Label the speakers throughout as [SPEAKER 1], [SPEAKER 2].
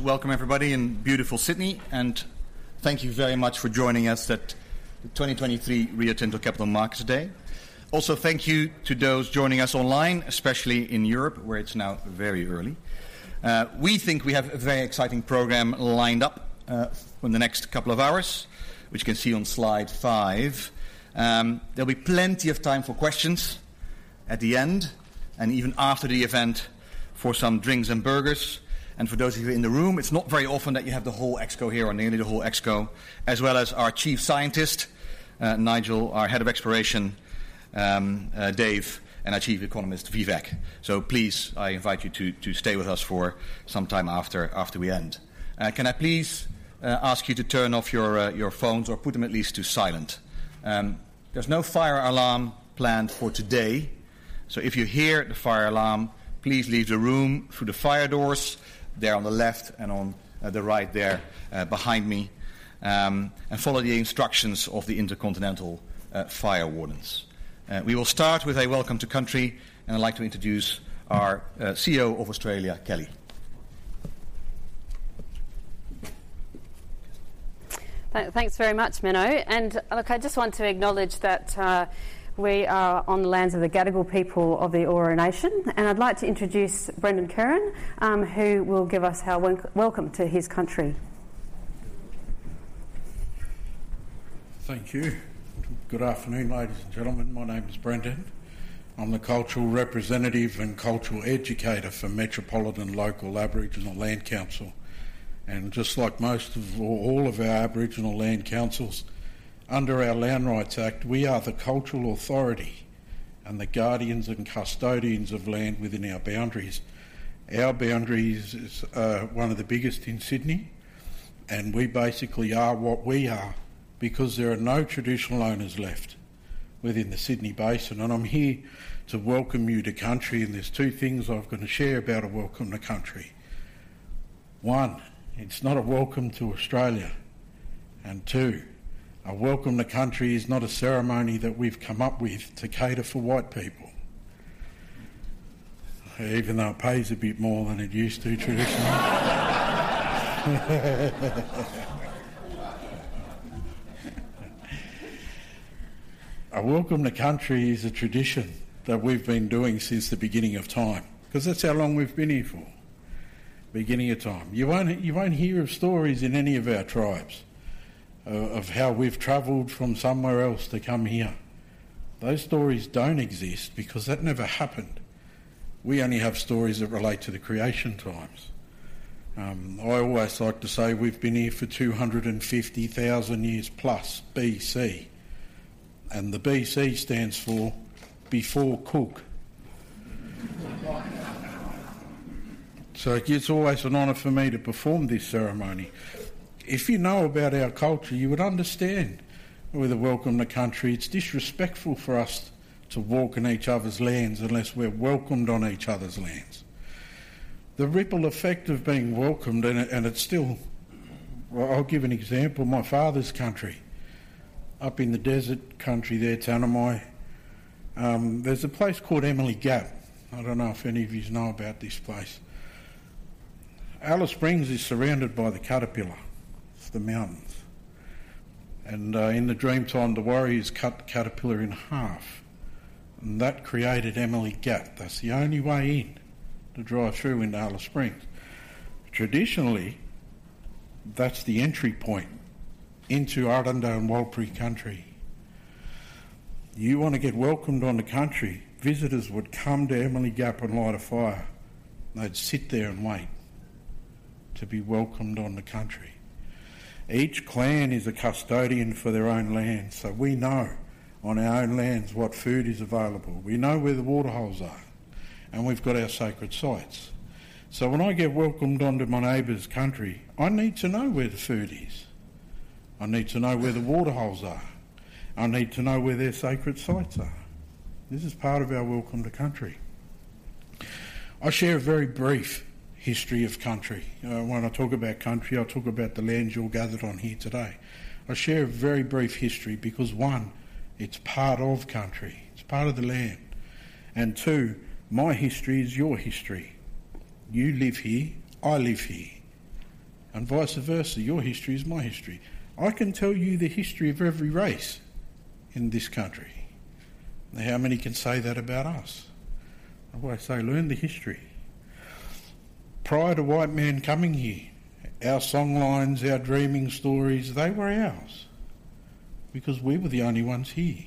[SPEAKER 1] Welcome everybody in beautiful Sydney, and thank you very much for joining us at the 2023 Rio Tinto Capital Markets Day. Also, thank you to those joining us online, especially in Europe, where it's now very early. We think we have a very exciting program lined up for the next couple of hours, which you can see on slide five. There'll be plenty of time for questions at the end, and even after the event, for some drinks and burgers. For those of you in the room, it's not very often that you have the whole ExCo here, or nearly the whole ExCo, as well as our Chief Scientist, Nigel; our Head of Exploration, Dave; and our Chief Economist, Vivek. So please, I invite you to stay with us for some time after we end. Can I please ask you to turn off your phones or put them at least to silent? There's no fire alarm planned for today, so if you hear the fire alarm, please leave the room through the fire doors there on the left and on the right there behind me, and follow the instructions of the InterContinental fire wardens. We will start with a Welcome to Country, and I'd like to introduce our CEO of Australia, Kellie.
[SPEAKER 2] Thanks very much, Menno. And look, I just want to acknowledge that we are on the lands of the Gadigal people of the Eora Nation, and I'd like to introduce Brendan Kerin, who will give us our welcome to his country.
[SPEAKER 3] Thank you. Good afternoon, ladies and gentlemen. My name is Brendan. I'm the cultural representative and cultural educator for Metropolitan Local Aboriginal Land Council. Just like most of all of our Aboriginal land councils, under our Land Rights Act, we are the cultural authority and the guardians and custodians of land within our boundaries. Our boundaries is, are one of the biggest in Sydney, and we basically are what we are because there are no traditional owners left within the Sydney Basin. I'm here to welcome you to country, and there's two things I've got to share about a welcome to country. One, it's not a welcome to Australia. And two, a welcome to country is not a ceremony that we've come up with to cater for white people. even though it pays a bit more than it used to traditionally. A Welcome to Country is a tradition that we've been doing since the beginning of time, because that's how long we've been here for, beginning of time. You won't, you won't hear of stories in any of our tribes, of how we've traveled from somewhere else to come here. Those stories don't exist because that never happened. We only have stories that relate to the creation times. I always like to say we've been here for 250,000 years plus BC, and the BC stands for Before Cook. So it's always an honor for me to perform this ceremony. If you know about our culture, you would understand with a Welcome to Country, it's disrespectful for us to walk on each other's lands unless we're welcomed on each other's lands. The ripple effect of being welcomed, and it's still. Well, I'll give an example. My father's country, up in the desert country there, Tanami, there's a place called Emily Gap. I don't know if any of yous know about this place. Alice Springs is surrounded by the Caterpillar. It's the mountains. And in the dream time, the warriors cut the Caterpillar in half, and that created Emily Gap. That's the only way in, to drive through into Alice Springs. Traditionally, that's the entry point into Arrernte and Warlpiri country. You want to get welcomed on the country, visitors would come to Emily Gap and light a fire, and they'd sit there and wait to be welcomed on the country. Each clan is a custodian for their own land, so we know on our own lands what food is available. We know where the water holes are, and we've got our sacred sites. So when I get welcomed onto my neighbor's country, I need to know where the food is. I need to know where the water holes are. I need to know where their sacred sites are. This is part of our welcome to country. I'll share a very brief history of country. When I talk about country, I talk about the lands you're gathered on here today. I share a very brief history because, one, it's part of country, it's part of the land, and two, my history is your history. You live here, I live here, and vice versa. Your history is my history. I can tell you the history of every race in this country. Now, how many can say that about us? I always say, learn the history. Prior to white man coming here, our song lines, our dreaming stories, they were ours because we were the only ones here.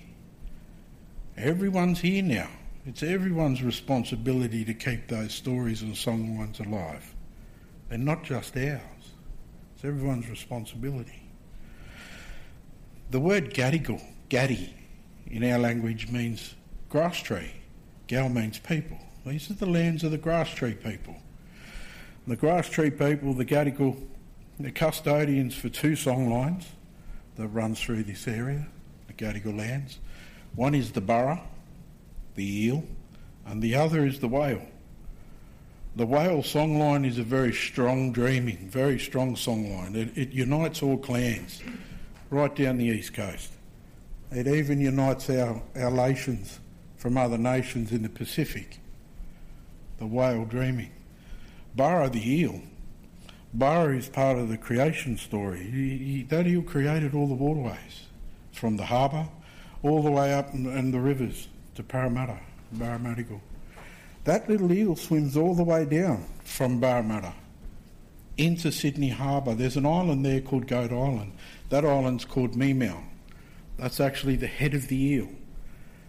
[SPEAKER 3] Everyone's here now. It's everyone's responsibility to keep those stories and song lines alive, and not just ours. It's everyone's responsibility. The word Gadigal, Gadi, in our language means grass tree. Gal means people. These are the lands of the grass tree people. The grass tree people, the Gadigal, they're custodians for two song lines that run through this area, the Gadigal lands. One is the Burra, the eel, and the other is the whale. The whale song line is a very strong dreaming, very strong song line. It, it unites all clans right down the East Coast.... It even unites our, our relations from other nations in the Pacific, the whale dreaming. Barra, the eel. Barra is part of the creation story. That eel created all the waterways, from the harbor all the way up and the rivers to Parramatta, Burramattagal. That little eel swims all the way down from Burramatta into Sydney Harbour. There's an island there called Goat Island. That island's called Me-Mel. That's actually the head of the eel.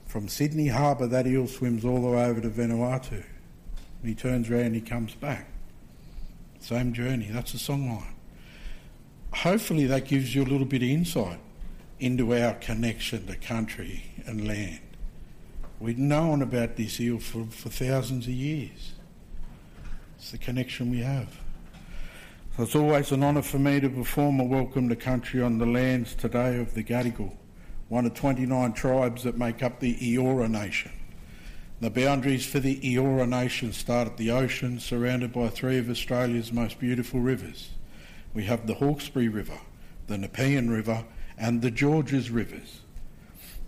[SPEAKER 3] From Sydney Harbour, that eel swims all the way over to Vanuatu, and he turns around, and he comes back. Same journey. That's a song line. Hopefully, that gives you a little bit of insight into our connection to country and land. We've known about this eel for thousands of years. It's the connection we have. So it's always an honor for me to perform a welcome to country on the lands today of the Gadigal, one of 29 tribes that make up the Eora Nation. The boundaries for the Eora Nation start at the ocean, surrounded by three of Australia's most beautiful rivers. We have the Hawkesbury River, the Nepean River, and the Georges Rivers.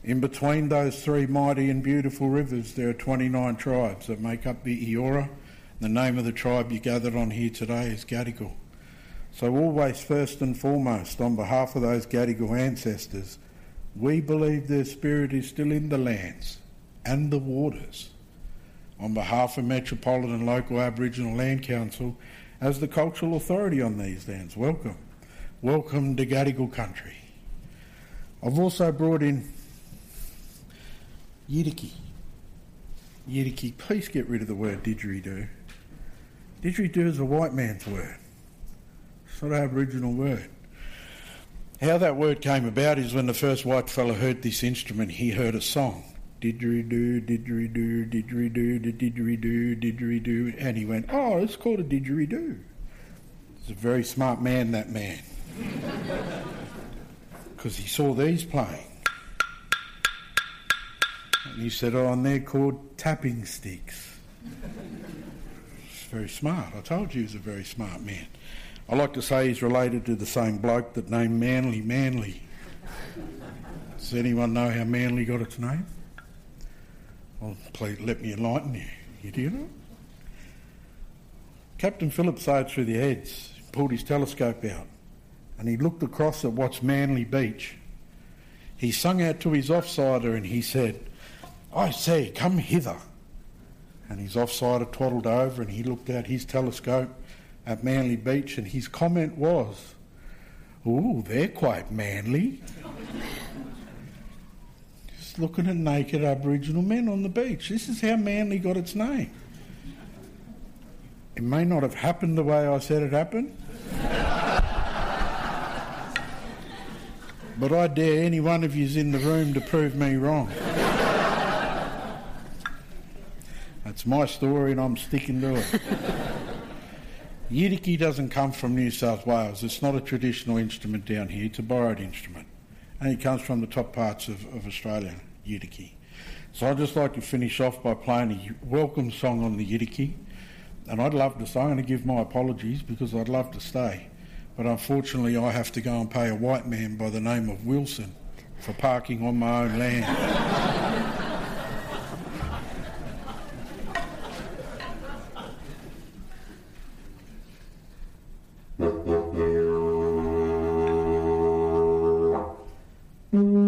[SPEAKER 3] In between those three mighty and beautiful rivers, there are 29 tribes that make up the Eora. The name of the tribe you're gathered on here today is Gadigal. So always, first and foremost, on behalf of those Gadigal ancestors, we believe their spirit is still in the lands and the waters. On behalf of Metropolitan Local Aboriginal Land Council, as the cultural authority on these lands, welcome. Welcome to Gadigal country. I've also brought in Yidaki. Yidaki, please get rid of the word didgeridoo. Didgeridoo is a white man's word. It's not an Aboriginal word. How that word came about is when the first whitefella heard this instrument, he heard a song: didgeridoo, didgeridoo, didgeridoo, di-didgeridoo, didgeridoo. And he went, "Oh, it's called a didgeridoo!" He was a very smart man, that man. Because he saw these playing, and he said, "Oh, and they're called tapping sticks." He's very smart. I told you he's a very smart man. I like to say he's related to the same bloke that named Manly, Manly. Does anyone know how Manly got its name? Well, please let me enlighten you. You did? Captain Phillip sailed through the heads, pulled his telescope out, and he looked across at what's Manly Beach. He sung out to his offsider, and he said, "I say, come hither." And his offsider toddled over, and he looked out his telescope at Manly Beach, and his comment was, "Ooh, they're quite manly." Just looking at naked Aboriginal men on the beach. This is how Manly got its name. It may not have happened the way I said it happened, but I dare any one of youse in the room to prove me wrong. That's my story, and I'm sticking to it. Yidaki doesn't come from New South Wales. It's not a traditional instrument down here. It's a borrowed instrument, and it comes from the top parts of Australia, yidaki. So I'd just like to finish off by playing a welcome song on the yidaki, and I'd love to stay, I want to give my apologies because I'd love to stay, but unfortunately, I have to go and pay a white man by the name of Wilson for parking on my own land. Thank you, and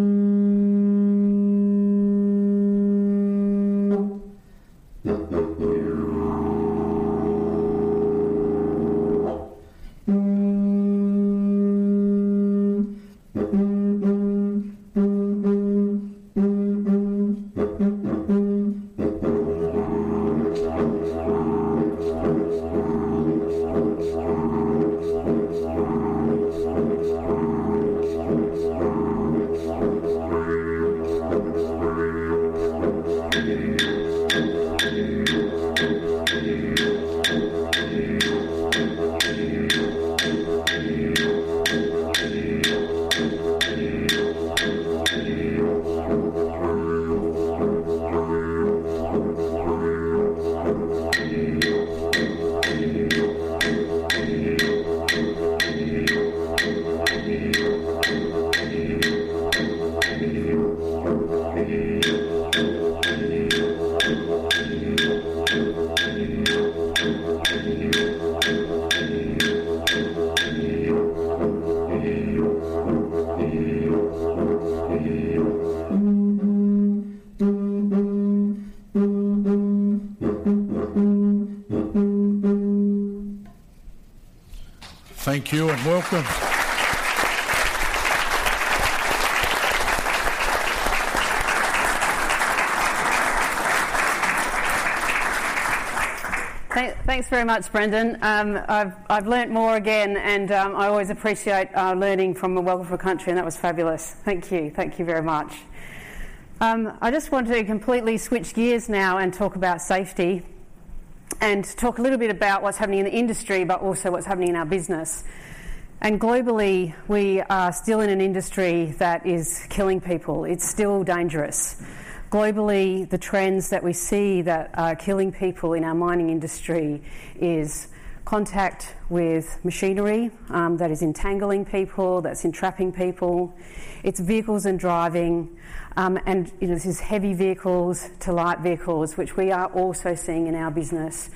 [SPEAKER 3] welcome.
[SPEAKER 2] Thanks very much, Brendan. I've learned more again, and I always appreciate learning from a welcome to country, and that was fabulous. Thank you. Thank you very much. I just want to completely switch gears now and talk about safety, and talk a little bit about what's happening in the industry, but also what's happening in our business. Globally, we are still in an industry that is killing people. It's still dangerous. Globally, the trends that we see that are killing people in our mining industry is contact with machinery that is entangling people, that's entrapping people. It's vehicles and driving, and, you know, this is heavy vehicles to light vehicles, which we are also seeing in our business.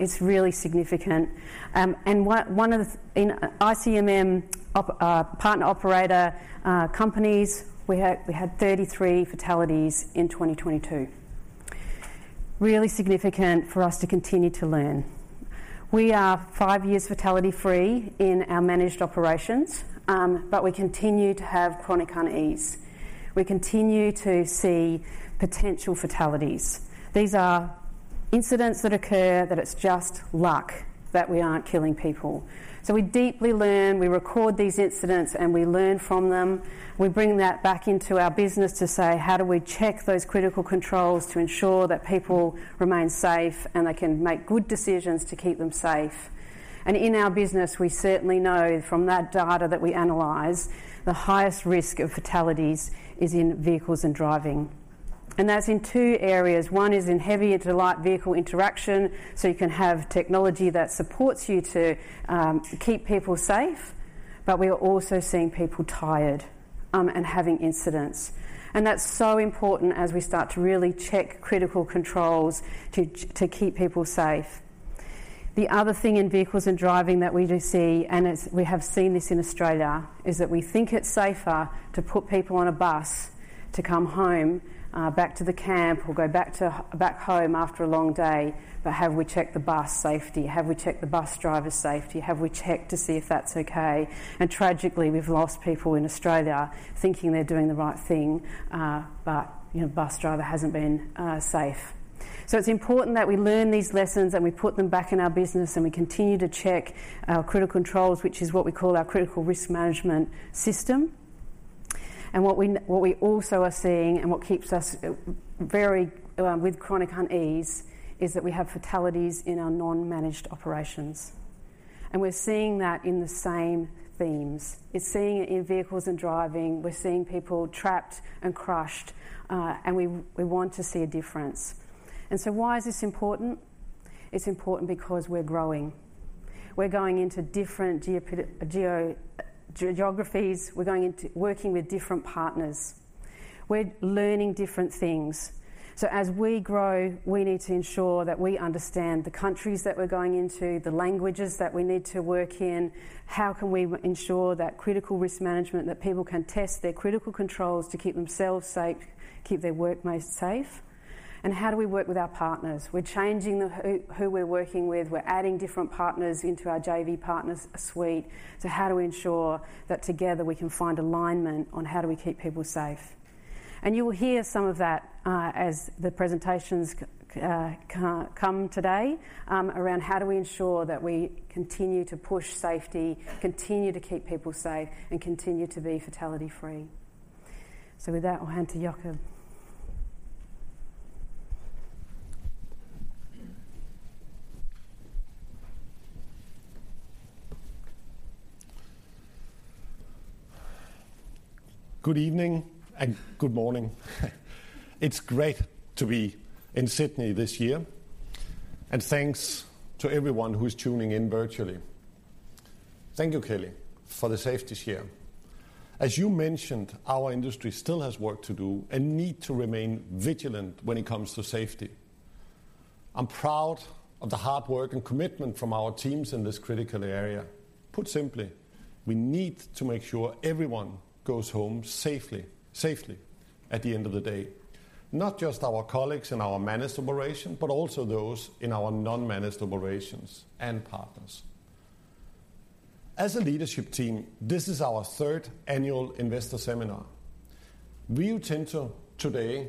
[SPEAKER 2] It's really significant. One of the ICMM operating partner operator companies, we had 33 fatalities in 2022. Really significant for us to continue to learn. We are five years fatality-free in our managed operations, but we continue to have chronic unease. We continue to see potential fatalities. These are incidents that occur, that it's just luck that we aren't killing people. So we deeply learn, we record these incidents, and we learn from them. We bring that back into our business to say: How do we check those critical controls to ensure that people remain safe, and they can make good decisions to keep them safe? And in our business, we certainly know from that data that we analyze, the highest risk of fatalities is in vehicles and driving. And that's in two areas. One is in heavy to light vehicle interaction, so you can have technology that supports you to keep people safe, but we are also seeing people tired and having incidents. That's so important as we start to really check critical controls to keep people safe. The other thing in vehicles and driving that we do see, and as we have seen this in Australia, is that we think it's safer to put people on a bus to come home back to the camp or go back home after a long day. But have we checked the bus safety? Have we checked the bus driver's safety? Have we checked to see if that's okay? And tragically, we've lost people in Australia thinking they're doing the right thing, but you know, bus driver hasn't been safe. So it's important that we learn these lessons, and we put them back in our business, and we continue to check our critical controls, which is what we call our critical risk management system. And what we also are seeing, and what keeps us very with chronic unease, is that we have fatalities in our non-managed operations, and we're seeing that in the same themes. It's seeing it in vehicles and driving. We're seeing people trapped and crushed, and we want to see a difference. And so why is this important? It's important because we're growing. We're going into different geographies. We're going into working with different partners. We're learning different things. So as we grow, we need to ensure that we understand the countries that we're going into, the languages that we need to work in. How can we ensure that critical risk management, that people can test their critical controls to keep themselves safe, keep their workmates safe? And how do we work with our partners? We're changing the who, who we're working with. We're adding different partners into our JV partners suite. So how do we ensure that together we can find alignment on how do we keep people safe? And you will hear some of that, as the presentations come today, around how do we ensure that we continue to push safety, continue to keep people safe, and continue to be fatality-free. So with that, I'll hand to Jakob.
[SPEAKER 4] Good evening and good morning. It's great to be in Sydney this year, and thanks to everyone who is tuning in virtually. Thank you, Kelly, for the safety share. As you mentioned, our industry still has work to do and need to remain vigilant when it comes to safety. I'm proud of the hard work and commitment from our teams in this critical area. Put simply, we need to make sure everyone goes home safely, safely at the end of the day. Not just our colleagues in our managed operation, but also those in our non-managed operations and partners. As a leadership team, this is our third annual investor seminar. Rio Tinto today,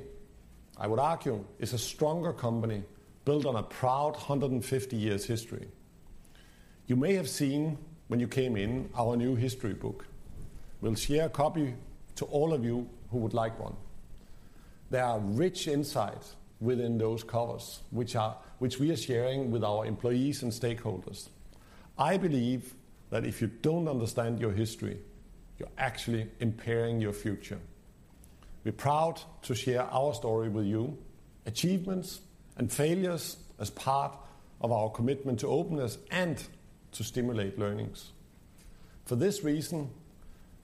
[SPEAKER 4] I would argue, is a stronger company built on a proud 150 years history. You may have seen when you came in, our new history book. We'll share a copy to all of you who would like one. There are rich insights within those covers, which we are sharing with our employees and stakeholders. I believe that if you don't understand your history, you're actually impairing your future. We're proud to share our story with you, achievements and failures, as part of our commitment to openness and to stimulate learnings. For this reason,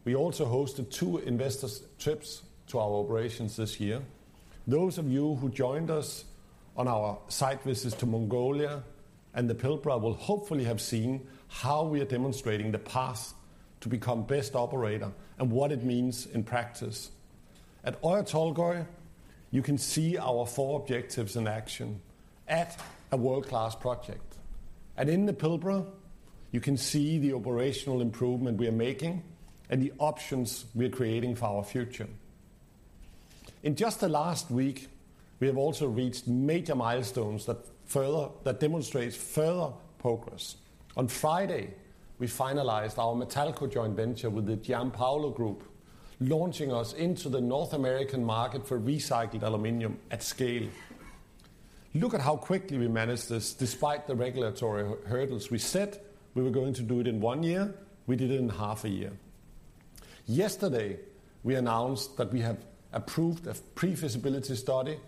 [SPEAKER 4] we also hosted two investor trips to our operations this year. Those of you who joined us on our site visits to Mongolia and the Pilbara will hopefully have seen how we are demonstrating the path to become best operator and what it means in practice. At Oyu Tolgoi, you can see our four objectives in action at a world-class project. In the Pilbara, you can see the operational improvement we are making and the options we are creating for our future. In just the last week, we have also reached major milestones that further demonstrates progress. On Friday, we finalized our Matalco joint venture with the Giampaolo Group, launching us into the North American market for recycled aluminum at scale. Look at how quickly we managed this despite the regulatory hurdles. We said we were going to do it in one year, we did it in half a year. Yesterday, we announced that we have approved a pre-feasibility study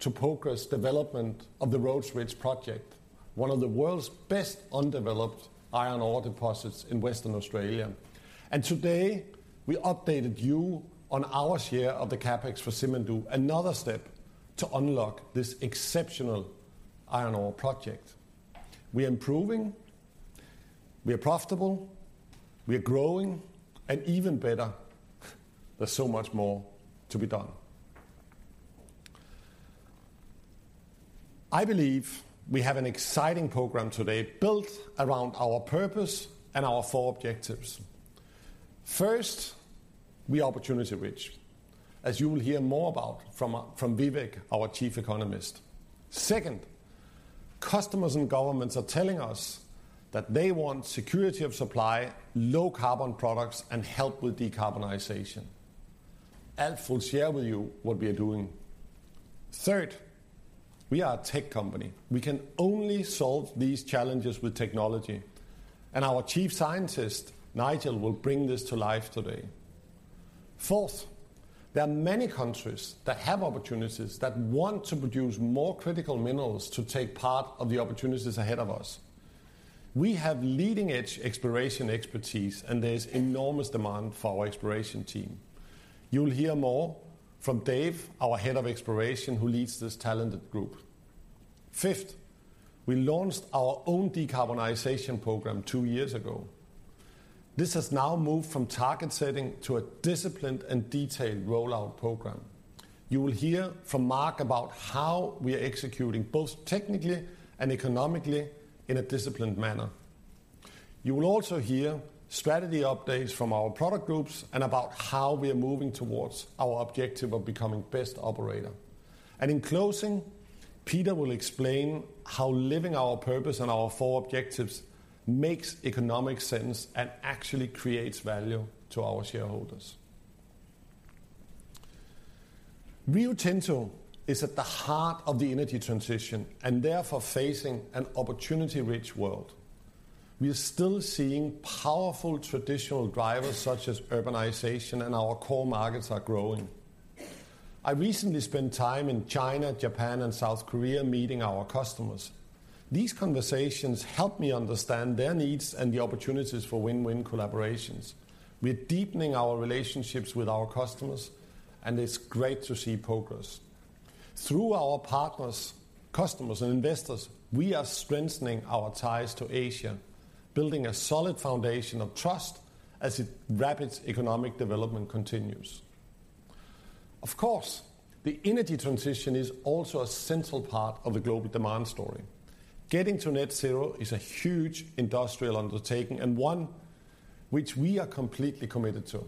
[SPEAKER 4] to progress development of the Rhodes Ridge project, one of the world's best undeveloped iron ore deposits in Western Australia. Today, we updated you on our share of the CapEx for Simandou, another step to unlock this exceptional iron ore project. We are improving, we are profitable, we are growing, and even better, there's so much more to be done. I believe we have an exciting program today, built around our purpose and our four objectives. First, we are opportunity rich, as you will hear more about from Vivek, our Chief Economist. Second, customers and governments are telling us that they want security of supply, low carbon products, and help with decarbonization. Alf will share with you what we are doing. Third, we are a tech company. We can only solve these challenges with technology, and our Chief Scientist, Nigel, will bring this to life today. Fourth, there are many countries that have opportunities that want to produce more critical minerals to take part of the opportunities ahead of us. We have leading-edge exploration expertise, and there's enormous demand for our exploration team. You'll hear more from Dave, our Head of Exploration, who leads this talented group. Fifth, we launched our own decarbonization program two years ago. This has now moved from target setting to a disciplined and detailed rollout program. You will hear from Mark about how we are executing, both technically and economically, in a disciplined manner. You will also hear strategy updates from our product groups and about how we are moving towards our objective of becoming best operator. In closing, Peter will explain how living our purpose and our four objectives makes economic sense and actually creates value to our shareholders. Rio Tinto is at the heart of the energy transition and therefore facing an opportunity-rich world. We are still seeing powerful traditional drivers, such as urbanization, and our core markets are growing. I recently spent time in China, Japan, and South Korea meeting our customers. These conversations helped me understand their needs and the opportunities for win-win collaborations. We are deepening our relationships with our customers, and it's great to see progress. Through our partners, customers, and investors, we are strengthening our ties to Asia, building a solid foundation of trust as its rapid economic development continues. Of course, the energy transition is also a central part of the global demand story. Getting to net zero is a huge industrial undertaking, and one which we are completely committed to.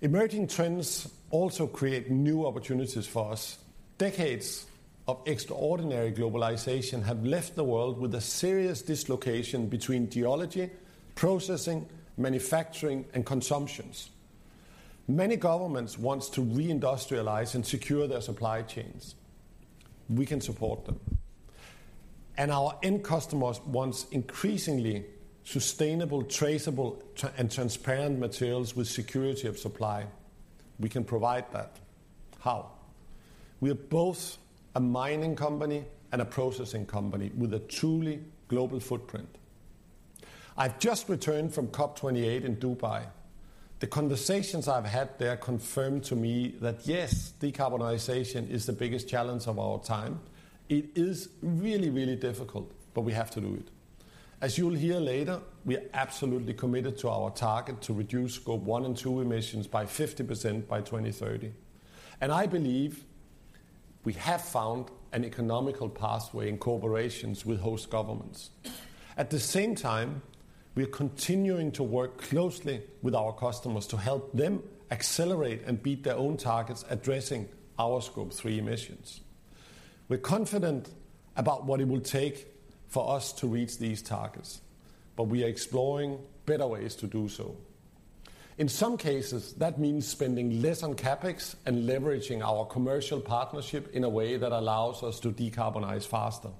[SPEAKER 4] Emerging trends also create new opportunities for us. Decades of extraordinary globalization have left the world with a serious dislocation between geology, processing, manufacturing, and consumption. Many governments want to re-industrialize and secure their supply chains. We can support them. Our end customers want increasingly sustainable, traceable, and transparent materials with security of supply. We can provide that. How? We are both a mining company and a processing company with a truly global footprint. I've just returned from COP28 in Dubai. The conversations I've had there confirmed to me that, yes, decarbonization is the biggest challenge of our time. It is really, really difficult, but we have to do it. As you'll hear later, we are absolutely committed to our target to reduce Scope one and two emissions by 50% by 2030. And I believe we have found an economical pathway in cooperation with host governments. At the same time, we are continuing to work closely with our customers to help them accelerate and beat their own targets, addressing our Scope three emissions. We're confident about what it will take for us to reach these targets, but we are exploring better ways to do so. In some cases, that means spending less on CapEx and leveraging our commercial partnership in a way that allows us to decarbonize faster.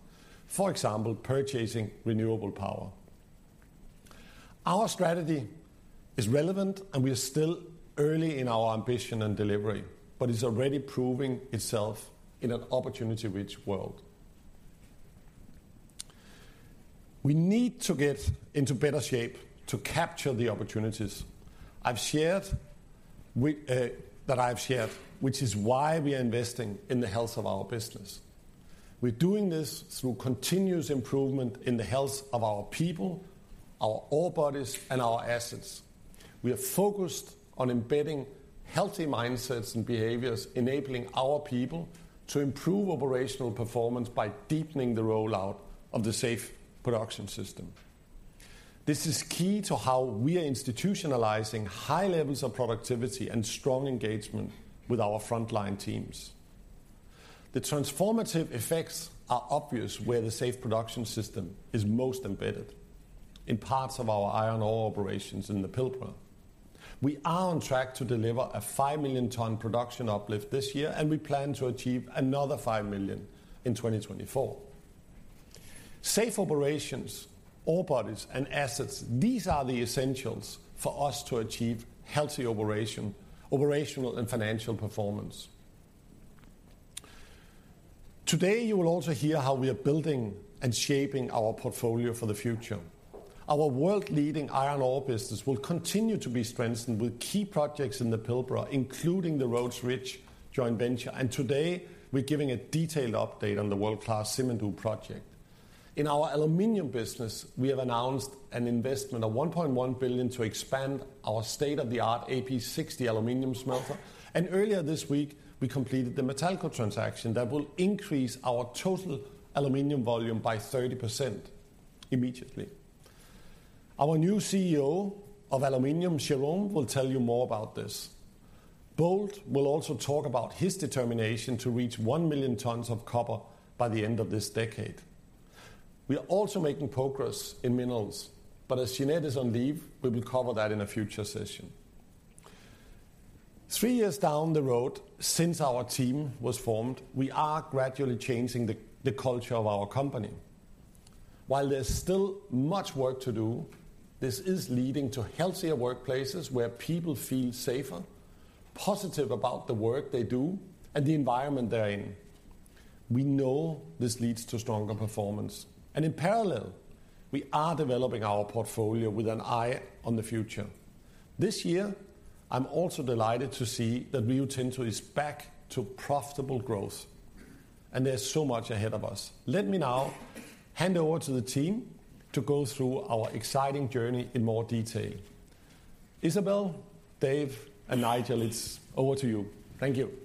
[SPEAKER 4] For example, purchasing renewable power. Our strategy is relevant, and we are still early in our ambition and delivery, but it's already proving itself in an opportunity-rich world. We need to get into better shape to capture the opportunities I've shared with, that I've shared, which is why we are investing in the health of our business. We're doing this through continuous improvement in the health of our people, our ore bodies, and our assets. We are focused on embedding healthy mindsets and behaviors, enabling our people to improve operational performance by deepening the rollout of the Safe Production System. This is key to how we are institutionalizing high levels of productivity and strong engagement with our frontline teams. The transformative effects are obvious where the Safe Production System is most embedded, in parts of our iron ore operations in the Pilbara. We are on track to deliver a 5 million ton production uplift this year, and we plan to achieve another 5 million in 2024. Safe operations, ore bodies, and assets, these are the essentials for us to achieve healthy operation, operational and financial performance. Today, you will also hear how we are building and shaping our portfolio for the future. Our world-leading iron ore business will continue to be strengthened with key projects in the Pilbara, including the Rhodes Ridge Joint Venture, and today, we're giving a detailed update on the world-class Simandou project. In our aluminum business, we have announced an investment of $1.1 billion to expand our state-of-the-art AP60 aluminum smelter, and earlier this week, we completed the Matalco transaction that will increase our total aluminum volume by 30% immediately. Our new CEO of Aluminum, Jérôme, will tell you more about this. Bold will also talk about his determination to reach 1 million tons of copper by the end of this decade. We are also making progress in minerals, but as Sinead is on leave, we will cover that in a future session. Three years down the road since our team was formed, we are gradually changing the culture of our company. While there's still much work to do, this is leading to healthier workplaces where people feel safer, positive about the work they do, and the environment they're in. We know this leads to stronger performance, and in parallel, we are developing our portfolio with an eye on the future. This year, I'm also delighted to see that Rio Tinto is back to profitable growth, and there's so much ahead of us. Let me now hand over to the team to go through our exciting journey in more detail. Isabel, Dave, and Nigel, it's over to you. Thank you.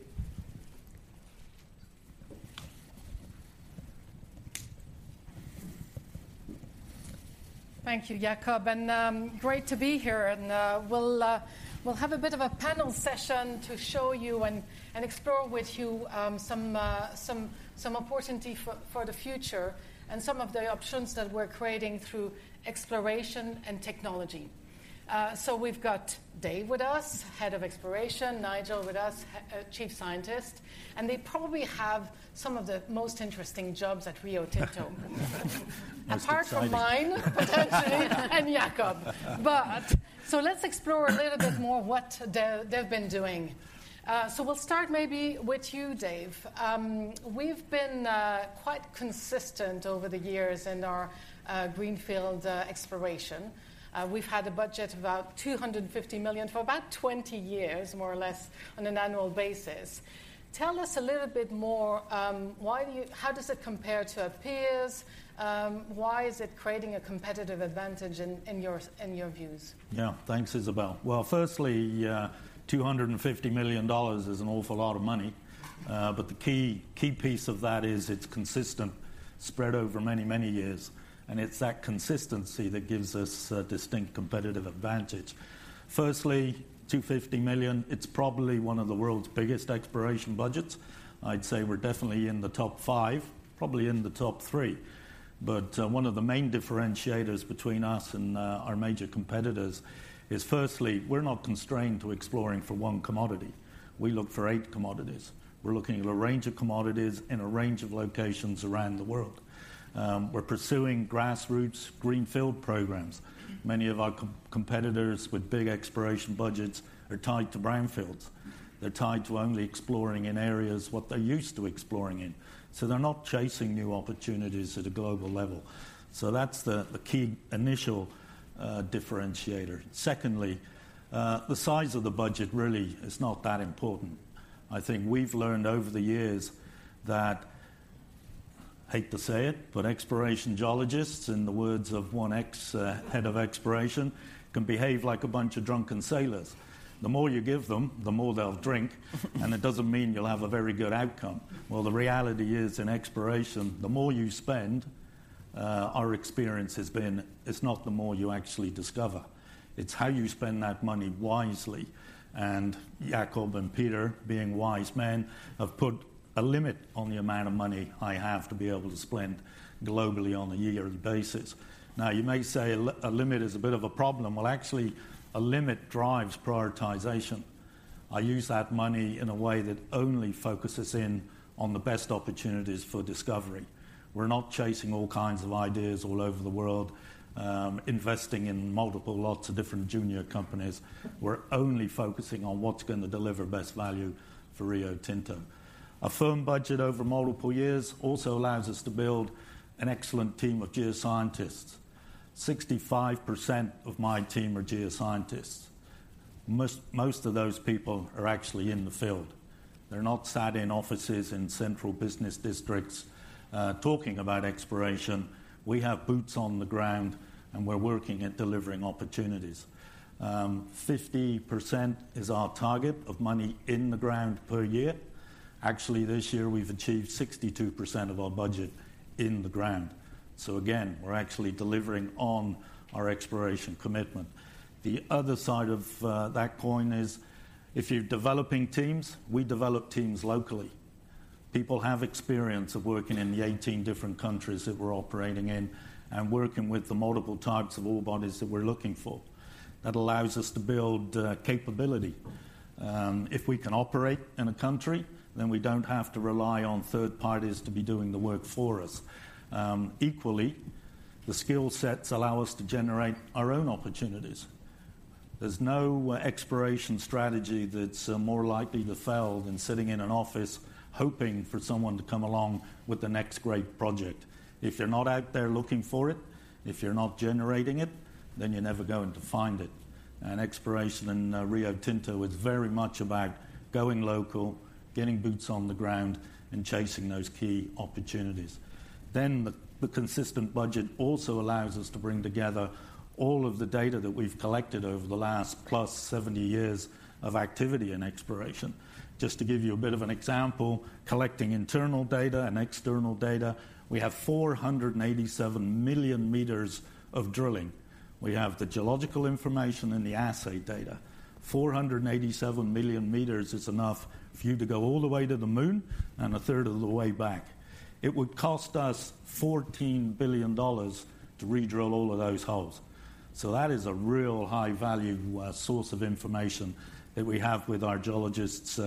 [SPEAKER 5] Thank you, Jakob, and, great to be here, and, we'll, we'll have a bit of a panel session to show you and, and explore with you, some, some, some opportunity for, for the future and some of the options that we're creating through exploration and technology. So we've got Dave with us, Head of Exploration, Nigel with us, Chief Scientist, and they probably have some of the most interesting jobs at Rio Tinto.
[SPEAKER 6] Most exciting.
[SPEAKER 5] Apart from mine, potentially, and Jacob. But so let's explore a little bit more what they've been doing. So we'll start maybe with you, Dave. We've been quite consistent over the years in our greenfield exploration. We've had a budget of about $250 million for about 20 years, more or less, on an annual basis. Tell us a little bit more, why—how does it compare to our peers? Why is it creating a competitive advantage in your views?
[SPEAKER 6] Yeah. Thanks, Isabelle. Well, firstly, $250 million is an awful lot of money, but the key, key piece of that is it's consistent, spread over many, many years, and it's that consistency that gives us a distinct competitive advantage. Firstly, $250 million, it's probably one of the world's biggest exploration budgets. I'd say we're definitely in the top five, probably in the top three. But, one of the main differentiators between us and our major competitors is, firstly, we're not constrained to exploring for one commodity. We look for eight commodities. We're looking at a range of commodities in a range of locations around the world. We're pursuing grassroots greenfield programs. Many of our competitors with big exploration budgets are tied to brownfields. They're tied to only exploring in areas what they're used to exploring in, so they're not chasing new opportunities at a global level. So that's the key initial differentiator. Secondly, the size of the budget really is not that important. I think we've learned over the years that, I hate to say it, but exploration geologists, in the words of one ex-head of exploration, "Can behave like a bunch of drunken sailors. The more you give them, the more they'll drink and it doesn't mean you'll have a very good outcome." Well, the reality is, in exploration, the more you spend, our experience has been, it's not the more you actually discover. It's how you spend that money wisely, and Jakob and Peter, being wise men, have put a limit on the amount of money I have to be able to spend globally on a yearly basis. Now, you may say a limit is a bit of a problem. Well, actually, a limit drives prioritization. I use that money in a way that only focuses in on the best opportunities for discovery. We're not chasing all kinds of ideas all over the world, investing in multiple lots of different junior companies. We're only focusing on what's going to deliver best value for Rio Tinto. A firm budget over multiple years also allows us to build an excellent team of geoscientists. 65% of my team are geoscientists. Most, most of those people are actually in the field. They're not sat in offices in central business districts, talking about exploration. We have boots on the ground, and we're working at delivering opportunities. 50% is our target of money in the ground per year. Actually, this year, we've achieved 62% of our budget in the ground. So again, we're actually delivering on our exploration commitment. The other side of that coin is, if you're developing teams, we develop teams locally. People have experience of working in the 18 different countries that we're operating in and working with the multiple types of ore bodies that we're looking for. That allows us to build capability. If we can operate in a country, then we don't have to rely on third parties to be doing the work for us. Equally, the skill sets allow us to generate our own opportunities. There's no exploration strategy that's more likely to fail than sitting in an office hoping for someone to come along with the next great project. If you're not out there looking for it, if you're not generating it, then you're never going to find it. Exploration in Rio Tinto is very much about going local, getting boots on the ground, and chasing those key opportunities. The consistent budget also allows us to bring together all of the data that we've collected over the last plus 70 years of activity and exploration. Just to give you a bit of an example, collecting internal data and external data, we have 487 million meters of drilling. We have the geological information and the assay data. 487 million meters is enough for you to go all the way to the moon and a third of the way back. It would cost us $14 billion to redrill all of those holes. So that is a real high-value source of information that we have with our geologists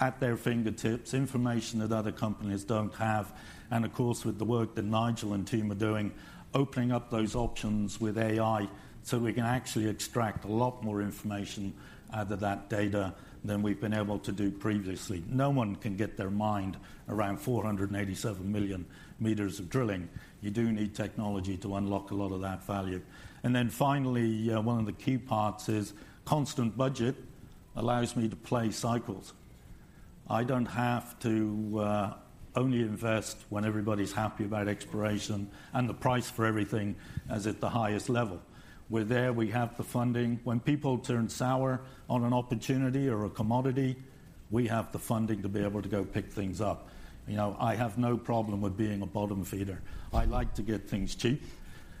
[SPEAKER 6] at their fingertips, information that other companies don't have, and of course, with the work that Nigel and team are doing, opening up those options with AI, so we can actually extract a lot more information out of that data than we've been able to do previously. No one can get their mind around 487 million meters of drilling. You do need technology to unlock a lot of that value. And then finally, one of the key parts is constant budget allows me to play cycles. I don't have to only invest when everybody's happy about exploration and the price for everything is at the highest level. We're there, we have the funding. When people turn sour on an opportunity or a commodity, we have the funding to be able to go pick things up. You know, I have no problem with being a bottom feeder. I like to get things cheap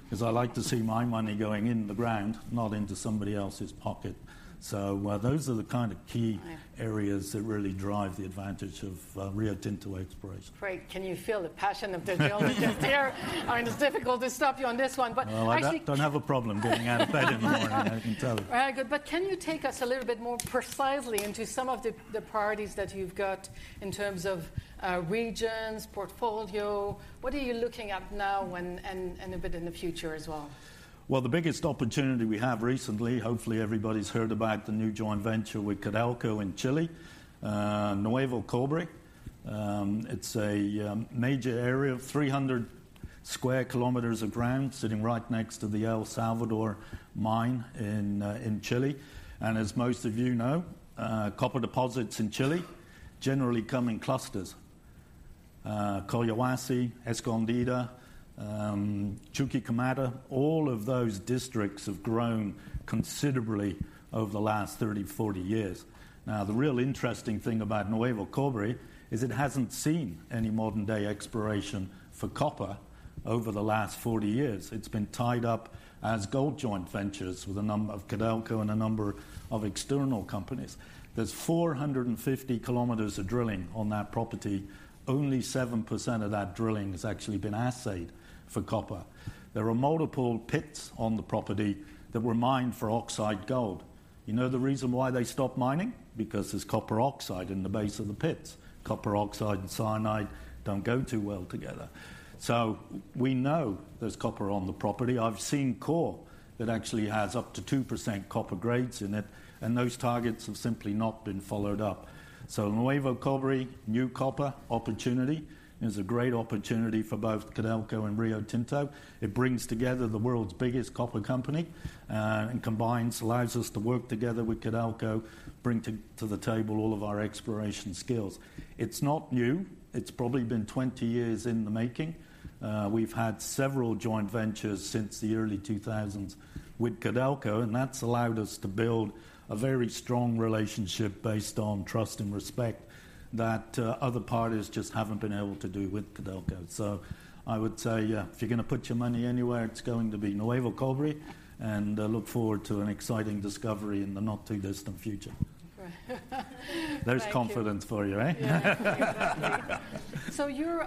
[SPEAKER 6] 'cause I like to see my money going in the ground, not into somebody else's pocket. So, those are the kind of key-
[SPEAKER 5] Yeah.
[SPEAKER 6] -areas that really drive the advantage of Rio Tinto exploration.
[SPEAKER 5] Great. Can you feel the passion of the geologist here? It's difficult to stop you on this one, but I think-
[SPEAKER 6] Well, I don't have a problem getting out of bed in the morning, I can tell.
[SPEAKER 5] Good. But can you take us a little bit more precisely into some of the priorities that you've got in terms of regions, portfolio? What are you looking at now and a bit in the future as well?
[SPEAKER 6] Well, the biggest opportunity we have recently, hopefully everybody's heard about the new joint venture with Codelco in Chile, Nuevo Cobre. It's a major area of 300 sq km of ground sitting right next to the El Salvador mine in Chile. And as most of you know, copper deposits in Chile generally come in clusters. Collahuasi, Escondida, Chuquicamata, all of those districts have grown considerably over the last 30, 40 years. Now, the real interesting thing about Nuevo Cobre is it hasn't seen any modern-day exploration for copper over the last 40 years. It's been tied up as gold joint ventures with a number of Codelco and a number of external companies. There's 450 km of drilling on that property. Only 7% of that drilling has actually been assayed for copper. There are multiple pits on the property that were mined for oxide gold. You know the reason why they stopped mining? Because there's copper oxide in the base of the pits. Copper oxide and cyanide don't go too well together. So we know there's copper on the property. I've seen core that actually has up to 2% copper grades in it, and those targets have simply not been followed up. So Nuevo Cobre, new copper opportunity, is a great opportunity for both Codelco and Rio Tinto. It brings together the world's biggest copper company and allows us to work together with Codelco, bring to, to the table all of our exploration skills. It's not new. It's probably been 20 years in the making. We've had several joint ventures since the early 2000s with Codelco, and that's allowed us to build a very strong relationship based on trust and respect that other parties just haven't been able to do with Codelco. So I would say, yeah, if you're going to put your money anywhere, it's going to be Nuevo Cobre, and look forward to an exciting discovery in the not-too-distant future.
[SPEAKER 5] Great. Thank you.
[SPEAKER 6] There's confidence for you, eh?
[SPEAKER 5] Yeah. So you're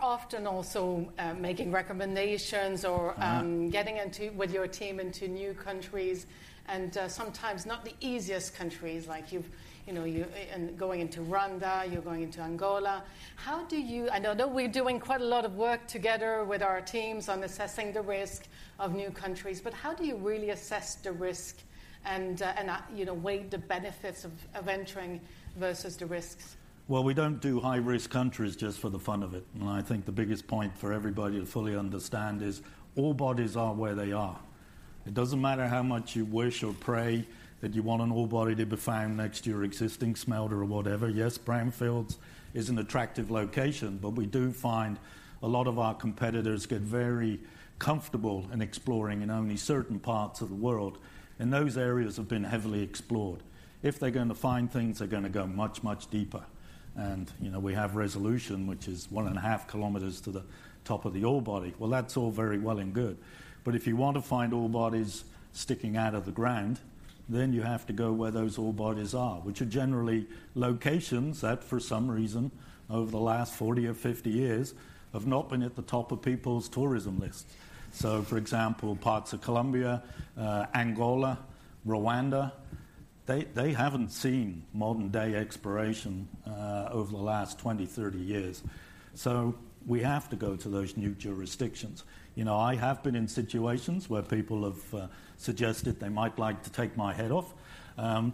[SPEAKER 5] often also making recommendationgetting into, with your team, into new countries and, sometimes not the easiest countries, like you've, you know, you, and going into Rwanda, you're going into Angola. I know that we're doing quite a lot of work together with our teams on assessing the risk of new countries, but how do you really assess the risk and, and, you know, weigh the benefits of, of entering versus the risks?
[SPEAKER 6] Well, we don't do high-risk countries just for the fun of it. I think the biggest point for everybody to fully understand is ore bodies are where they are. It doesn't matter how much you wish or pray that you want an ore body to be found next to your existing smelter or whatever. Yes, brownfields is an attractive location, but we do find a lot of our competitors get very comfortable in exploring in only certain parts of the world, and those areas have been heavily explored. If they're going to find things, they're going to go much, much deeper. You know, we have Resolution, which is 1.5Kmto the top of the ore body. Well, that's all very well and good, but if you want to find ore bodies sticking out of the ground, then you have to go where those ore bodies are, which are generally locations that, for some reason, over the last 40 or 50 years, have not been at the top of people's tourism lists. So, for example, parts of Colombia, Angola, Rwanda—they haven't seen modern-day exploration over the last 20, 30 years. So we have to go to those new jurisdictions. You know, I have been in situations where people have suggested they might like to take my head off.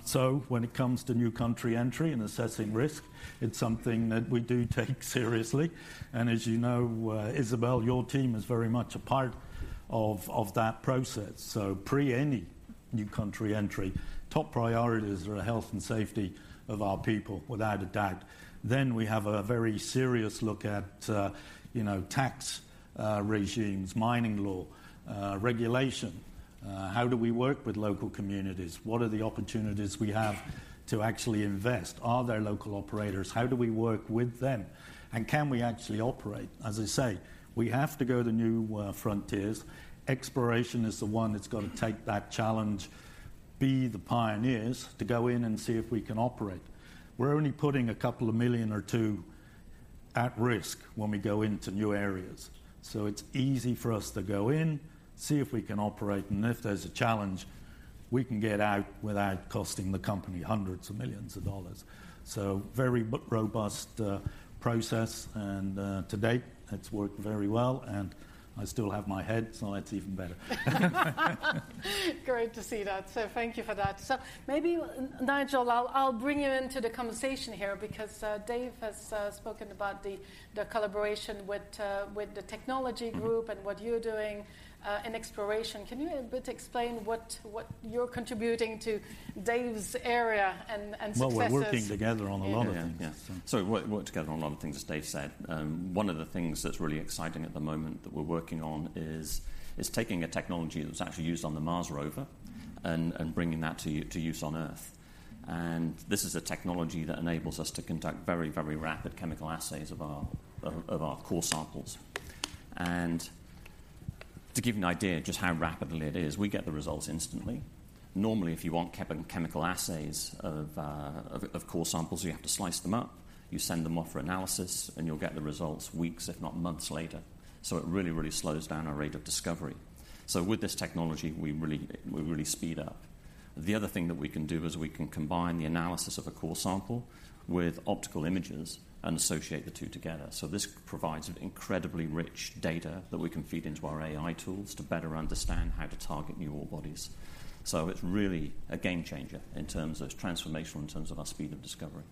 [SPEAKER 6] So when it comes to new country entry and assessing risk, it's something that we do take seriously. And as you know, Isabelle, your team is very much a part of that process. So pre any new country entry, top priorities are the health and safety of our people, without a doubt. Then we have a very serious look at, you know, tax, regimes, mining law, regulation. How do we work with local communities? What are the opportunities we have to actually invest? Are there local operators? How do we work with them, and can we actually operate? As I say, we have to go to new, frontiers. Exploration is the one that's got to take that challenge, be the pioneers to go in and see if we can operate. We're only putting a couple of million or two at risk when we go into new areas, so it's easy for us to go in, see if we can operate, and if there's a challenge, we can get out without costing the company hundreds of millions of dollars. So very robust process, and to date, it's worked very well, and I still have my head, so that's even better.
[SPEAKER 5] Great to see that. So thank you for that. So maybe, Nigel, I'll bring you into the conversation here because Dave has spoken about the collaboration with the technology group and what you're doing in exploration. Can you a bit explain what you're contributing to Dave's area and successes?
[SPEAKER 6] Well, we're working together on a lot of things.
[SPEAKER 7] Yeah. Yeah. So we work together on a lot of things, as Dave said. One of the things that's really exciting at the moment that we're working on is taking a technology that's actually used on the Mars rover and bringing that to use on Earth. And this is a technology that enables us to conduct very, very rapid chemical assays of our core samples. And to give you an idea just how rapidly it is, we get the results instantly. Normally, if you want chemical assays of core samples, you have to slice them up, you send them off for analysis, and you'll get the results weeks, if not months, later. So it really, really slows down our rate of discovery. So with this technology, we really, we really speed up. The other thing that we can do is we can combine the analysis of a core sample with optical images and associate the two together. So this provides an incredibly rich data that we can feed into our AI tools to better understand how to target new ore bodies. So it's really a game changer in terms of. It's transformational in terms of our speed of discovery.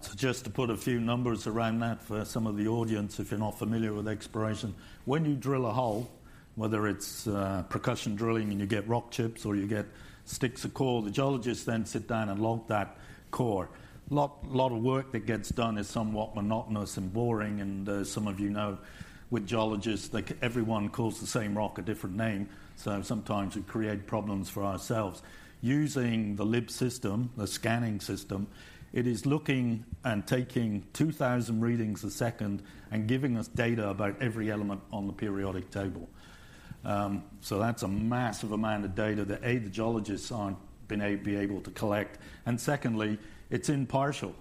[SPEAKER 6] So just to put a few numbers around that for some of the audience, if you're not familiar with exploration: when you drill a hole, whether it's percussion drilling and you get rock chips or you get sticks of core, the geologists then sit down and log that core. A lot of work that gets done is somewhat monotonous and boring, and some of you know with geologists, like, everyone calls the same rock a different name, so sometimes we create problems for ourselves. Using the LIBS system, the scanning system, it is looking and taking 2000 readings a second and giving us data about every element on the periodic table. So that's a massive amount of data that, A, the geologists aren't gonna be able to collect, and secondly, it's impartial.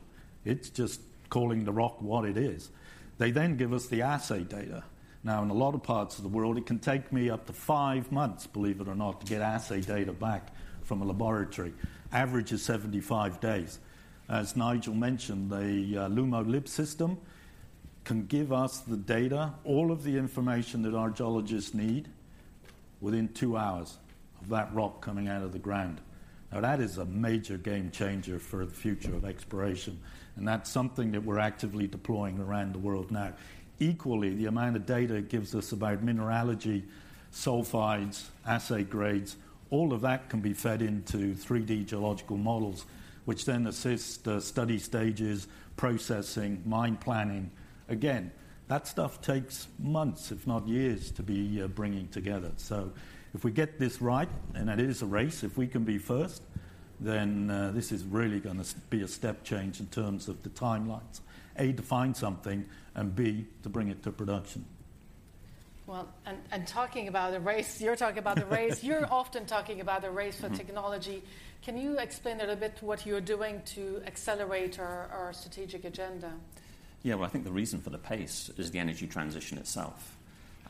[SPEAKER 6] It's just calling the rock what it is. They then give us the assay data. Now, in a lot of parts of the world, it can take me up to 5 months, believe it or not, to get assay data back from a laboratory. Average is 75 days. As Nigel mentioned, the LUMO LIB system can give us the data, all of the information that our geologists need, within 2 hours of that rock coming out of the ground. Now, that is a major game changer for the future of exploration, and that's something that we're actively deploying around the world now. Equally, the amount of data it gives us about mineralogy, sulfides, assay grades, all of that can be fed into 3D geological models, which then assist the study stages, processing, mine planning. Again, that stuff takes months, if not years, to be bringing together. So if we get this right, and it is a race, if we can be first, then, this is really gonna be a step change in terms of the timelines, A, to find something, and B, to bring it to production.
[SPEAKER 5] Well, talking about a race, you're talking about the race for technology. You're often talking about the race for technologyCan you explain a little bit what you're doing to accelerate our strategic agenda?
[SPEAKER 7] Yeah. Well, I think the reason for the pace is the energy transition itself.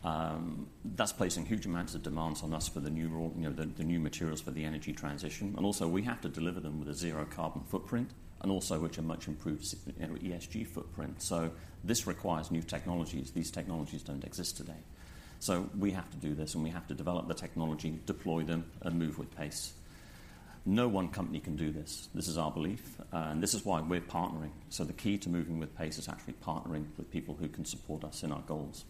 [SPEAKER 7] That's placing huge amounts of demands on us for the new raw, you know, the, the new materials for the energy transition, and also, we have to deliver them with a zero carbon footprint, and also, which a much improved sig- you know, ESG footprint. So this requires new technologies. These technologies don't exist today. So we have to do this, and we have to develop the technology, deploy them, and move with pace. No one company can do this. This is our belief, and this is why we're partnering. So the key to moving with pace is actually partnering with people who can support us in our goals.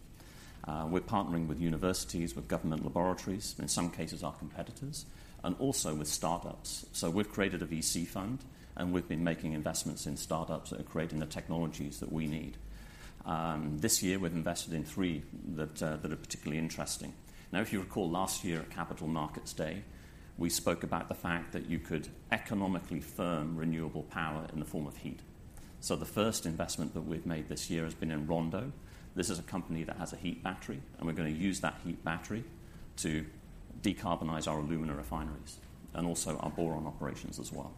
[SPEAKER 7] We're partnering with universities, with government laboratories, in some cases, our competitors, and also with startups. So we've created a VC fund, and we've been making investments in startups that are creating the technologies that we need. This year, we've invested in three that are particularly interesting. Now, if you recall, last year at Capital Markets Day, we spoke about the fact that you could economically firm renewable power in the form of heat. So the first investment that we've made this year has been in Rondo. This is a company that has a heat battery, and we're gonna use that heat battery to decarbonize our alumina refineries and also our boron operations as well.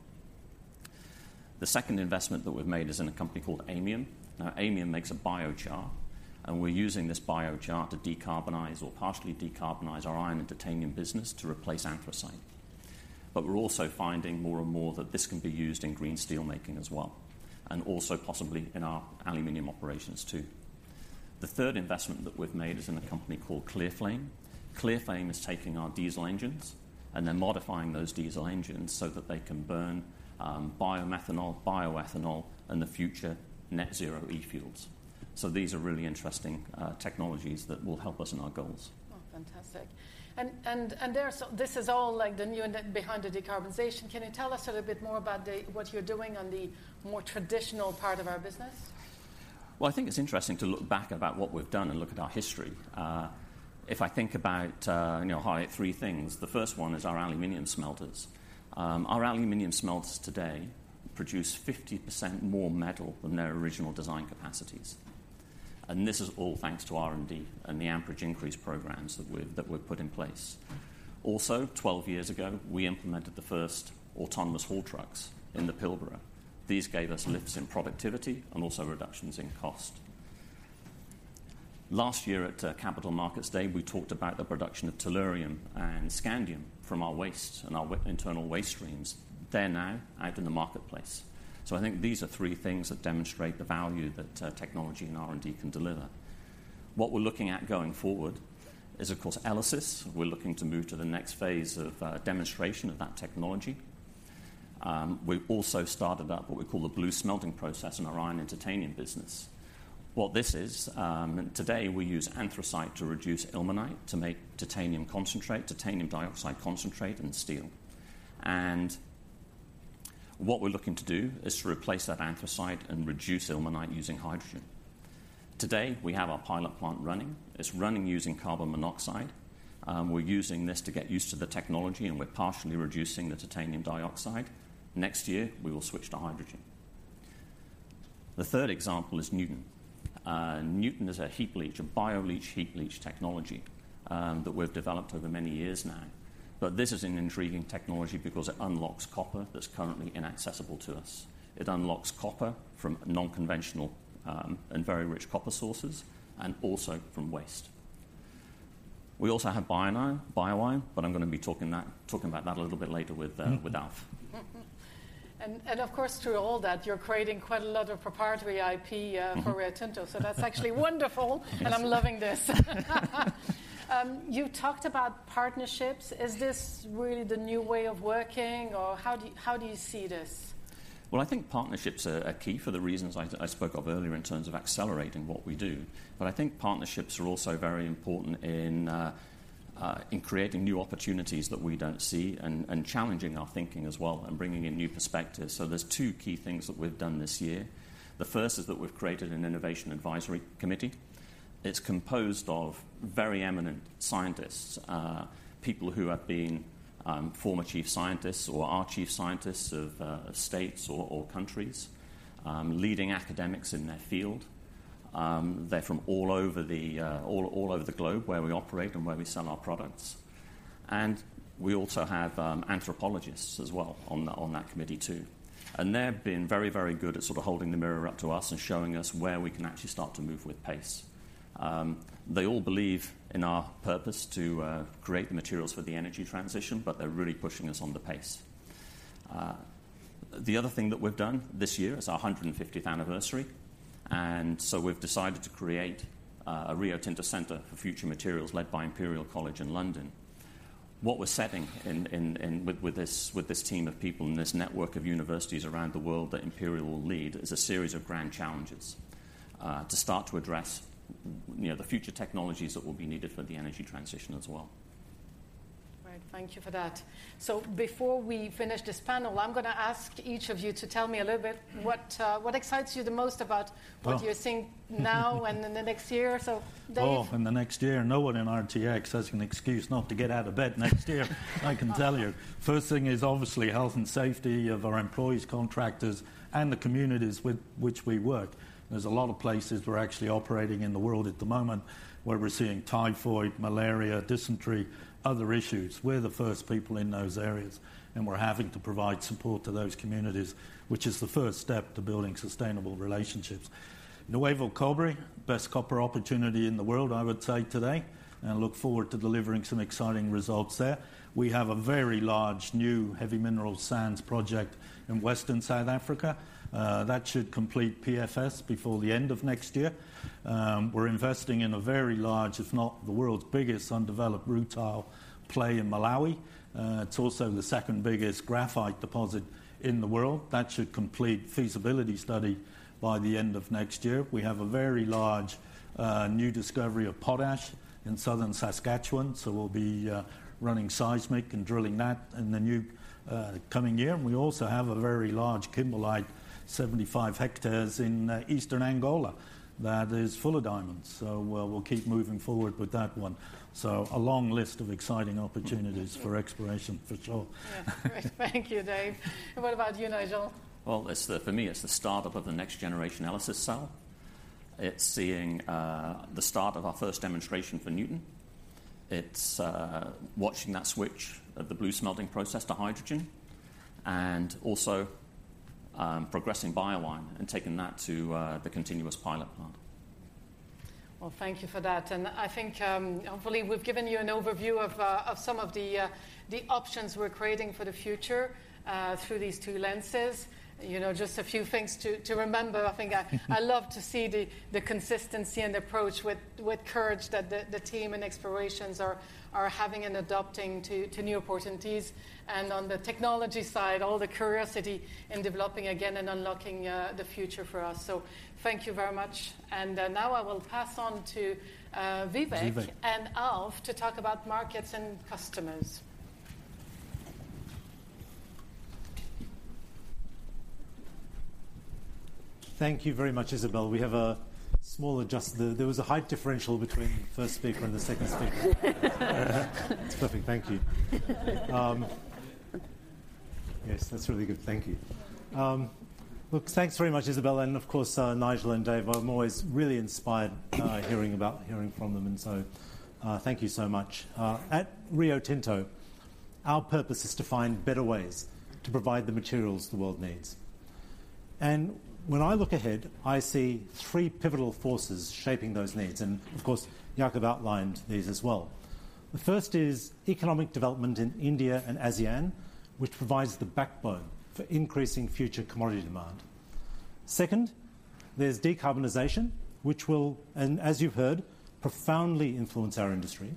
[SPEAKER 7] The second investment that we've made is in a company called Aymium. Now, Aymium makes a biochar, and we're using this biochar to decarbonize or partially decarbonize our iron and titanium business to replace anthracite. But we're also finding more and more that this can be used in green steel making as well, and also possibly in our aluminum operations, too. The third investment that we've made is in a company called ClearFlame. ClearFlame is taking our diesel engines, and they're modifying those diesel engines so that they can burn, biomethanol, bioethanol, and the future net zero e-fuels. So these are really interesting, technologies that will help us in our goals.
[SPEAKER 5] Oh, fantastic. And they're—so this is all, like, the new and behind the decarbonization. Can you tell us a little bit more about what you're doing on the more traditional part of our business?
[SPEAKER 7] Well, I think it's interesting to look back about what we've done and look at our history. If I think about, you know, highlight three things, the first one is our aluminum smelters. Our aluminum smelters today produce 50% more metal than their original design capacities. And this is all thanks to R&D and the amperage increase programs that we've put in place. Also, 12 years ago, we implemented the first autonomous haul trucks in the Pilbara. These gave us lifts in productivity and also reductions in cost. Last year at, Capital Markets Day, we talked about the production of tellurium and scandium from our waste and our internal waste streams. They're now out in the marketplace. So I think these are three things that demonstrate the value that technology and R&D can deliver. What we're looking at going forward is, of course, ELYSIS. We're looking to move to the next phase of demonstration of that technology. We also started up what we call the BlueSmelting process in our iron and titanium business. What this is, today, we use anthracite to reduce ilmenite to make titanium concentrate, titanium dioxide concentrate, and steel. And what we're looking to do is to replace that anthracite and reduce ilmenite using hydrogen. Today, we have our pilot plant running. It's running using carbon monoxide. We're using this to get used to the technology, and we're partially reducing the titanium dioxide. Next year, we will switch to hydrogen. The third example is Nuton. Nuton is a heat leach, a bioleach heat leach technology, that we've developed over many years now. But this is an intriguing technology because it unlocks copper that's currently inaccessible to us. It unlocks copper from non-conventional and very rich copper sources and also from waste. We also have BioMine, but I'm gonna be talking about that a little bit later with Alf.
[SPEAKER 5] And of course, through all that, you're creating quite a lot of proprietary IP for Rio Tinto. So that's actually wonderful!
[SPEAKER 7] Yes.
[SPEAKER 5] I'm loving this. You talked about partnerships. Is this really the new way of working, or how do you see this?
[SPEAKER 7] Well, I think partnerships are key for the reasons I spoke of earlier in terms of accelerating what we do. But I think partnerships are also very important in creating new opportunities that we don't see and challenging our thinking as well and bringing in new perspectives. So there's two key things that we've done this year. The first is that we've created an innovation advisory committee. It's composed of very eminent scientists, people who have been former chief scientists or are chief scientists of states or countries, leading academics in their field. They're from all over the globe, where we operate and where we sell our products. And we also have anthropologists as well on that committee, too. They've been very, very good at sort of holding the mirror up to us and showing us where we can actually start to move with pace. They all believe in our purpose to create the materials for the energy transition, but they're really pushing us on the pace. The other thing that we've done this year is our 150th anniversary, and so we've decided to create a Rio Tinto Center for Future Materials led by Imperial College in London. What we're setting in with this team of people and this network of universities around the world that Imperial will lead is a series of grand challenges to start to address, you know, the future technologies that will be needed for the energy transition as well.
[SPEAKER 5] All right. Thank you for that. So before we finish this panel, I'm gonna ask each of you to tell me a little bit what, what excites you the most about-
[SPEAKER 6] Well-
[SPEAKER 5] What you're seeing now and in the next year or so? Dave?
[SPEAKER 6] Oh, in the next year, no one in Rio Tinto has an excuse not to get out of bed next year, I can tell you. First thing is obviously health and safety of our employees, contractors, and the communities with which we work. There's a lot of places we're actually operating in the world at the moment where we're seeing typhoid, malaria, dysentery, other issues. We're the first people in those areas, and we're having to provide support to those communities, which is the first step to building sustainable relationships. Nuevo Cobre, best copper opportunity in the world, I would say today, and look forward to delivering some exciting results there. We have a very large, new heavy mineral sands project in western South Africa. That should complete PFS before the end of next year. We're investing in a very large, if not the world's biggest, undeveloped rutile play in Malawi. It's also the second biggest graphite deposit in the world. That should complete feasibility study by the end of next year. We have a very large new discovery of potash in southern Saskatchewan, so we'll be running seismic and drilling that in the new coming year. And we also have a very large kimberlite, 75 hectares in eastern Angola, that is full of diamonds. So we'll keep moving forward with that one. A long list of exciting opportunities for exploration, for sure.
[SPEAKER 5] Yeah. Great. Thank you, Dave. And what about you, Nigel?
[SPEAKER 7] Well, for me, it's the startup of the next generation ELYSIS cell. It's seeing the start of our first demonstration for Nuton. It's watching that switch of the ELYSIS smelting process to hydrogen, and also progressing BioIron and taking that to the continuous pilot plant.
[SPEAKER 5] Well, thank you for that. And I think, hopefully, we've given you an overview of some of the options we're creating for the future through these two lenses. You know, just a few things to remember. I love to see the consistency and approach with courage that the team and explorations are having and adopting to new opportunities. And on the technology side, all the curiosity in developing again and unlocking the future for us. So thank you very much. And now I will pass on to Vivek.
[SPEAKER 7] Vivek.
[SPEAKER 5] and Alf to talk about markets and customers.
[SPEAKER 8] Thank you very much, Isabelle. There was a height differential between the first speaker and the second speaker. It's perfect. Thank you. Yes, that's really good. Thank you. Look, thanks very much, Isabelle, and of course, Nigel and Dave. I'm always really inspired hearing from them, and so, thank you so much. At Rio Tinto, our purpose is to find better ways to provide the materials the world needs. When I look ahead, I see three pivotal forces shaping those needs, and of course, Jakob outlined these as well. The first is economic development in India and ASEAN, which provides the backbone for increasing future commodity demand. Second, there's decarbonization, which will, and as you've heard, profoundly influence our industry.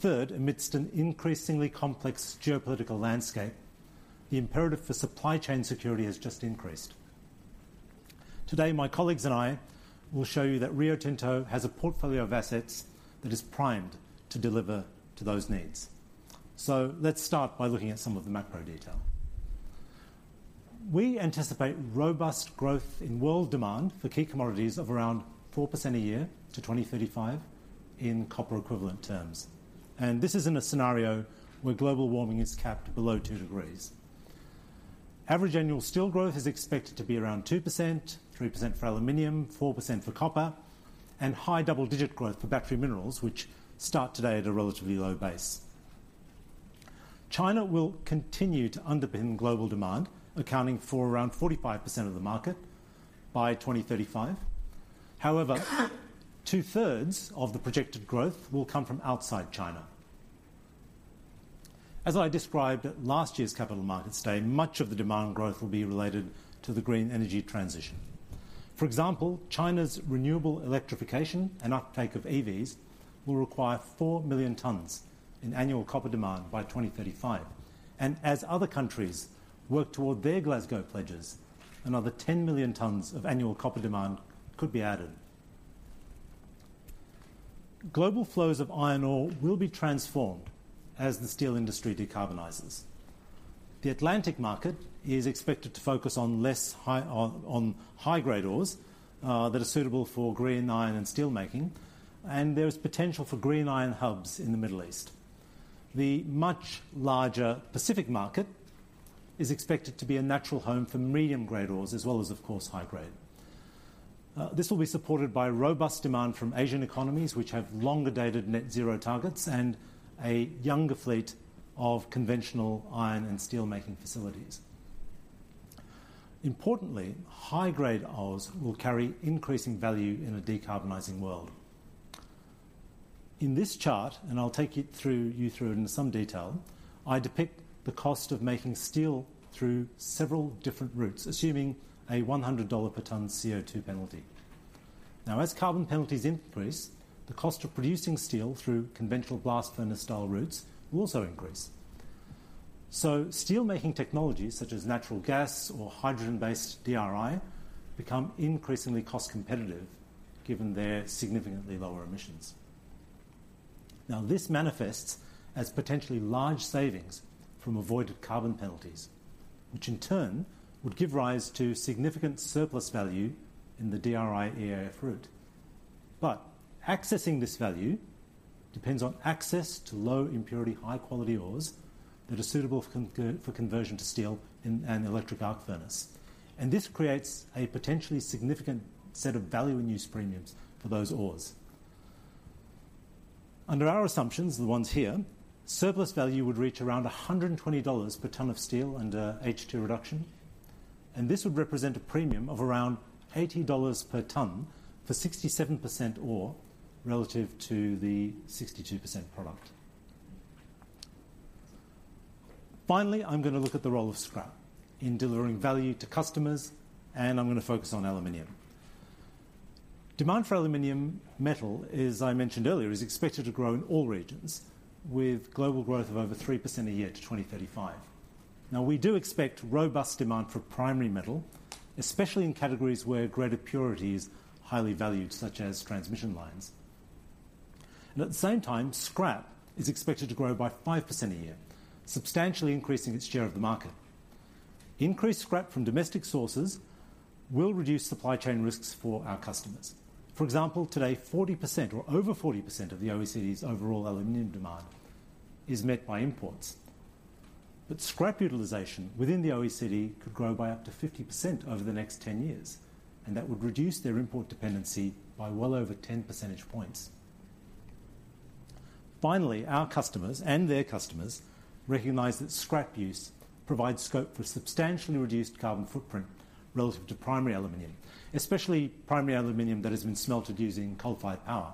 [SPEAKER 8] Third, amidst an increasingly complex geopolitical landscape, the imperative for supply chain security has just increased. Today, my colleagues and I will show you that Rio Tinto has a portfolio of assets that is primed to deliver to those needs. Let's start by looking at some of the macro detail. We anticipate robust growth in world demand for key commodities of around 4% a year to 2035 in copper equivalent terms, and this is in a scenario where global warming is capped below 2 degrees. Average annual steel growth is expected to be around 2%, 3% for aluminum, 4% for copper, and high double-digit growth for battery minerals, which start today at a relatively low base. China will continue to underpin global demand, accounting for around 45% of the market by 2035. However, two-thirds of the projected growth will come from outside China. As I described at last year's Capital Markets Day, much of the demand growth will be related to the green energy transition. For example, China's renewable electrification and uptake of EVs will require 4 million tons in annual copper demand by 2035. And as other countries work toward their Glasgow pledges, another 10 million tons of annual copper demand could be added. Global flows of iron ore will be transformed as the steel industry decarbonizes. The Atlantic market is expected to focus on high-grade ores that are suitable for green iron and steelmaking, and there is potential for green iron hubs in the Middle East. The much larger Pacific market is expected to be a natural home for medium-grade ores, as well as, of course, high grade. This will be supported by robust demand from Asian economies, which have longer-dated net zero targets and a younger fleet of conventional iron and steelmaking facilities. Importantly, high-grade ores will carry increasing value in a decarbonizing world. In this chart, and I'll take you through it in some detail, I depict the cost of making steel through several different routes, assuming a $100 per ton CO2 penalty. Now, as carbon penalties increase, the cost of producing steel through conventional blast furnace-style routes will also increase. So steelmaking technologies such as natural gas or hydrogen-based DRI become increasingly cost competitive given their significantly lower emissions. Now, this manifests as potentially large savings from avoided carbon penalties, which in turn would give rise to significant surplus value in the DRI/EAF route. But accessing this value depends on access to low-impurity, high-quality ores that are suitable for conversion to steel in an electric arc furnace. And this creates a potentially significant set of value and use premiums for those ores. Under our assumptions, the ones here, surplus value would reach around $120 per ton of steel under H2 reduction, and this would represent a premium of around $80 per ton for 67% ore relative to the 62% product. Finally, I'm going to look at the role of scrap in delivering value to customers, and I'm going to focus on aluminum. Demand for aluminum metal, as I mentioned earlier, is expected to grow in all regions, with global growth of over 3% a year to 2035. Now, we do expect robust demand for primary metal, especially in categories where greater purity is highly valued, such as transmission lines. At the same time, scrap is expected to grow by 5% a year, substantially increasing its share of the market. Increased scrap from domestic sources will reduce supply chain risks for our customers. For example, today, 40% or over 40% of the OECD's overall aluminum demand is met by imports. but scrap utilization within the OECD could grow by up to 50% over the next 10 years, and that would reduce their import dependency by well over 10 percentage points. Finally, our customers and their customers recognize that scrap use provides scope for substantially reduced carbon footprint relative to primary aluminum, especially primary aluminum that has been smelted using coal-fired power.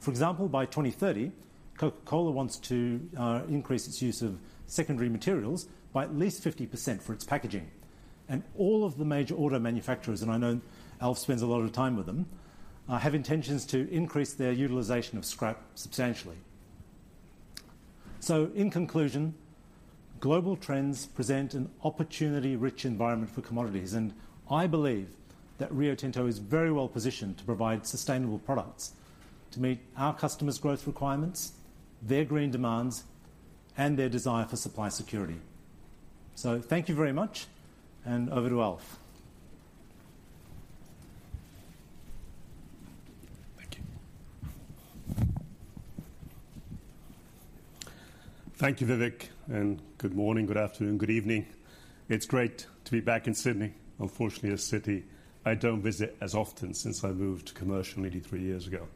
[SPEAKER 8] For example, by 2030, Coca-Cola wants to increase its use of secondary materials by at least 50% for its packaging. And all of the major auto manufacturers, and I know Alf spends a lot of time with them, have intentions to increase their utilization of scrap substantially. So in conclusion, global trends present an opportunity-rich environment for commodities, and I believe that Rio Tinto is very well positioned to provide sustainable products to meet our customers' growth requirements, their green demands, and their desire for supply security. So thank you very much, and over to Alf.
[SPEAKER 9] Thank you. Thank you, Vivek, and good morning, good afternoon, good evening. It's great to be back in Sydney. Unfortunately, a city I don't visit as often since I moved to Commercial nearly three years ago.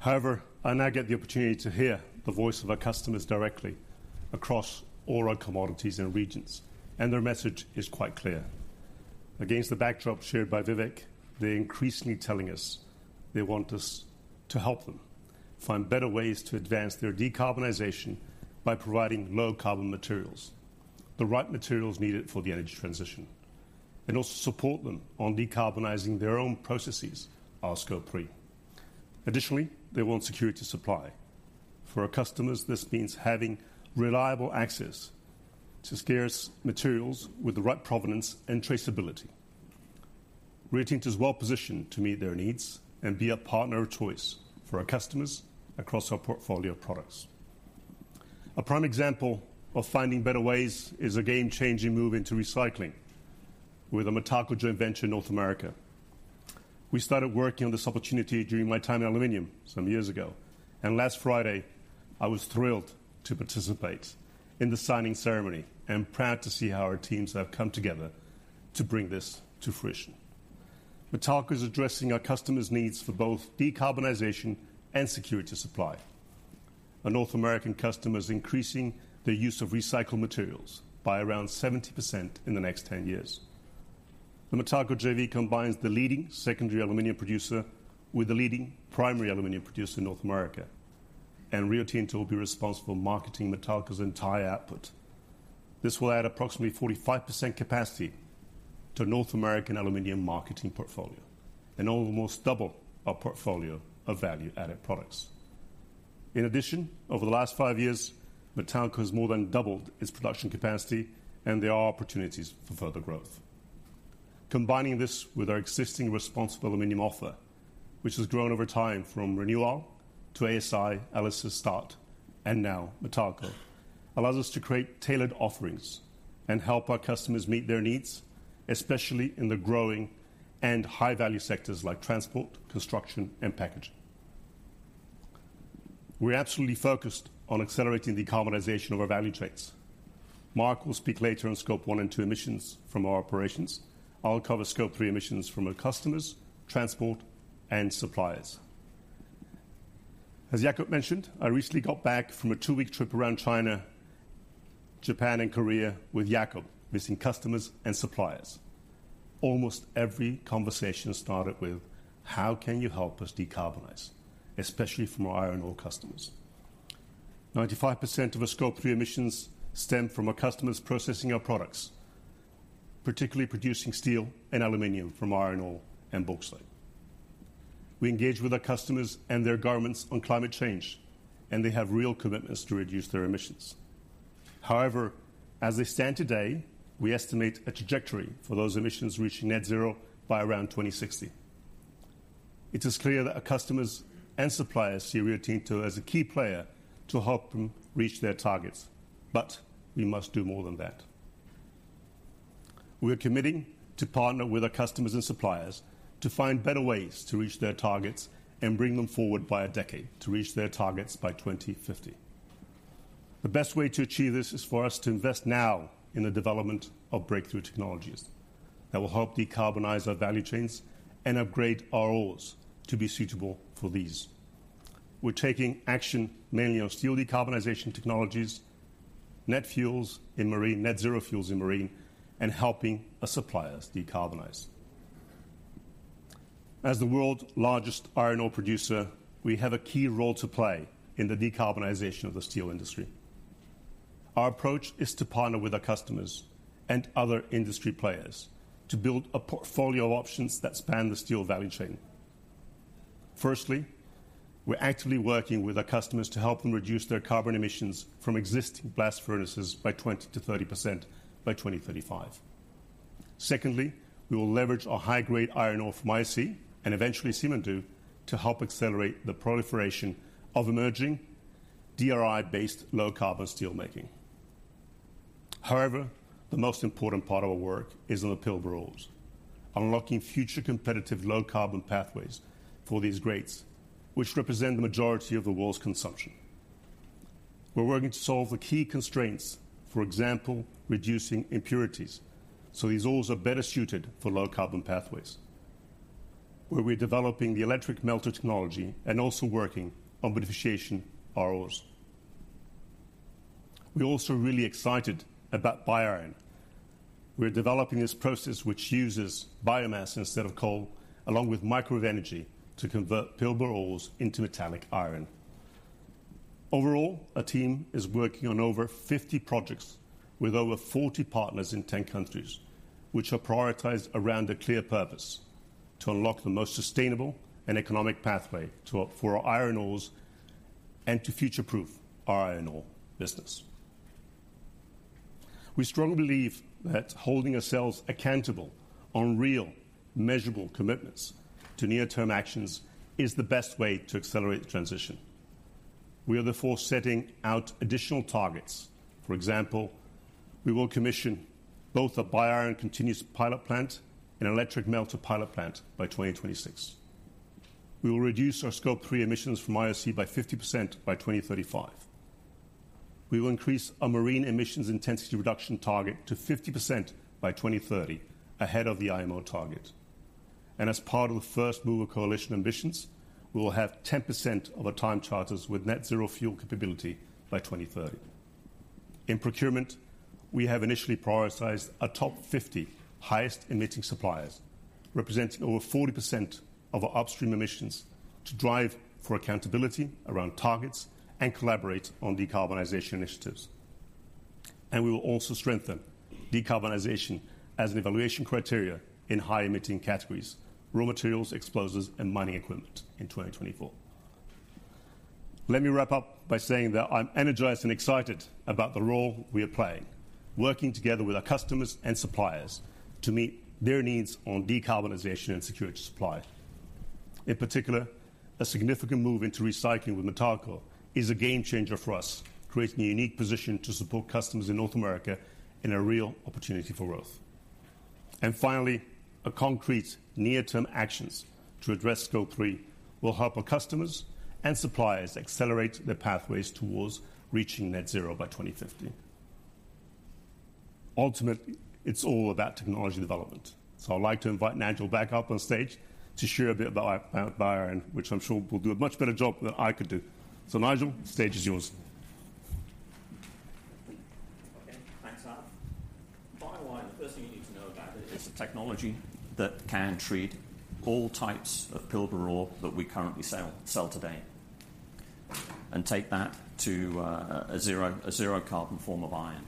[SPEAKER 9] However, I now get the opportunity to hear the voice of our customers directly across all our commodities and regions, and their message is quite clear. Against the backdrop shared by Vivek, they're increasingly telling us they want us to help them find better ways to advance their decarbonization by providing low-carbon materials, the right materials needed for the energy transition, and also support them on decarbonizing their own processes, our Scope 3. Additionally, they want security to supply. For our customers, this means having reliable access to scarce materials with the right provenance and traceability. Rio Tinto is well-positioned to meet their needs and be a partner of choice for our customers across our portfolio of products. A prime example of finding better ways is a game-changing move into recycling with the Matalco joint venture in North America. We started working on this opportunity during my time in aluminum some years ago, and last Friday, I was thrilled to participate in the signing ceremony and proud to see how our teams have come together to bring this to fruition. Matalco is addressing our customers' needs for both decarbonization and security supply. Our North American customers increasing their use of recycled materials by around 70% in the next 10 years. The Matalco JV combines the leading secondary aluminum producer with the leading primary aluminum producer in North America, and Rio Tinto will be responsible for marketing Matalco's entire output. This will add approximately 45% capacity to North American aluminum marketing portfolio and almost double our portfolio of value-added products. In addition, over the last five years, Matalco has more than doubled its production capacity, and there are opportunities for further growth. Combining this with our existing responsible aluminum offer, which has grown over time from RenewAl to ASI, ELYSIS, START, and now Matalco, allows us to create tailored offerings and help our customers meet their needs, especially in the growing and high-value sectors like transport, construction, and packaging. We're absolutely focused on accelerating decarbonization of our value chains. Mark will speak later on Scope 1 and 2 emissions from our operations. I'll cover Scope 3 emissions from our customers, transport, and suppliers. As Jakob mentioned, I recently got back from a two week trip around China, Japan, and Korea with Jakob, meeting customers and suppliers. Almost every conversation started with, "How can you help us decarbonize?" especially from our iron ore customers. 95% of our Scope 3 emissions stem from our customers processing our products, particularly producing steel and aluminum from iron ore and bauxite. We engage with our customers and their governments on climate change, and they have real commitments to reduce their emissions. However, as they stand today, we estimate a trajectory for those emissions reaching net zero by around 2060. It is clear that our customers and suppliers see Rio Tinto as a key player to help them reach their targets, but we must do more than that. We are committing to partner with our customers and suppliers to find better ways to reach their targets and bring them forward by a decade to reach their targets by 2050. The best way to achieve this is for us to invest now in the development of breakthrough technologies that will help decarbonize our value chains and upgrade our ores to be suitable for these. We're taking action mainly on steel decarbonization technologies, net zero fuels in marine, and helping our suppliers decarbonize. As the world's largest iron ore producer, we have a key role to play in the decarbonization of the steel industry. Our approach is to partner with our customers and other industry players to build a portfolio of options that span the steel value chain. Firstly, we're actively working with our customers to help them reduce their carbon emissions from existing blast furnaces by 20%-30% by 2035. Secondly, we will leverage our high-grade iron ore from IOC and eventually Simandou to help accelerate the proliferation of emerging DRI-based low-carbon steelmaking. However, the most important part of our work is on the Pilbara ores, unlocking future competitive low-carbon pathways for these grades, which represent the majority of the world's consumption. We're working to solve the key constraints, for example, reducing impurities, so these ores are better suited for low-carbon pathways, where we're developing the electric melter technology and also working on beneficiation our ores. We're also really excited about BioIron. We're developing this process, which uses biomass instead of coal, along with microwave energy, to convert Pilbara ores into metallic iron. Overall, our team is working on over 50 projects with over 40 partners in 10 countries, which are prioritized around a clear purpose: to unlock the most sustainable and economic pathway to for our iron ores and to future-proof our iron ore business. We strongly believe that holding ourselves accountable on real, measurable commitments to near-term actions is the best way to accelerate the transition. We are therefore setting out additional targets. For example, we will commission both a BioIron continuous pilot plant and electric melter pilot plant by 2026. We will reduce our Scope 3 emissions from IOC by 50% by 2035. We will increase our marine emissions intensity reduction target to 50% by 2030, ahead of the IMO target. And as part of the First Mover Coalition ambitions, we will have 10% of our time charters with net zero fuel capability by 2030. In procurement, we have initially prioritized our top 50 highest emitting suppliers, representing over 40% of our upstream emissions, to drive for accountability around targets and collaborate on decarbonization initiatives. We will also strengthen decarbonization as an evaluation criteria in high-emitting categories, raw materials, explosives, and mining equipment in 2024. Let me wrap up by saying that I'm energized and excited about the role we are playing, working together with our customers and suppliers to meet their needs on decarbonization and security supply. In particular, a significant move into recycling with Matalco is a game changer for us, creating a unique position to support customers in North America and a real opportunity for growth. And finally, our concrete near-term actions to address Scope 3 will help our customers and suppliers accelerate their pathways towards reaching net zero by 2050. Ultimately, it's all about technology development. So I'd like to invite Nigel back up on stage to share a bit about BioIron, which I'm sure will do a much better job than I could do. Nigel, the stage is yours.
[SPEAKER 7] Okay, thanks, Arn. BioIron, the first thing you need to know about it is a technology that can treat all types of Pilbara ore that we currently sell, sell today, and take that to a zero-carbon form of iron.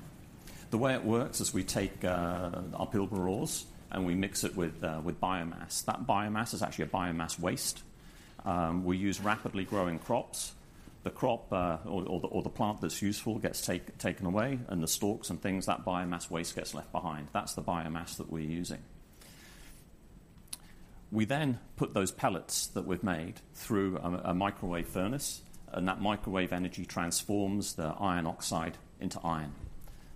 [SPEAKER 7] The way it works is we take our Pilbara ores, and we mix it with biomass. That biomass is actually a biomass waste. We use rapidly growing crops. The crop or the plant that's useful gets taken away, and the stalks and things, that biomass waste gets left behind. That's the biomass that we're using. We then put those pellets that we've made through a microwave furnace, and that microwave energy transforms the iron oxide into iron.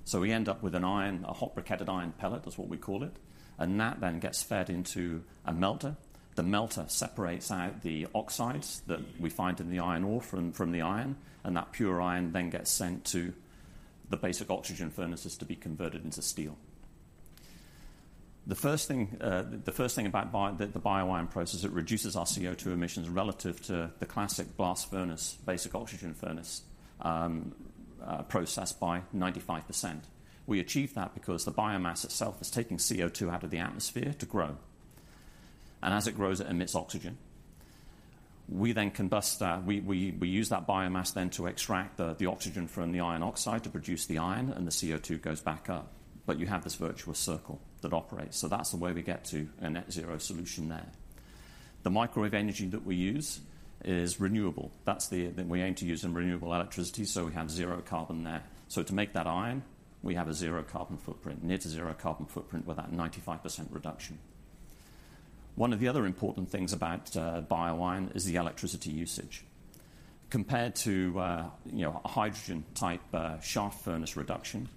[SPEAKER 7] So we end up with an iron, a hot briquetted iron pellet, that's what we call it, and that then gets fed into a melter. The melter separates out the oxides that we find in the iron ore from the iron, and that pure iron then gets sent to the basic oxygen furnaces to be converted into steel. The first thing, the first thing about the BioIron process, it reduces our CO2 emissions relative to the classic blast furnace, basic oxygen furnace process by 95%. We achieve that because the biomass itself is taking CO2 out of the atmosphere to grow, and as it grows, it emits oxygen. We then combust that. We use that biomass then to extract the oxygen from the iron oxide to produce the iron, and the CO2 goes back up. But you have this virtuous circle that operates. So that's the way we get to a net zero solution there. The microwave energy that we use is renewable. That's the. Then we aim to use in renewable electricity, so we have zero carbon there. So to make that iron, we have a zero carbon footprint, near to zero carbon footprint with that 95% reduction. One of the other important things about BioIron is the electricity usage. Compared to, you know, a hydrogen-type shaft furnace reduction,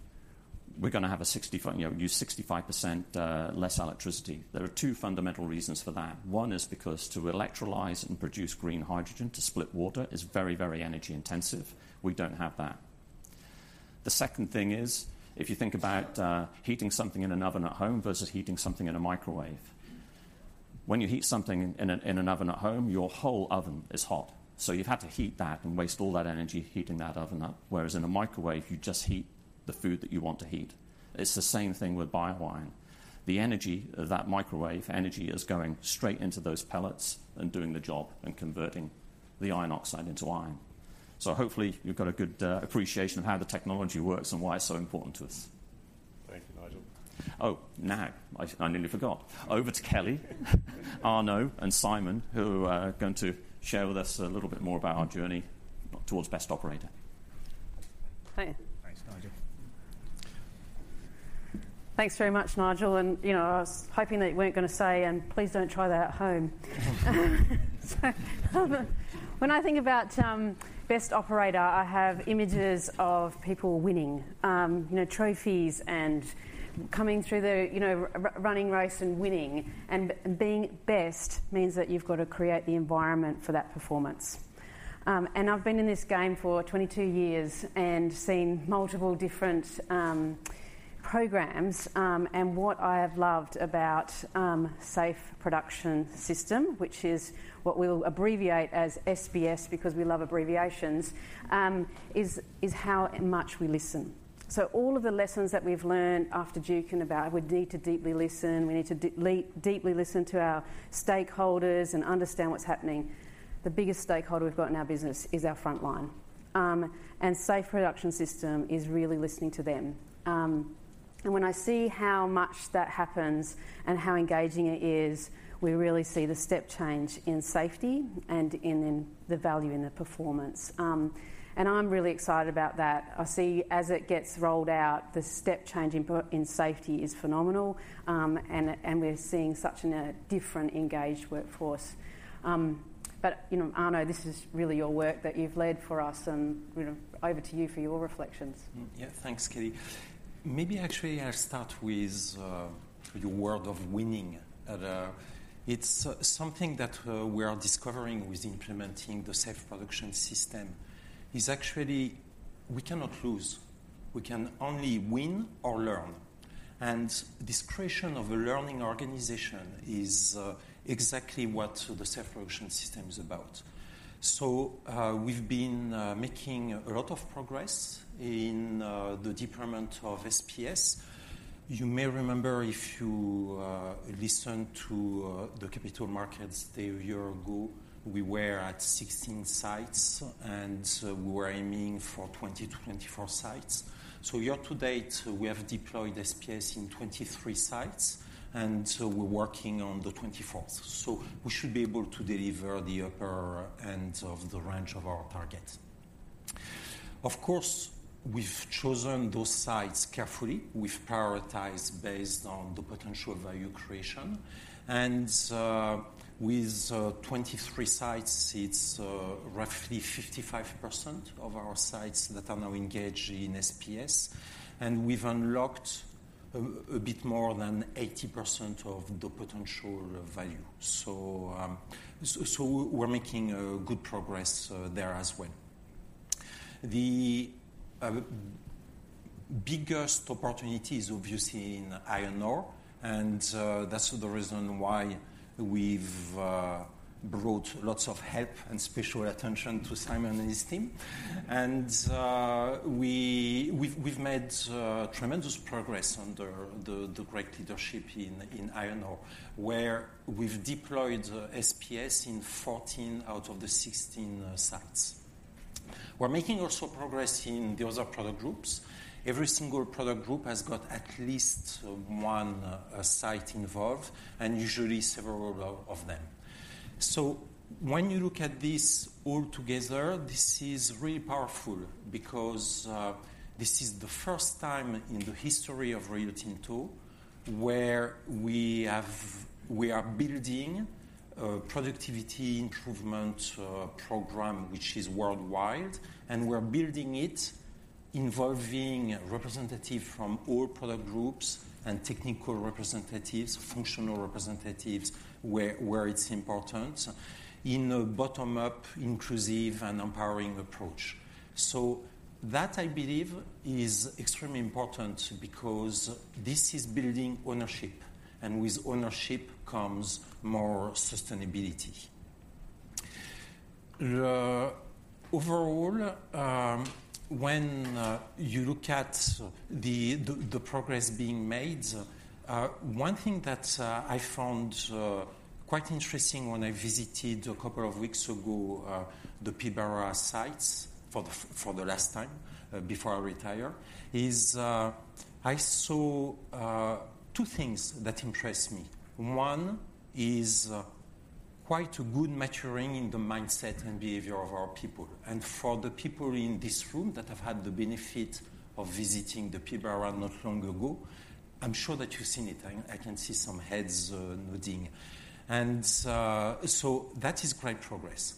[SPEAKER 7] we're gonna have a 65, you know, use 65% less electricity. There are two fundamental reasons for that. One is because to electrolyze and produce green hydrogen to split water is very, very energy intensive. We don't have that. The second thing is, if you think about heating something in an oven at home versus heating something in a microwave. When you heat something in an oven at home, your whole oven is hot, so you've had to heat that and waste all that energy heating that oven up. Whereas in a microwave, you just heat the food that you want to heat. It's the same thing with BioIron. The energy of that microwave energy is going straight into those pellets and doing the job and converting the iron oxide into iron. So hopefully, you've got a good appreciation of how the technology works and why it's so important to us.
[SPEAKER 9] Thank you, Nigel.
[SPEAKER 7] Oh, now, I nearly forgot. Over to Kellie, Arnaud, and Simon, who are going to share with us a little bit more about our journey towards best operator.
[SPEAKER 10] Hiya.
[SPEAKER 11] Thanks, Nigel....
[SPEAKER 2] Thanks very much, Nigel. You know, I was hoping that you weren't gonna say, "And please don't try that at home." So when I think about Best Operator, I have images of people winning, you know, trophies and coming through the, you know, running race and winning. Being best means that you've got to create the environment for that performance. I've been in this game for 22 years and seen multiple different programs, and what I have loved about Safe Production System, which is what we'll abbreviate as SPS, because we love abbreviations, is how much we listen. So all of the lessons that we've learned after Juukan about we need to deeply listen, we need to deeply listen to our stakeholders and understand what's happening. The biggest stakeholder we've got in our business is our frontline, and Safe Production System is really listening to them. And when I see how much that happens and how engaging it is, we really see the step change in safety and in the value and the performance. I'm really excited about that. I see as it gets rolled out, the step change in safety is phenomenal, and we're seeing such a different engaged workforce. But you know, Arnaud, this is really your work that you've led for us, and you know, over to you for your reflections.
[SPEAKER 12] Yeah. Thanks, Kellie. Maybe actually I'll start with your word of winning. It's something that we are discovering with implementing the Safe Production System is actually we cannot lose. We can only win or learn, and this creation of a learning organization is exactly what the Safe Production System is about. So we've been making a lot of progress in the deployment of SPS. You may remember, if you listened to the capital markets a year ago, we were at 16 sites, and we were aiming for 20-24 sites. So year to date, we have deployed SPS in 23 sites, and so we're working on the 24th. So we should be able to deliver the upper end of the range of our target. Of course, we've chosen those sites carefully. We've prioritized based on the potential value creation, and with 23 sites, it's roughly 55% of our sites that are now engaged in SPS, and we've unlocked a bit more than 80% of the potential value. So we're making good progress there as well. The biggest opportunity is obviously in iron ore, and that's the reason why we've brought lots of help and special attention to Simon and his team. We've made tremendous progress under the great leadership in iron ore, where we've deployed SPS in 14 out of the 16 sites. We're making also progress in the other product groups. Every single product group has got at least one site involved and usually several of them. So when you look at this all together, this is really powerful because this is the first time in the history of Rio Tinto where we are building a productivity improvement program, which is worldwide, and we're building it involving representative from all product groups and technical representatives, functional representatives, where it's important in a bottom-up, inclusive and empowering approach. So that, I believe, is extremely important because this is building ownership, and with ownership comes more sustainability. Overall, when you look at the progress being made, one thing that I found quite interesting when I visited a couple of weeks ago the Pilbara sites for the last time before I retire, is I saw two things that impressed me. One is quite a good maturing in the mindset and behavior of our people. And for the people in this room that have had the benefit of visiting the Pilbara not long ago, I'm sure that you've seen it. I can see some heads nodding. And so that is great progress.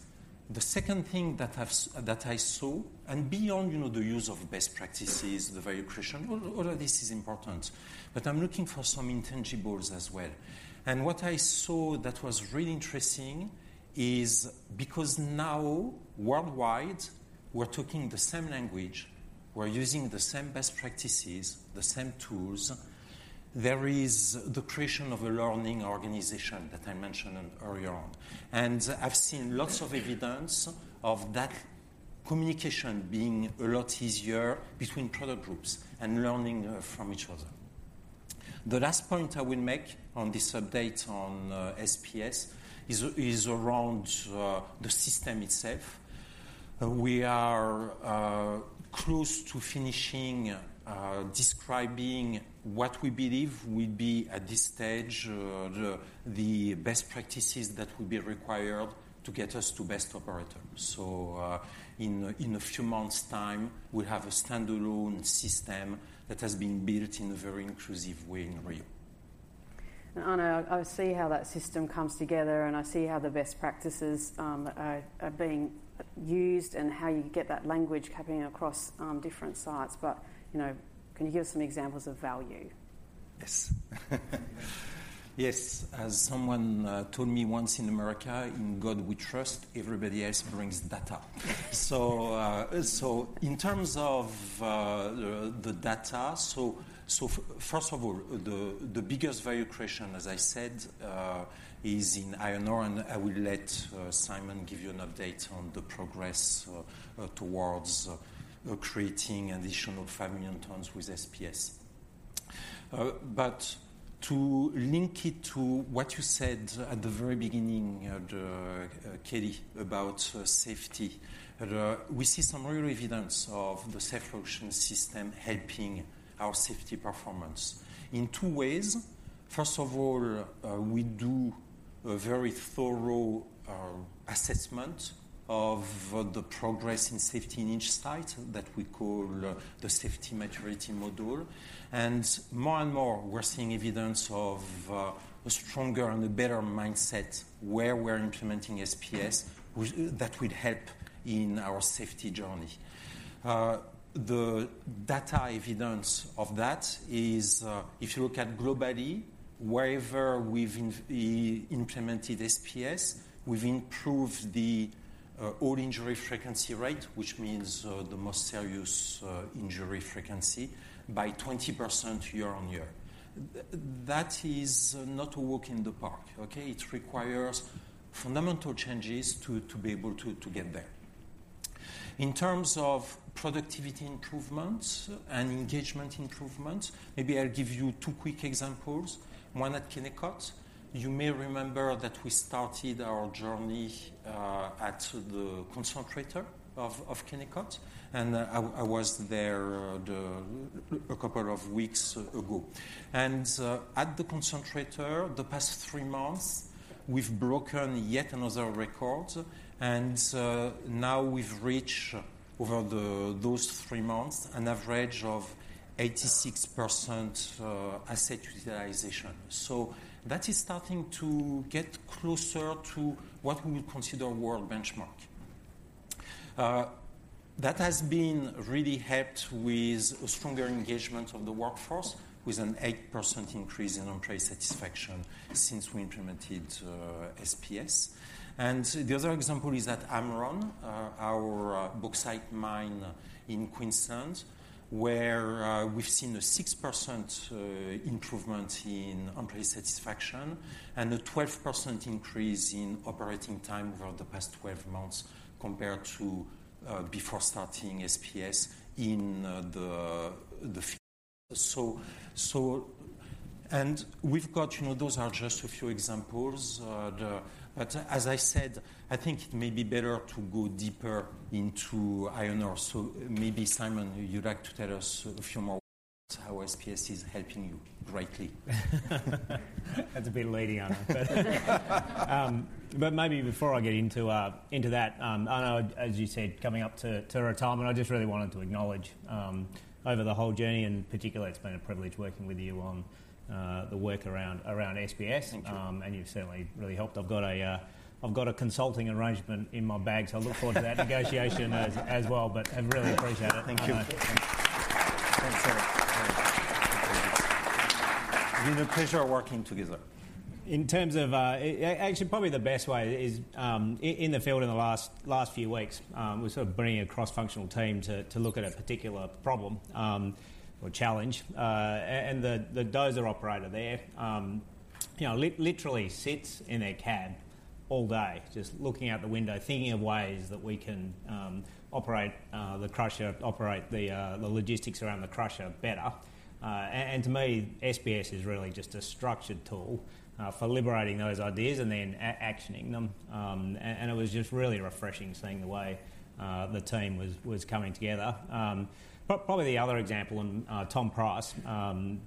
[SPEAKER 12] The second thing that I saw and beyond, you know, the use of best practices, the value creation, all of this is important, but I'm looking for some intangibles as well. And what I saw that was really interesting is because now worldwide, we're talking the same language, we're using the same best practices, the same tools, there is the creation of a learning organization that I mentioned earlier on. And I've seen lots of evidence of that communication being a lot easier between product groups and learning from each other. The last point I will make on this update on SPS is around the system itself. We are close to finishing describing what we believe will be, at this stage, the best practices that will be required to get us to best operator. So, in a few months' time, we'll have a standalone system that has been built in a very inclusive way in Rio.
[SPEAKER 5] And Arnaud, I see how that system comes together, and I see how the best practices are being used and how you get that language happening across different sites. But, you know, can you give us some examples of value?
[SPEAKER 12] Yes. Yes. As someone told me once in America, "In God we trust, everybody else brings data." So in terms of the data, first of all, the biggest value creation, as I said, is in iron ore, and I will let Simon give you an update on the progress towards creating an additional 5 million tons with SPS. But to link it to what you said at the very beginning, Kelly, about safety, we see some real evidence of the safe operation system helping our safety performance in two ways. First of all, we do a very thorough assessment of the progress in safety in each site that we call the Safety Maturity Module. More and more, we're seeing evidence of a stronger and a better mindset where we're implementing SPS, which that will help in our safety journey. The data evidence of that is, if you look globally, wherever we've implemented SPS, we've improved the all injury frequency rate, which means the most serious injury frequency by 20% year on year. That is not a walk in the park, okay? It requires fundamental changes to be able to get there. In terms of productivity improvements and engagement improvements, maybe I'll give you two quick examples. One at Kennecott. You may remember that we started our journey at the concentrator of Kennecott, and I was there a couple of weeks ago. At the concentrator, the past three months, we've broken yet another record, and now we've reached over those three months an average of 86% asset utilization. So that is starting to get closer to what we would consider world benchmark. That has been really helped with a stronger engagement of the workforce, with an 8% increase in employee satisfaction since we implemented SPS. And the other example is at Amrun, our bauxite mine in Queensland, where we've seen a 6% improvement in employee satisfaction and a 12% increase in operating time over the past 12 months compared to before starting SPS in the field. So... And we've got, you know, those are just a few examples. As I said, I think it may be better to go deeper into iron ore. So maybe, Simon, you'd like to tell us a few more about how SPS is helping you greatly?
[SPEAKER 10] That's a bit leading, Arnaud. Maybe before I get into that, Arnaud, as you said, coming up to retirement, I just really wanted to acknowledge, over the whole journey, and particularly, it's been a privilege working with you on the work around SPS.
[SPEAKER 12] Thank you.
[SPEAKER 10] You've certainly really helped. I've got a consulting arrangement in my bag—so I look forward to that negotiation as well. I really appreciate it, Arnaud.
[SPEAKER 12] Thank you. Thanks very much. Thank you. It's been a pleasure working together.
[SPEAKER 10] In terms of, actually, probably the best way is, in the field in the last few weeks, we're sort of bringing a cross-functional team to look at a particular problem or challenge. And the dozer operator there, you know, literally sits in a cab all day, just looking out the window, thinking of ways that we can operate the crusher, operate the logistics around the crusher better. And to me, SPS is really just a structured tool for liberating those ideas and then actioning them. And it was just really refreshing seeing the way the team was coming together. Probably the other example in Tom Price,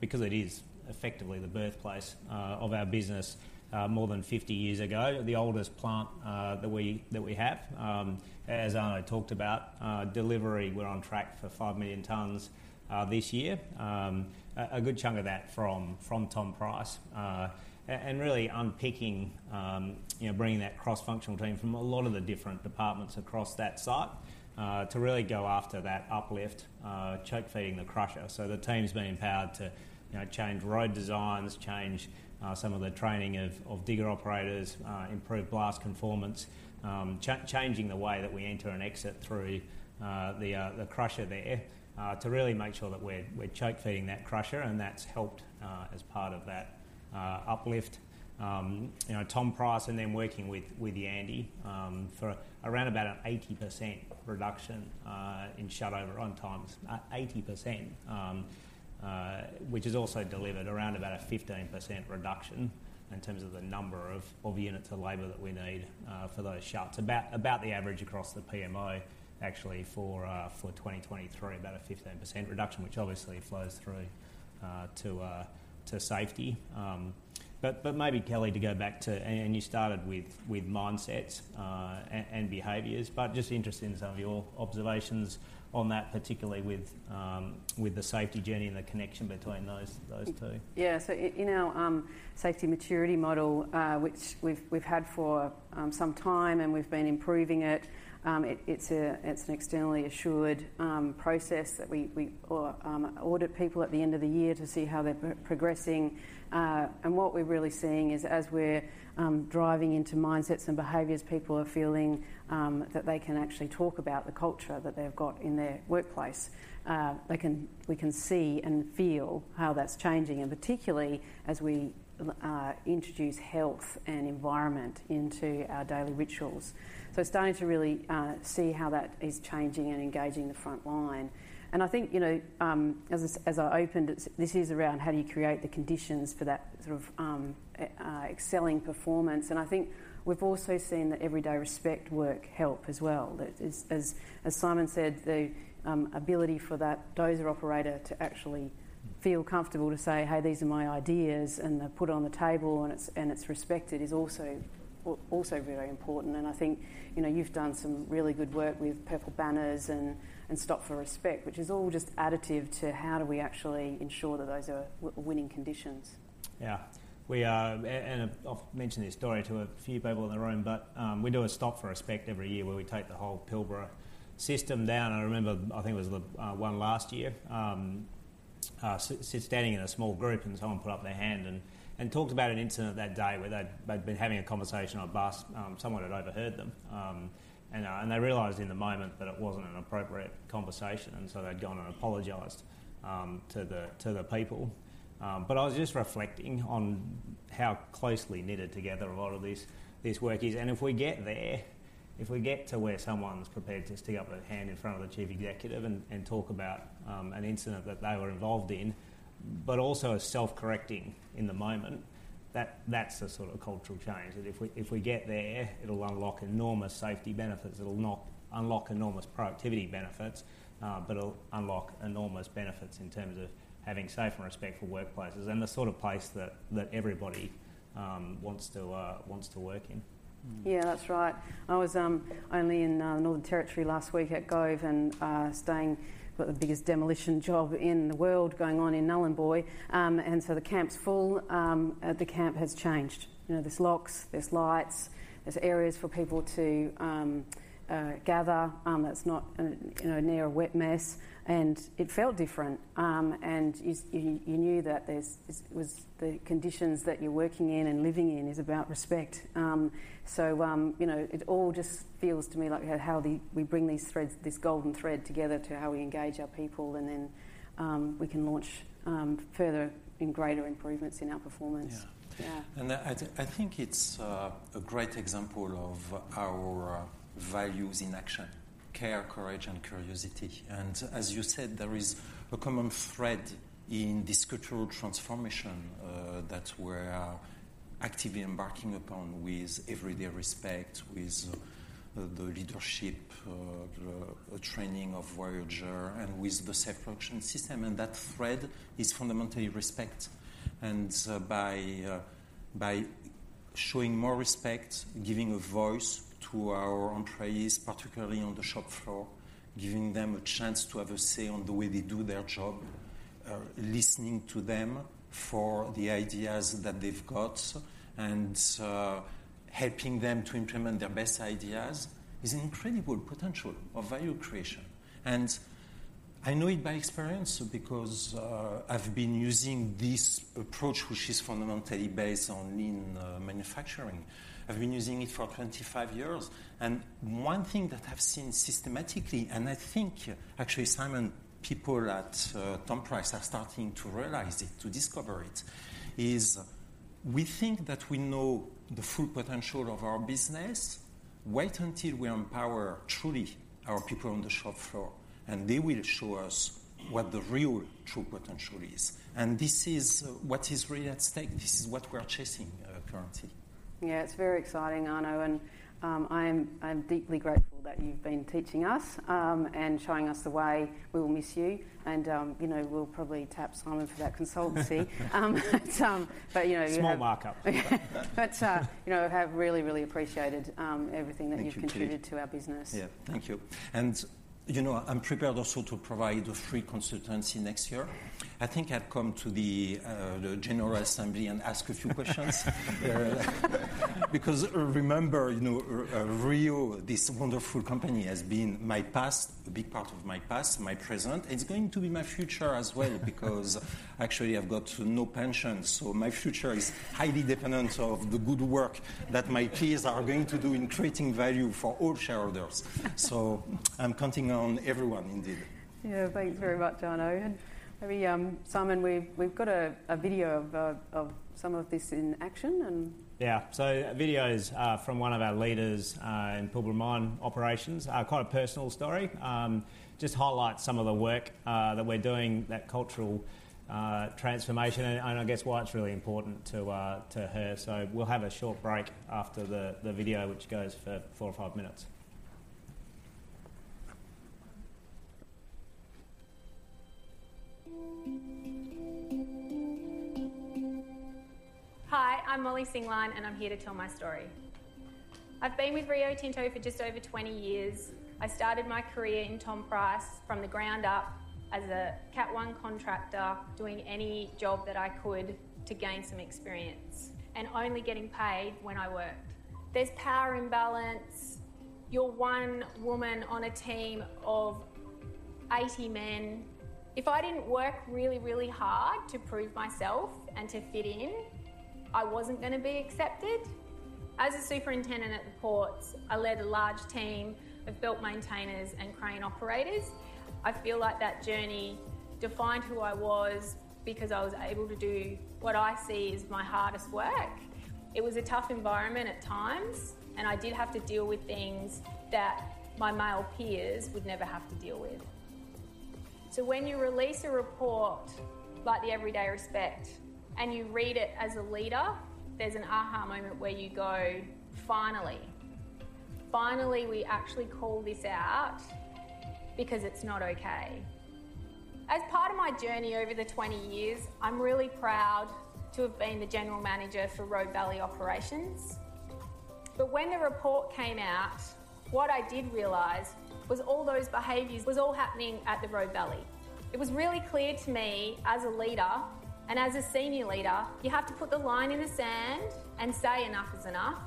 [SPEAKER 10] because it is effectively the birthplace of our business more than 50 years ago, the oldest plant that we have. As Arnaud talked about, delivery, we're on track for 5 million tons this year. A good chunk of that from Tom Price. And really unpicking, you know, bringing that cross-functional team from a lot of the different departments across that site to really go after that uplift, choke feeding the crusher. So the team's been empowered to, you know, change road designs, change some of the training of digger operators, improve blast conformance, changing the way that we enter and exit through the crusher there, to really make sure that we're choke feeding that crusher, and that's helped as part of that uplift. You know, Tom Price and then working with Yandi, for around about an 80% reduction in shut over on times. 80%, which is also delivered around about a 15% reduction in terms of the number of units of labor that we need for those shops. About the average across the PMO, actually, for 2023, about a 15% reduction, which obviously flows through to safety. But maybe Kelly, to go back to and you started with mindsets and behaviors, but just interested in some of your observations on that, particularly with the safety journey and the connection between those two.
[SPEAKER 2] Yeah. So in our safety maturity model, which we've had for some time, and we've been improving it, it's an externally assured process that we audit people at the end of the year to see how they're progressing. And what we're really seeing is, as we're driving into mindsets and behaviors, people are feeling that they can actually talk about the culture that they've got in their workplace. They can—we can see and feel how that's changing, and particularly as we introduce health and environment into our daily rituals. So we're starting to really see how that is changing and engaging the front line. I think, you know, as I opened, it's this is around how do you create the conditions for that sort of excelling performance. And I think we've also seen the Everyday Respect work help as well. That as Simon said, the ability for that dozer operator to actually feel comfortable to say, "Hey, these are my ideas," and they're put on the table, and it's respected, is also also very important. And I think, you know, you've done some really good work with purple banners and Stop for Respect, which is all just additive to how do we actually ensure that those are winning conditions.
[SPEAKER 10] Yeah. We are, and I've mentioned this story to a few people in the room, but we do a Stop for Respect every year, where we take the whole Pilbara system down. I remember, I think it was the one last year, standing in a small group, and someone put up their hand and talked about an incident that day where they'd been having a conversation on a bus, someone had overheard them. And they realized in the moment that it wasn't an appropriate conversation, and so they'd gone and apologized to the people. But I was just reflecting on how closely knitted together a lot of this work is. And if we get there, if we get to where someone's prepared to stick up their hand in front of the Chief Executive and talk about an incident that they were involved in, but also is self-correcting in the moment, that's the sort of cultural change that if we get there, it'll unlock enormous safety benefits. It'll unlock enormous productivity benefits, but it'll unlock enormous benefits in terms of having safe and respectful workplaces and the sort of place that everybody wants to work in.
[SPEAKER 2] Yeah, that's right. I was only in the Northern Territory last week at Gove and staying for the biggest demolition job in the world going on in Nhulunbuy. And so the camp's full. The camp has changed. You know, there's locks, there's lights, there's areas for people to gather, that's not, you know, near a wet mess, and it felt different. And you knew that this was the conditions that you're working in and living in is about respect. So, you know, it all just feels to me like how we bring these threads, this golden thread together to how we engage our people, and then we can launch further and greater improvements in our performance.
[SPEAKER 10] Yeah.
[SPEAKER 2] Yeah.
[SPEAKER 12] I think it's a great example of our values in action: care, courage, and curiosity. As you said, there is a common thread in this cultural transformation that we're actively embarking upon with Everyday Respect, with the leadership the training of Voyager and with the Safe Production System, and that thread is fundamentally respect. By showing more respect, giving a voice to our employees, particularly on the shop floor, giving them a chance to have a say on the way they do their job, listening to them for the ideas that they've got and helping them to implement their best ideas, is an incredible potential of value creation. I know it by experience because I've been using this approach, which is fundamentally based on lean manufacturing. I've been using it for 25 years, and one thing that I've seen systematically, and I think, actually, Simon, people at Tom Price are starting to realize it, to discover it, is we think that we know the full potential of our business. Wait until we empower, truly, our people on the shop floor, and they will show us what the real, true potential is. And this is what is really at stake. This is what we are chasing currently.
[SPEAKER 2] Yeah, it's very exciting, Arnaud, and I'm deeply grateful that you've been teaching us and showing us the way. We will miss you, and you know, we'll probably tap Simon for that consultancy. But you know, you have-
[SPEAKER 10] Small mark-up.
[SPEAKER 2] But, you know, have really, really appreciated.
[SPEAKER 12] Thank you, Kellie.
[SPEAKER 2] everything that you've contributed to our business.
[SPEAKER 12] Yeah. Thank you. And, you know, I'm prepared also to provide a free consultancy next year. I think I'd come to the, the general assembly and ask a few questions. Because, remember, you know, Rio, this wonderful company, has been my past, a big part of my past, my present, and it's going to be my future as well, because actually I've got no pension, so my future is highly dependent of the good work that my peers are going to do in creating value for all shareholders. So I'm counting on everyone indeed.
[SPEAKER 4] Yeah, thanks very much, Arnaud. And maybe, Simon, we've got a video of some of this in action, and-
[SPEAKER 10] Yeah. So the video is from one of our leaders in Pilbara Mine Operations. Quite a personal story. Just highlight some of the work that we're doing, that cultural transformation, and I guess why it's really important to her. So we'll have a short break after the video, which goes for four or five minutes.
[SPEAKER 13] Hi, I'm Molly Singline, and I'm here to tell my story. I've been with Rio Tinto for just over 20 years. I started my career in Tom Price from the ground up as a Cat One contractor, doing any job that I could to gain some experience and only getting paid when I worked. There's power imbalance. You're one woman on a team of 80 men. If I didn't work really, really hard to prove myself and to fit in, I wasn't gonna be accepted. As a superintendent at the ports, I led a large team of belt maintainers and crane operators. I feel like that journey defined who I was because I was able to do what I see as my hardest work. It was a tough environment at times, and I did have to deal with things that my male peers would never have to deal with. So when you release a report like the Everyday Respect, and you read it as a leader, there's an aha moment where you go, "Finally! Finally, we actually call this out because it's not okay." As part of my journey over the 20 years, I'm really proud to have been the general manager for Robe Valley Operations. But when the report came out, what I did realize was all those behaviors was all happening at the Robe Valley. It was really clear to me as a leader and as a senior leader, you have to put the line in the sand and say, "Enough is enough."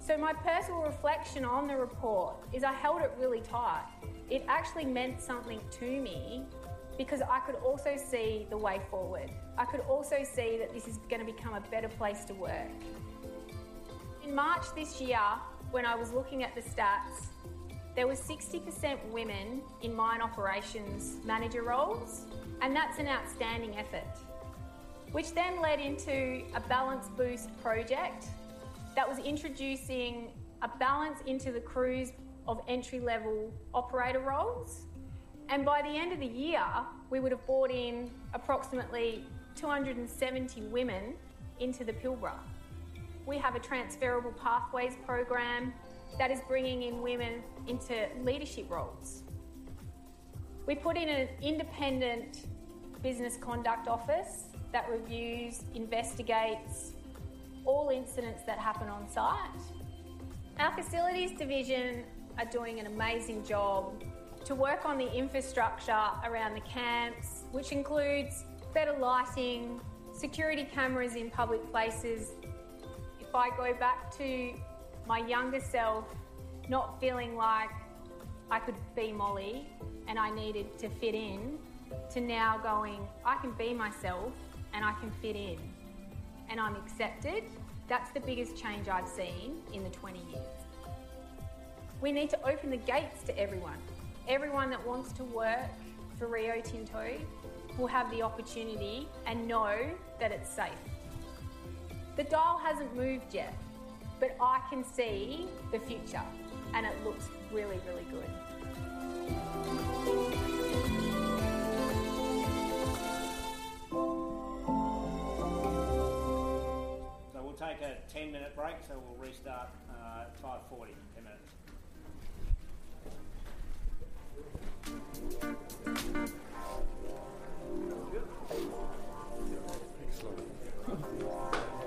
[SPEAKER 13] So my personal reflection on the report is I held it really tight. It actually meant something to me because I could also see the way forward. I could also see that this is gonna become a better place to work. In March this year, when I was looking at the stats, there were 60% women in mine operations manager roles, and that's an outstanding effort. Which then led into a Balance Boost project that was introducing a balance into the crews of entry-level operator roles, and by the end of the year, we would have brought in approximately 270 women into the Pilbara. We have a transferable pathways program that is bringing in women into leadership roles. We put in an independent business conduct office that reviews, investigates all incidents that happen on-site. Our facilities division are doing an amazing job to work on the infrastructure around the camps, which includes better lighting, security cameras in public places. If I go back to my younger self, not feeling like I could be Molly and I needed to fit in, to now going, "I can be myself, and I can fit in, and I'm accepted," that's the biggest change I've seen in the 20 years. We need to open the gates to everyone. Everyone that wants to work for Rio Tinto will have the opportunity and know that it's safe. The dial hasn't moved yet, but I can see the future, and it looks really, really good.
[SPEAKER 10] We'll take a 10-minute break, so we'll restart at 5:40. Ten minutes.
[SPEAKER 14] All right, well,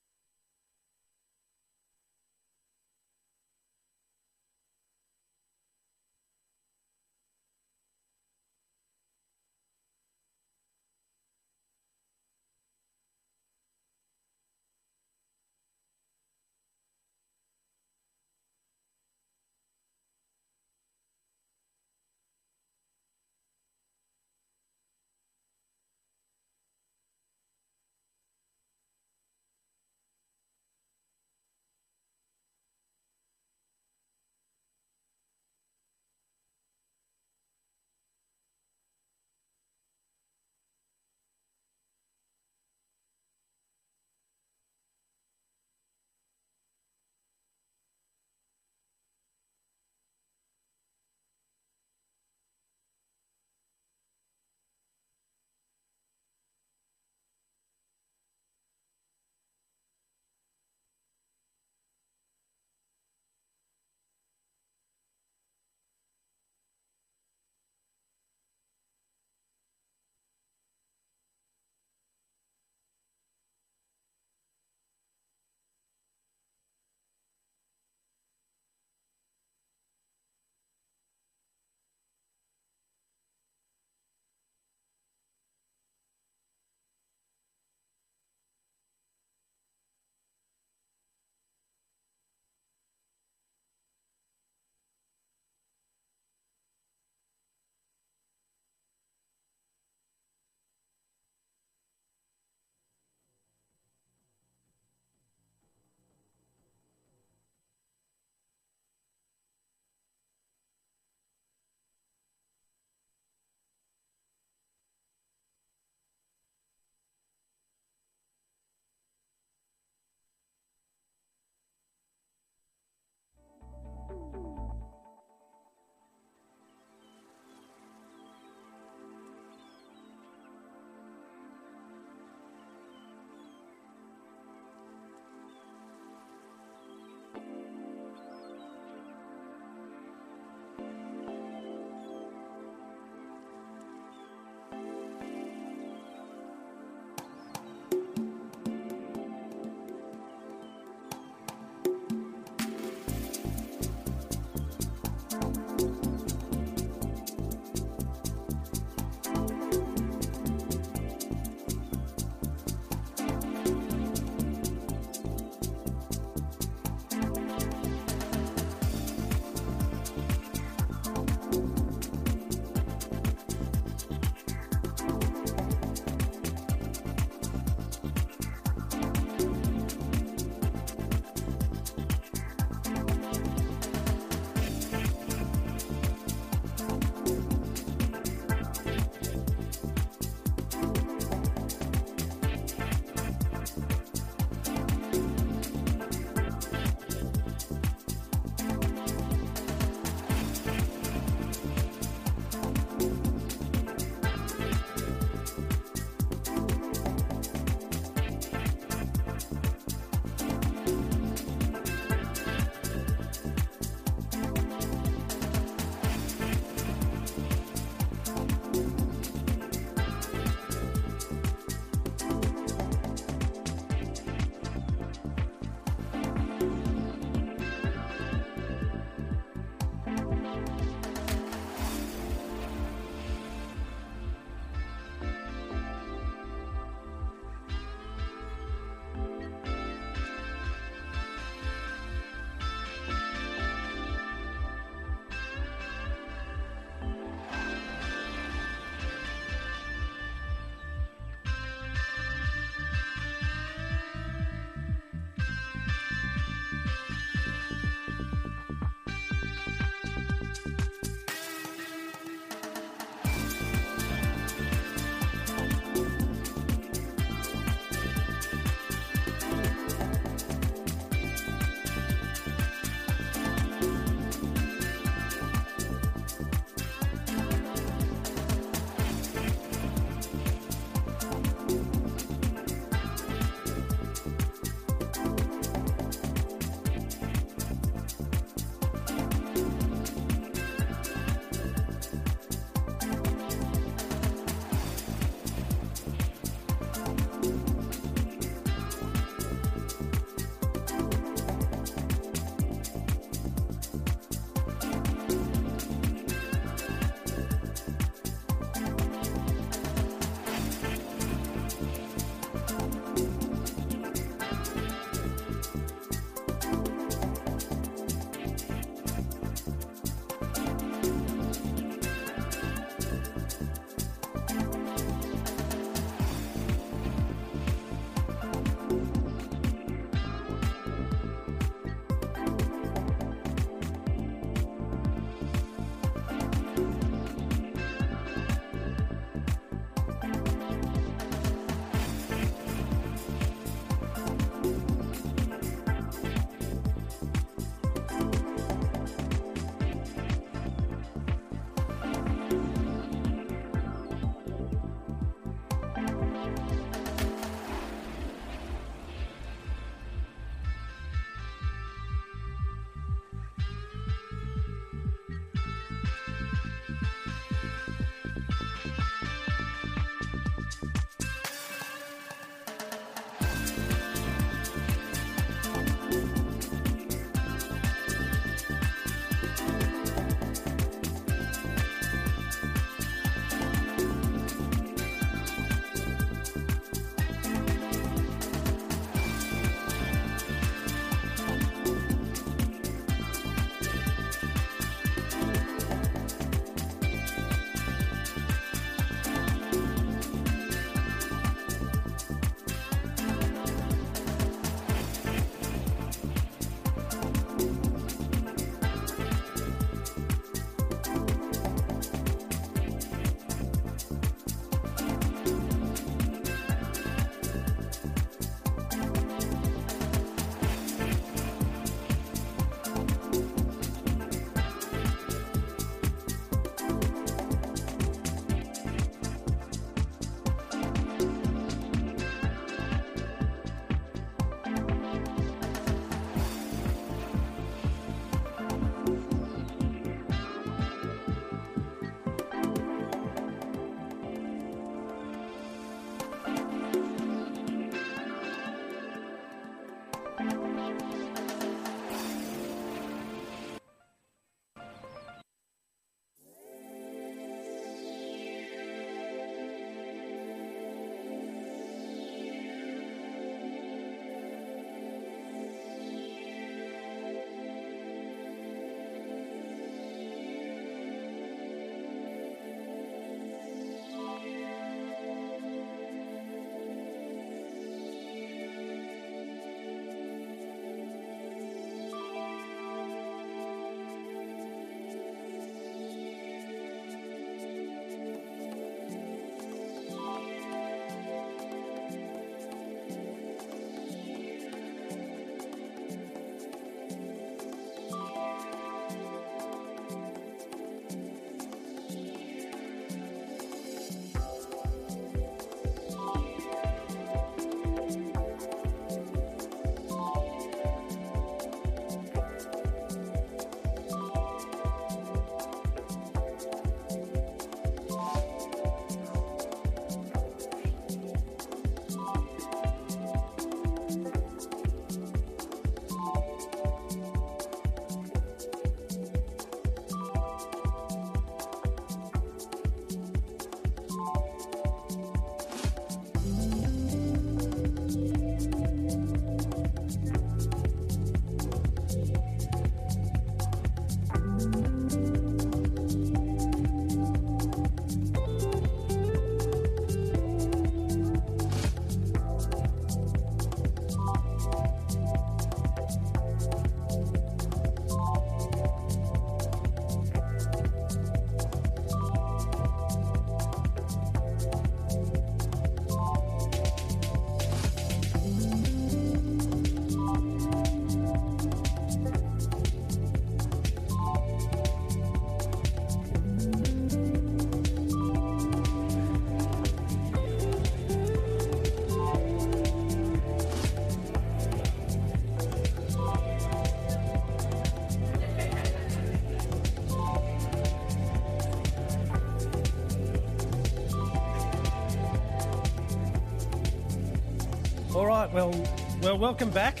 [SPEAKER 14] well, welcome back.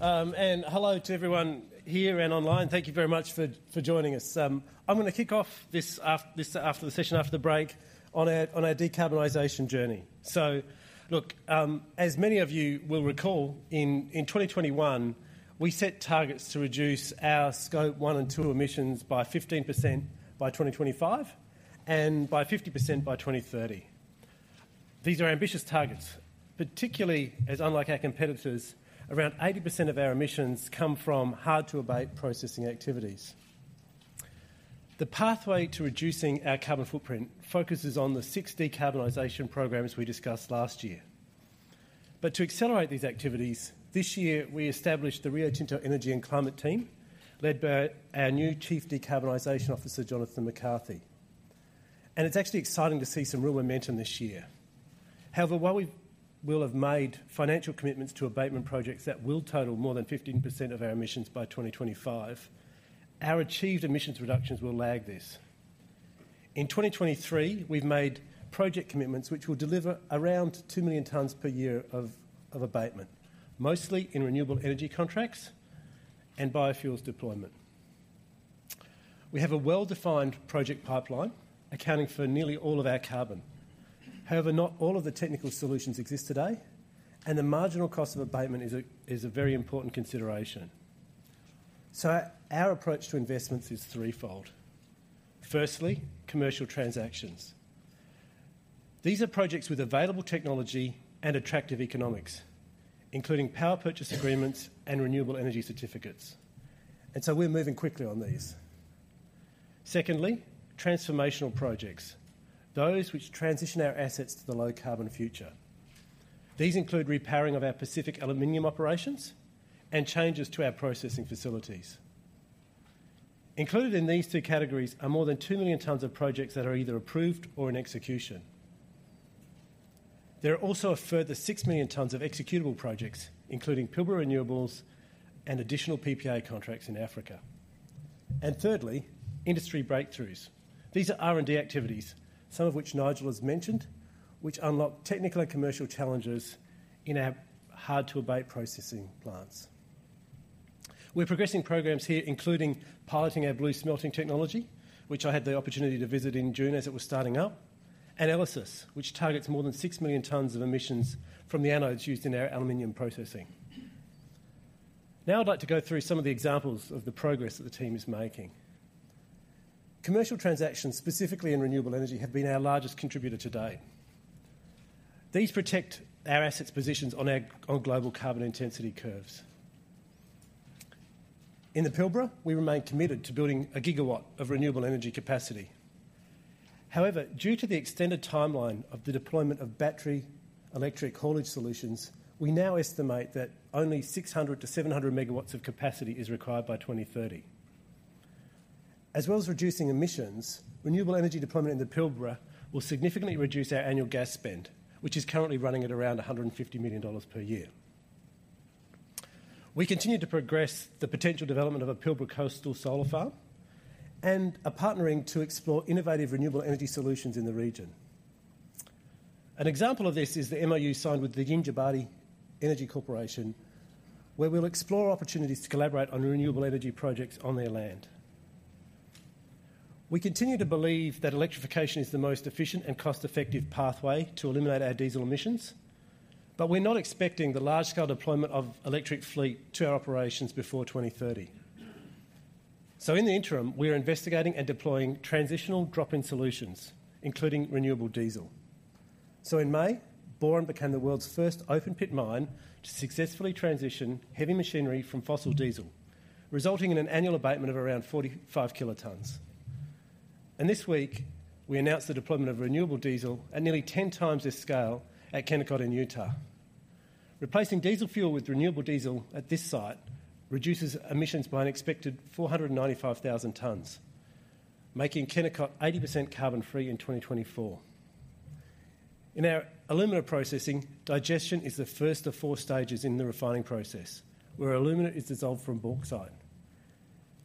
[SPEAKER 14] And hello to everyone here and online. Thank you very much for joining us. I'm gonna kick off this after the session, after the break, on our, on our decarbonization journey. So look, as many of you will recall, in 2021, we set targets to reduce our Scope 1 and 2 emissions by 15% by 2025, and by 50% by 2030. These are ambitious targets, particularly as unlike our competitors, around 80% of our emissions come from hard-to-abate processing activities. The pathway to reducing our carbon footprint focuses on the six decarbonization programs we discussed last year. But to accelerate these activities, this year we established the Rio Tinto Energy and Climate Team, led by our new Chief Decarbonization Officer, Jonathon McCarthy. It's actually exciting to see some real momentum this year. However, while we will have made financial commitments to abatement projects that will total more than 15% of our emissions by 2025, our achieved emissions reductions will lag this. In 2023, we've made project commitments which will deliver around 2 million tons per year of abatement, mostly in renewable energy contracts and biofuels deployment. We have a well-defined project pipeline accounting for nearly all of our carbon. However, not all of the technical solutions exist today, and the marginal cost of abatement is a very important consideration. So our approach to investments is threefold. Firstly, commercial transactions. These are projects with available technology and attractive economics, including power purchase agreements and renewable energy certificates. And so we're moving quickly on these. Secondly, transformational projects, those which transition our assets to the low-carbon future. These include repowering of our Pacific Aluminum operations and changes to our processing facilities. Included in these two categories are more than 2 million tons of projects that are either approved or in execution. There are also a further 6 million tons of executable projects, including Pilbara Renewables and additional PPA contracts in Africa. Thirdly, industry breakthroughs. These are R&D activities, some of which Nigel has mentioned, which unlock technical and commercial challenges in our hard-to-abate processing plants. We're progressing programs here, including piloting our blue smelting technology, which I had the opportunity to visit in June as it was starting up, and ELYSIS, which targets more than 6 million tons of emissions from the anodes used in our aluminum processing. Now, I'd like to go through some of the examples of the progress that the team is making. Commercial transactions, specifically in renewable energy, have been our largest contributor to date. These protect our assets' positions on our on global carbon intensity curves. In the Pilbara, we remain committed to building a gigawatt of renewable energy capacity. However, due to the extended timeline of the deployment of battery electric haulage solutions, we now estimate that only 600-700 megawatts of capacity is required by 2030. As well as reducing emissions, renewable energy deployment in the Pilbara will significantly reduce our annual gas spend, which is currently running at around $150 million per year. We continue to progress the potential development of a Pilbara coastal solar farm and are partnering to explore innovative renewable energy solutions in the region. An example of this is the MOU signed with the Yindjibarndi Energy Corporation, where we'll explore opportunities to collaborate on renewable energy projects on their land. We continue to believe that electrification is the most efficient and cost-effective pathway to eliminate our diesel emissions, but we're not expecting the large-scale deployment of electric fleet to our operations before 2030. In the interim, we are investigating and deploying transitional drop-in solutions, including renewable diesel. In May, Boron became the world's first open-pit mine to successfully transition heavy machinery from fossil diesel, resulting in an annual abatement of around 45 kilotons. This week, we announced the deployment of renewable diesel at nearly 10 times this scale at Kennecott in Utah. Replacing diesel fuel with renewable diesel at this site reduces emissions by an expected 495,000 tons, making Kennecott 80% carbon-free in 2024. In our alumina processing, digestion is the first of four stages in the refining process, where alumina is dissolved from bauxite.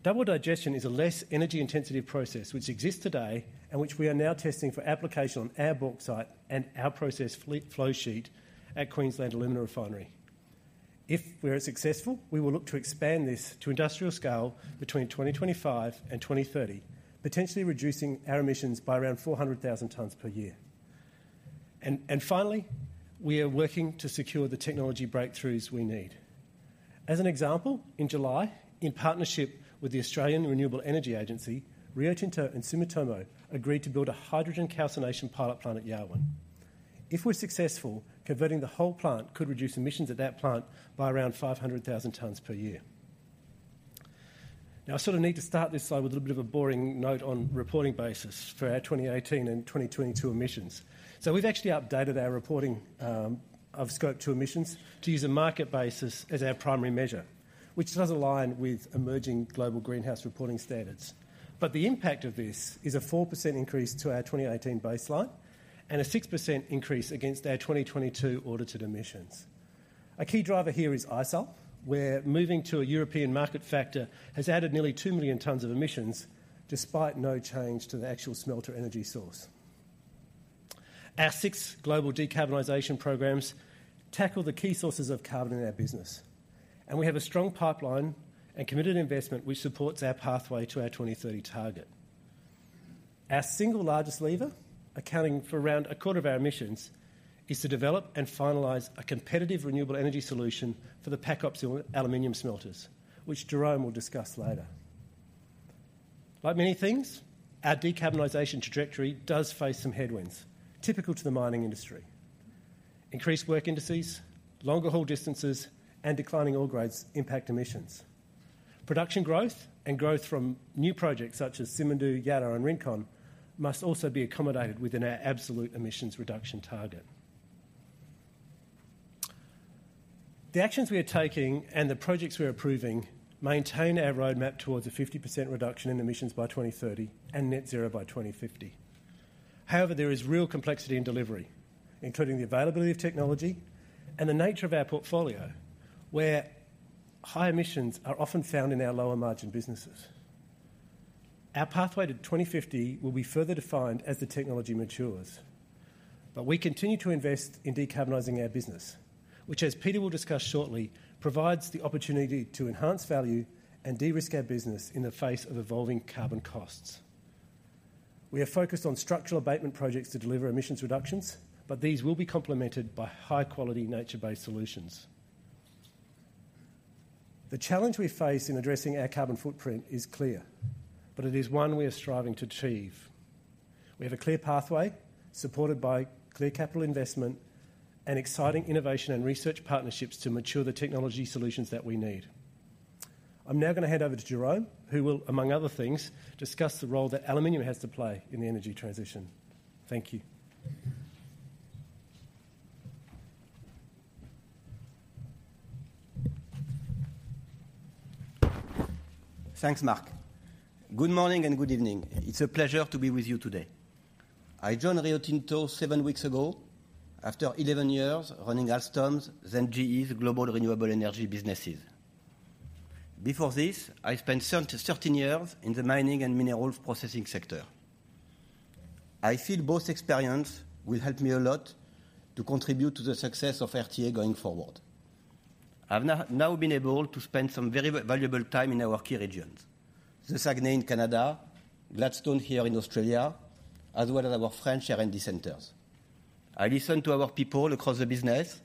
[SPEAKER 14] Double digestion is a less energy-intensive process which exists today and which we are now testing for application on our bauxite and our process fleet flow sheet at Queensland Alumina Refinery. If we are successful, we will look to expand this to industrial scale between 2025 and 2030, potentially reducing our emissions by around 400,000 tons per year. Finally, we are working to secure the technology breakthroughs we need. As an example, in July, in partnership with the Australian Renewable Energy Agency, Rio Tinto and Sumitomo agreed to build a hydrogen calcination pilot plant at Yarwun. If we're successful, converting the whole plant could reduce emissions at that plant by around 500,000 tons per year. Now, I sort of need to start this slide with a little bit of a boring note on reporting basis for our 2018 and 2022 emissions. So we've actually updated our reporting of Scope 2 emissions to use a market basis as our primary measure, which does align with emerging global greenhouse reporting standards. But the impact of this is a 4% increase to our 2018 baseline and a 6% increase against our 2022 audited emissions. A key driver here is ISAL, where moving to a European market factor has added nearly 2 million tons of emissions, despite no change to the actual smelter energy source. Our six global decarbonization programs tackle the key sources of carbon in our business, and we have a strong pipeline and committed investment, which supports our pathway to our 2030 target. Our single largest lever, accounting for around a quarter of our emissions, is to develop and finalize a competitive renewable energy solution for the PacOps aluminum smelters, which Jérôme will discuss later. Like many things, our decarbonization trajectory does face some headwinds, typical to the mining industry. Increased work indices, longer haul distances, and declining ore grades impact emissions. Production growth and growth from new projects such as Simandou, Jadar, and Rincon must also be accommodated within our absolute emissions reduction target. The actions we are taking and the projects we are approving maintain our roadmap towards a 50% reduction in emissions by 2030 and net zero by 2050. However, there is real complexity in delivery, including the availability of technology and the nature of our portfolio, where high emissions are often found in our lower margin businesses. Our pathway to 2050 will be further defined as the technology matures. But we continue to invest in decarbonizing our business, which, as Peter will discuss shortly, provides the opportunity to enhance value and de-risk our business in the face of evolving carbon costs. We are focused on structural abatement projects to deliver emissions reductions, but these will be complemented by high-quality, nature-based solutions. The challenge we face in addressing our carbon footprint is clear, but it is one we are striving to achieve. We have a clear pathway, supported by clear capital investment and exciting innovation and research partnerships to mature the technology solutions that we need. I'm now going to hand over to Jérôme, who will, among other things, discuss the role that aluminum has to play in the energy transition. Thank you.
[SPEAKER 15] Thanks, Mark. Good morning and good evening. It's a pleasure to be with you today. I joined Rio Tinto seven weeks ago after eleven years running Alstom, then GE's global renewable energy businesses. Before this, I spent thirteen years in the mining and minerals processing sector. I feel both experience will help me a lot to contribute to the success of RTA going forward. I've now been able to spend some very valuable time in our key regions, the Saguenay in Canada, Gladstone here in Australia, as well as our French R&D centers. I listened to our people across the business.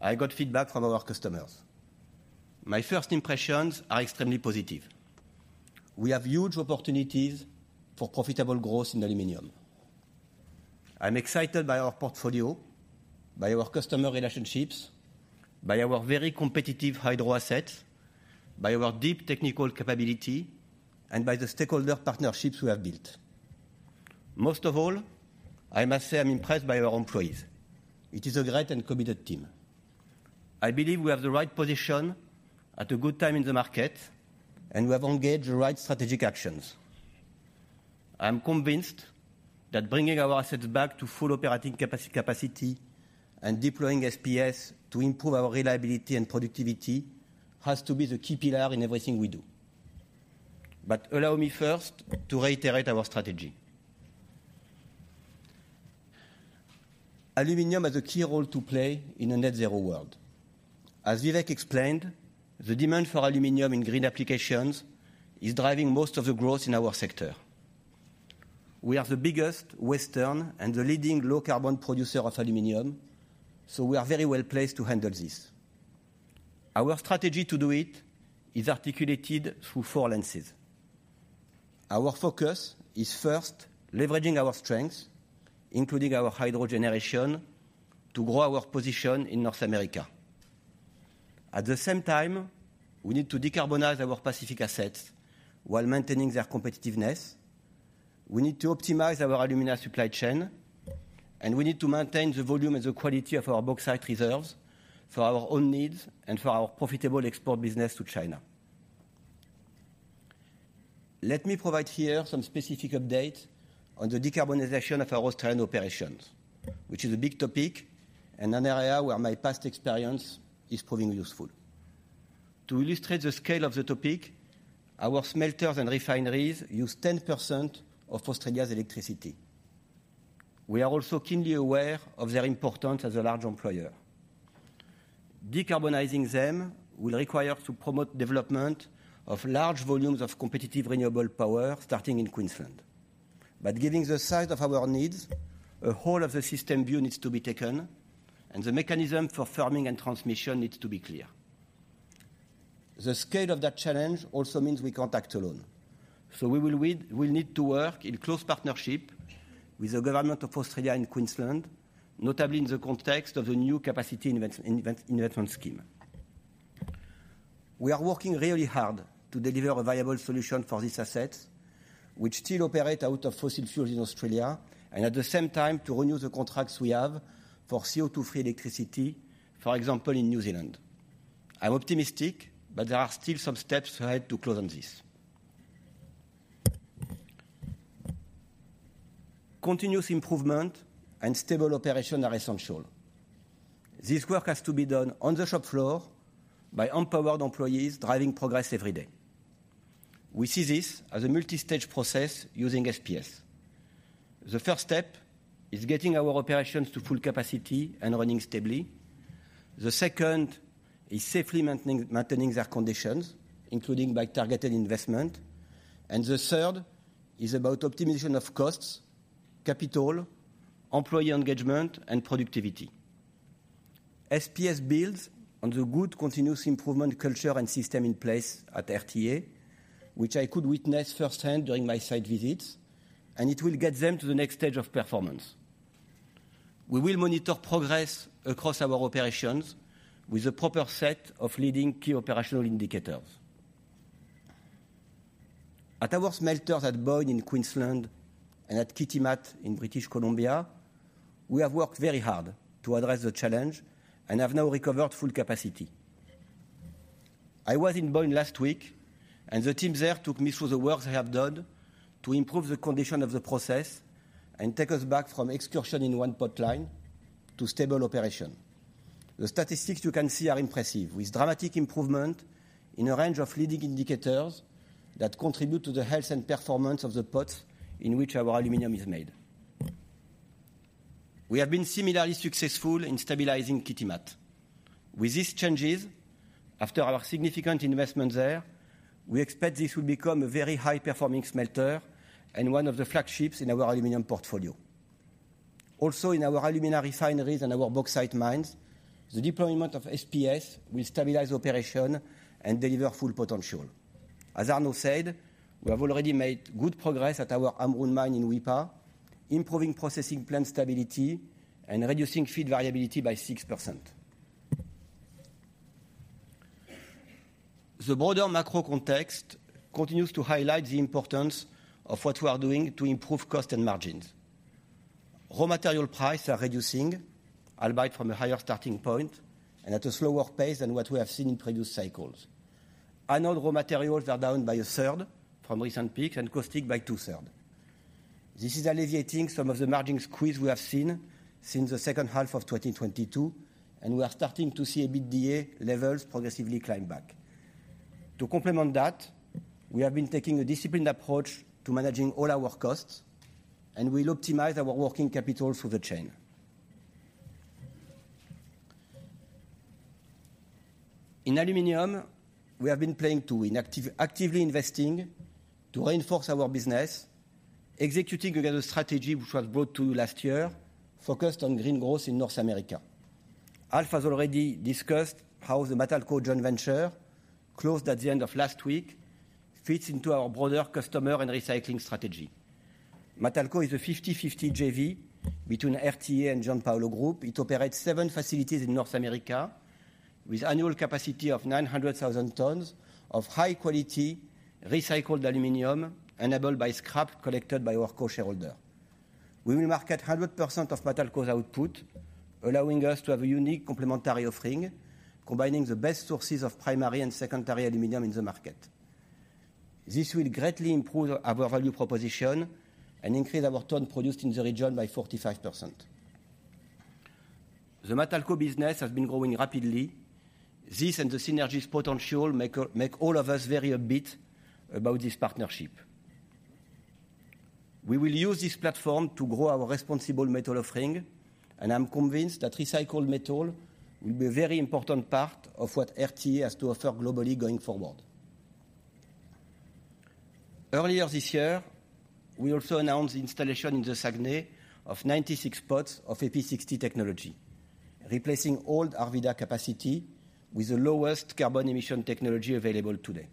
[SPEAKER 15] I got feedback from our customers. My first impressions are extremely positive. We have huge opportunities for profitable growth in aluminum. I'm excited by our portfolio, by our customer relationships, by our very competitive hydro assets, by our deep technical capability, and by the stakeholder partnerships we have built. Most of all, I must say I'm impressed by our employees. It is a great and committed team. I believe we have the right position at a good time in the market, and we have engaged the right strategic actions. I am convinced that bringing our assets back to full operating capacity and deploying SPS to improve our reliability and productivity has to be the key pillar in everything we do. But allow me first to reiterate our strategy. Aluminum has a key role to play in a net zero world. As Vivek explained, the demand for aluminum in green applications is driving most of the growth in our sector. We are the biggest Western and the leading low-carbon producer of aluminum, so we are very well placed to handle this. Our strategy to do it is articulated through four lenses. Our focus is first leveraging our strengths, including our hydro generation, to grow our position in North America. At the same time, we need to decarbonize our Pacific assets while maintaining their competitiveness. We need to optimize our alumina supply chain, and we need to maintain the volume and the quality of our bauxite reserves for our own needs and for our profitable export business to China. Let me provide here some specific update on the decarbonization of our Australian operations, which is a big topic and an area where my past experience is proving useful. To illustrate the scale of the topic, our smelters and refineries use 10% of Australia's electricity. We are also keenly aware of their importance as a large employer. Decarbonizing them will require to promote development of large volumes of competitive, renewable power, starting in Queensland. But given the size of our needs, a whole other system view needs to be taken, and the mechanism for firming and transmission needs to be clear. The scale of that challenge also means we can't act alone. So we will need, we'll need to work in close partnership with the Government of Australia and Queensland, notably in the context of the new capacity investment scheme. We are working really hard to deliver a viable solution for these assets, which still operate out of fossil fuels in Australia, and at the same time, to renew the contracts we have for CO2-free electricity, for example, in New Zealand. I'm optimistic, but there are still some steps I have to close on this. Continuous improvement and stable operation are essential. This work has to be done on the shop floor by empowered employees driving progress every day. We see this as a multi-stage process using SPS. The first step is getting our operations to full capacity and running stably. The second is safely maintaining their conditions, including by targeted investment. The third is about optimization of costs, capital, employee engagement, and productivity. SPS builds on the good continuous improvement culture and system in place at RTA, which I could witness firsthand during my site visits, and it will get them to the next stage of performance. We will monitor progress across our operations with a proper set of leading key operational indicators. At our smelters at Boyne in Queensland and at Kitimat in British Columbia, we have worked very hard to address the challenge and have now recovered full capacity. I was in Boyne last week, and the team there took me through the work they have done to improve the condition of the process and take us back from excursion in one pot line to stable operation. The statistics you can see are impressive, with dramatic improvement in a range of leading indicators that contribute to the health and performance of the pots in which our aluminum is made. We have been similarly successful in stabilizing Kitimat. With these changes, after our significant investment there, we expect this will become a very high-performing smelter and one of the flagships in our aluminum portfolio. Also, in our alumina refineries and our bauxite mines, the deployment of SPS will stabilize operations and deliver full potential. As Arnaud said, we have already made good progress at our Amrun mine in Weipa, improving processing plant stability and reducing feed variability by 6%. The broader macro context continues to highlight the importance of what we are doing to improve cost and margins. Raw material prices are reducing, albeit from a higher starting point and at a slower pace than what we have seen in previous cycles. Anode raw materials are down by a third from recent peaks and caustic by two-thirds. This is alleviating some of the margin squeeze we have seen since the second half of 2022, and we are starting to see EBITDA levels progressively climb back. To complement that, we have been taking a disciplined approach to managing all our costs, and we'll optimize our working capital through the chain. In aluminum, we have been playing to win, actively investing to reinforce our business, executing together a strategy which was brought to you last year, focused on green growth in North America. Alf has already discussed how the Matalco joint venture, closed at the end of last week, fits into our broader customer and recycling strategy. Matalco is a 50/50 JV between RTA and Giampaolo Group. It operates seven facilities in North America, with annual capacity of 900,000 tons of high-quality recycled aluminum, enabled by scrap collected by our co-shareholder. We will market 100% of Matalco's output, allowing us to have a unique complementary offering, combining the best sources of primary and secondary aluminum in the market. This will greatly improve our value proposition and increase our ton produced in the region by 45%. The Matalco business has been growing rapidly. This and the synergies potential make all of us very upbeat about this partnership. We will use this platform to grow our responsible metal offering, and I'm convinced that recycled metal will be a very important part of what RTA has to offer globally going forward. Earlier this year, we also announced the installation in the Saguenay of 96 pots of AP60 technology, replacing old Arvida capacity with the lowest carbon emission technology available today.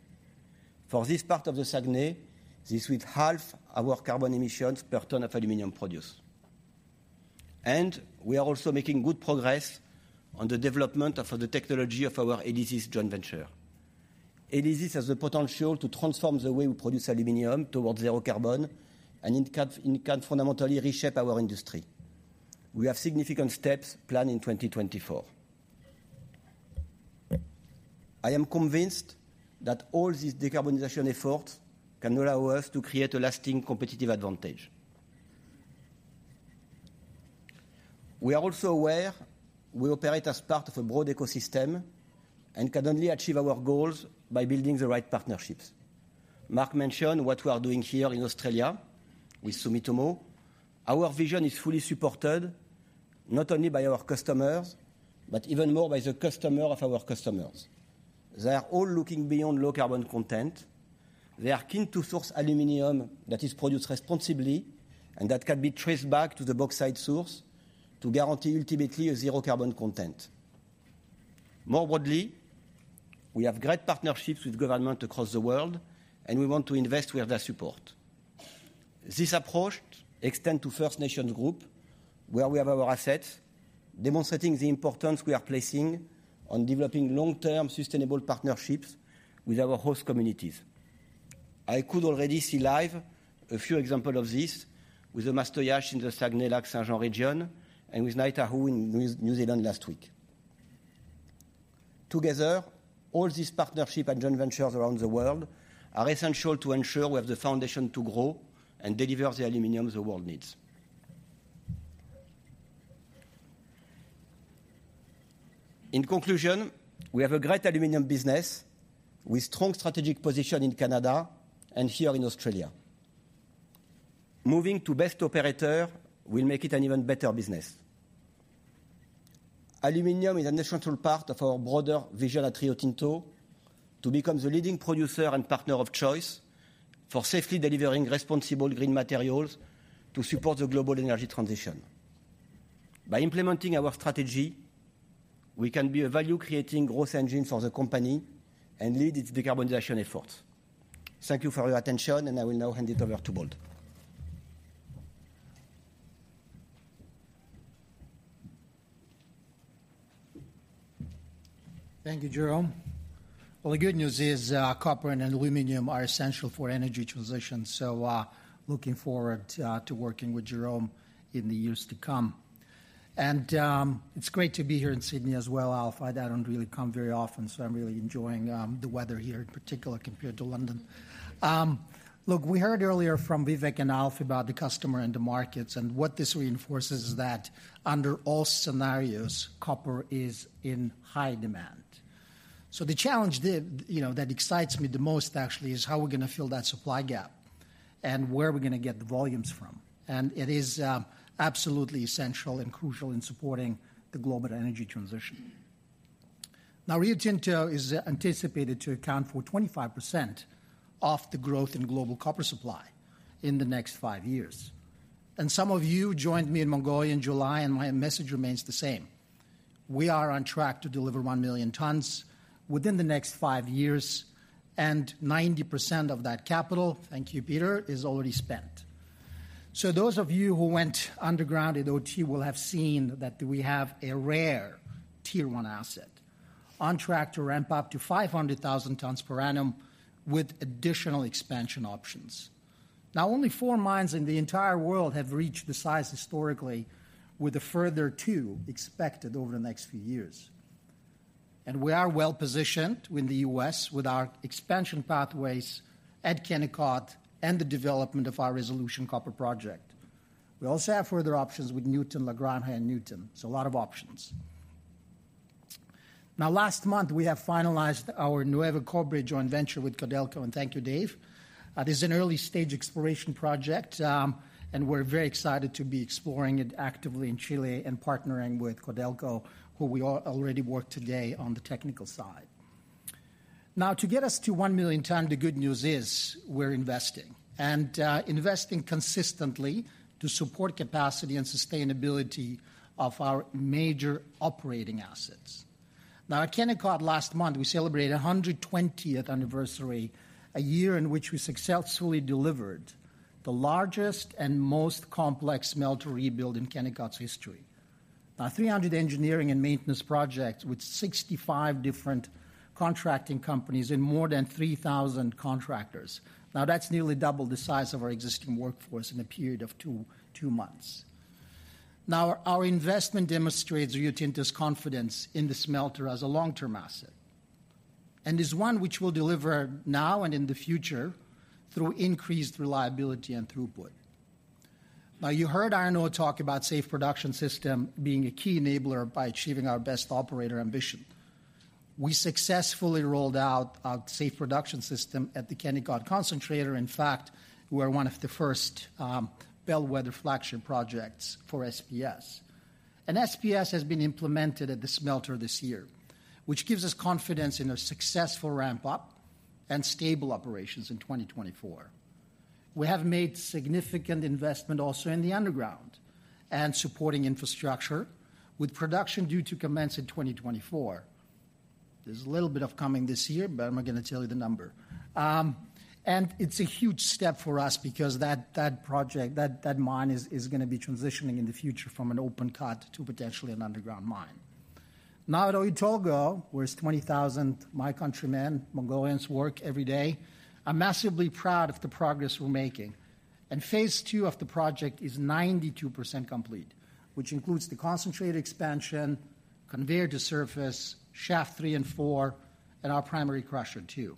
[SPEAKER 15] For this part of the Saguenay, this will halve our carbon emissions per ton of aluminum produced. We are also making good progress on the development of the technology of our ELYSIS joint venture. ELYSIS has the potential to transform the way we produce aluminum towards zero carbon, and it can, it can fundamentally reshape our industry. We have significant steps planned in 2024. I am convinced that all these decarbonization efforts can allow us to create a lasting competitive advantage. We are also aware we operate as part of a broad ecosystem and can only achieve our goals by building the right partnerships. Mark mentioned what we are doing here in Australia with Sumitomo. Our vision is fully supported not only by our customers, but even more by the customer of our customers. They are all looking beyond low carbon content. They are keen to source aluminum that is produced responsibly and that can be traced back to the bauxite source to guarantee ultimately a zero carbon content. More broadly, we have great partnerships with government across the world, and we want to invest with their support. This approach extend to First Nations Group, where we have our assets, demonstrating the importance we are placing on developing long-term, sustainable partnerships with our host communities. I could already see live a few example of this with the Mashteuiatsh in the Saguenay-Lac-Saint-Jean region and with Ngāi Tahu in New, New Zealand last week.... Together, all these partnership and joint ventures around the world are essential to ensure we have the foundation to grow and deliver the aluminum the world needs. In conclusion, we have a great aluminum business with strong strategic position in Canada and here in Australia. Moving to Best Operator will make it an even better business. Aluminum is an essential part of our broader vision at Rio Tinto to become the leading producer and partner of choice for safely delivering responsible green materials to support the global energy transition. By implementing our strategy, we can be a value-creating growth engine for the company and lead its decarbonization efforts. Thank you for your attention, and I will now hand it over to Bold.
[SPEAKER 16] Thank you, Jerome. Well, the good news is, copper and aluminum are essential for energy transition, so, looking forward to working with Jerome in the years to come. It's great to be here in Sydney as well, Alf. I don't really come very often, so I'm really enjoying the weather here in particular, compared to London. Look, we heard earlier from Vivek and Alf about the customer and the markets, and what this reinforces is that under all scenarios, copper is in high demand. So the challenge, you know, that excites me the most, actually, is how we're gonna fill that supply gap and where are we gonna get the volumes from. And it is absolutely essential and crucial in supporting the global energy transition. Now, Rio Tinto is anticipated to account for 25% of the growth in global copper supply in the next five years. And some of you joined me in Mongolia in July, and my message remains the same: We are on track to deliver 1 million tonnes within the next five years, and 90% of that capital, thank you, Peter, is already spent. So those of you who went underground at OT will have seen that we have a rare Tier 1 asset on track to ramp up to 500,000 tonnes per annum with additional expansion options. Now, only four mines in the entire world have reached this size historically, with a further two expected over the next few years. And we are well positioned in the U.S. with our expansion pathways at Kennecott and the development of our Resolution Copper project. We also have further options with Nuton, La Granja, and Nuton. So a lot of options. Now, last month, we have finalized our Nuevo Cobre joint venture with Codelco, and thank you, Dave. This is an early-stage exploration project, and we're very excited to be exploring it actively in Chile and partnering with Codelco, who we already work today on the technical side. Now, to get us to 1 million tonne, the good news is we're investing, and investing consistently to support capacity and sustainability of our major operating assets. Now, at Kennecott last month, we celebrated 120th anniversary, a year in which we successfully delivered the largest and most complex smelter rebuild in Kennecott's history. Now, 300 engineering and maintenance projects with 65 different contracting companies and more than 3,000 contractors. Now, that's nearly double the size of our existing workforce in a period of two months. Now, our investment demonstrates Rio Tinto's confidence in the smelter as a long-term asset and is one which will deliver now and in the future through increased reliability and throughput. Now, you heard Arnaud talk about Safe Production System being a key enabler by achieving our best operator ambition. We successfully rolled out our Safe Production System at the Kennecott Concentrator. In fact, we are one of the first, bellwether flagship projects for SPS. SPS has been implemented at the smelter this year, which gives us confidence in a successful ramp-up and stable operations in 2024. We have made significant investment also in the underground and supporting infrastructure, with production due to commence in 2024. There's a little bit of coming this year, but I'm not gonna tell you the number. It's a huge step for us because that, that project, that, that mine is, is gonna be transitioning in the future from an open cut to potentially an underground mine. Now, at Oyu Tolgoi, where 20,000 of my countrymen, Mongolians, work every day, I'm massively proud of the progress we're making. Phase 2 of the project is 92% complete, which includes the concentrate expansion, conveyor to surface, shaft 3 and 4, and our primary crusher, too.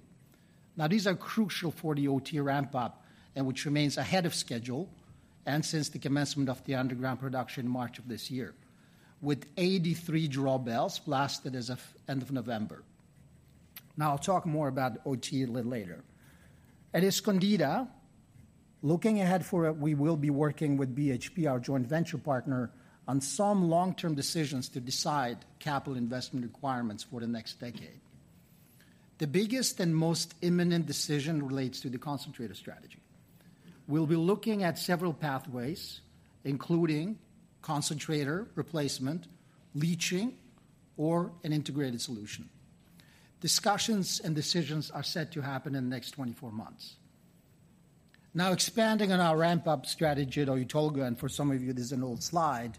[SPEAKER 16] Now, these are crucial for the OT ramp-up and which remains ahead of schedule and since the commencement of the underground production in March of this year, with 83 drawbells blasted as of end of November. Now, I'll talk more about OT a little later. At Escondida, looking ahead forward, we will be working with BHP, our joint venture partner, on some long-term decisions to decide capital investment requirements for the next decade. The biggest and most imminent decision relates to the concentrator strategy. We'll be looking at several pathways, including concentrator replacement, leaching, or an integrated solution. Discussions and decisions are set to happen in the next 24 months. Now, expanding on our ramp-up strategy at Oyu Tolgoi, and for some of you, this is an old slide.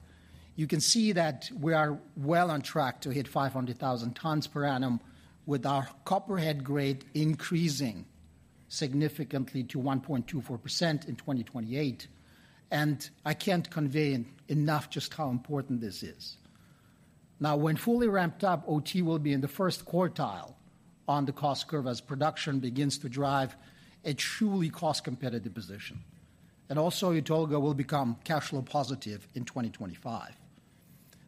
[SPEAKER 16] You can see that we are well on track to hit 500,000 tonnes per annum with our copper head grade increasing significantly to 1.24% in 2028, and I can't convey enough just how important this is. Now, when fully ramped up, Oyu Tolgoi will be in the first quartile on the cost curve as production begins to drive a truly cost-competitive position. And also, Oyu Tolgoi will become cash flow positive in 2025.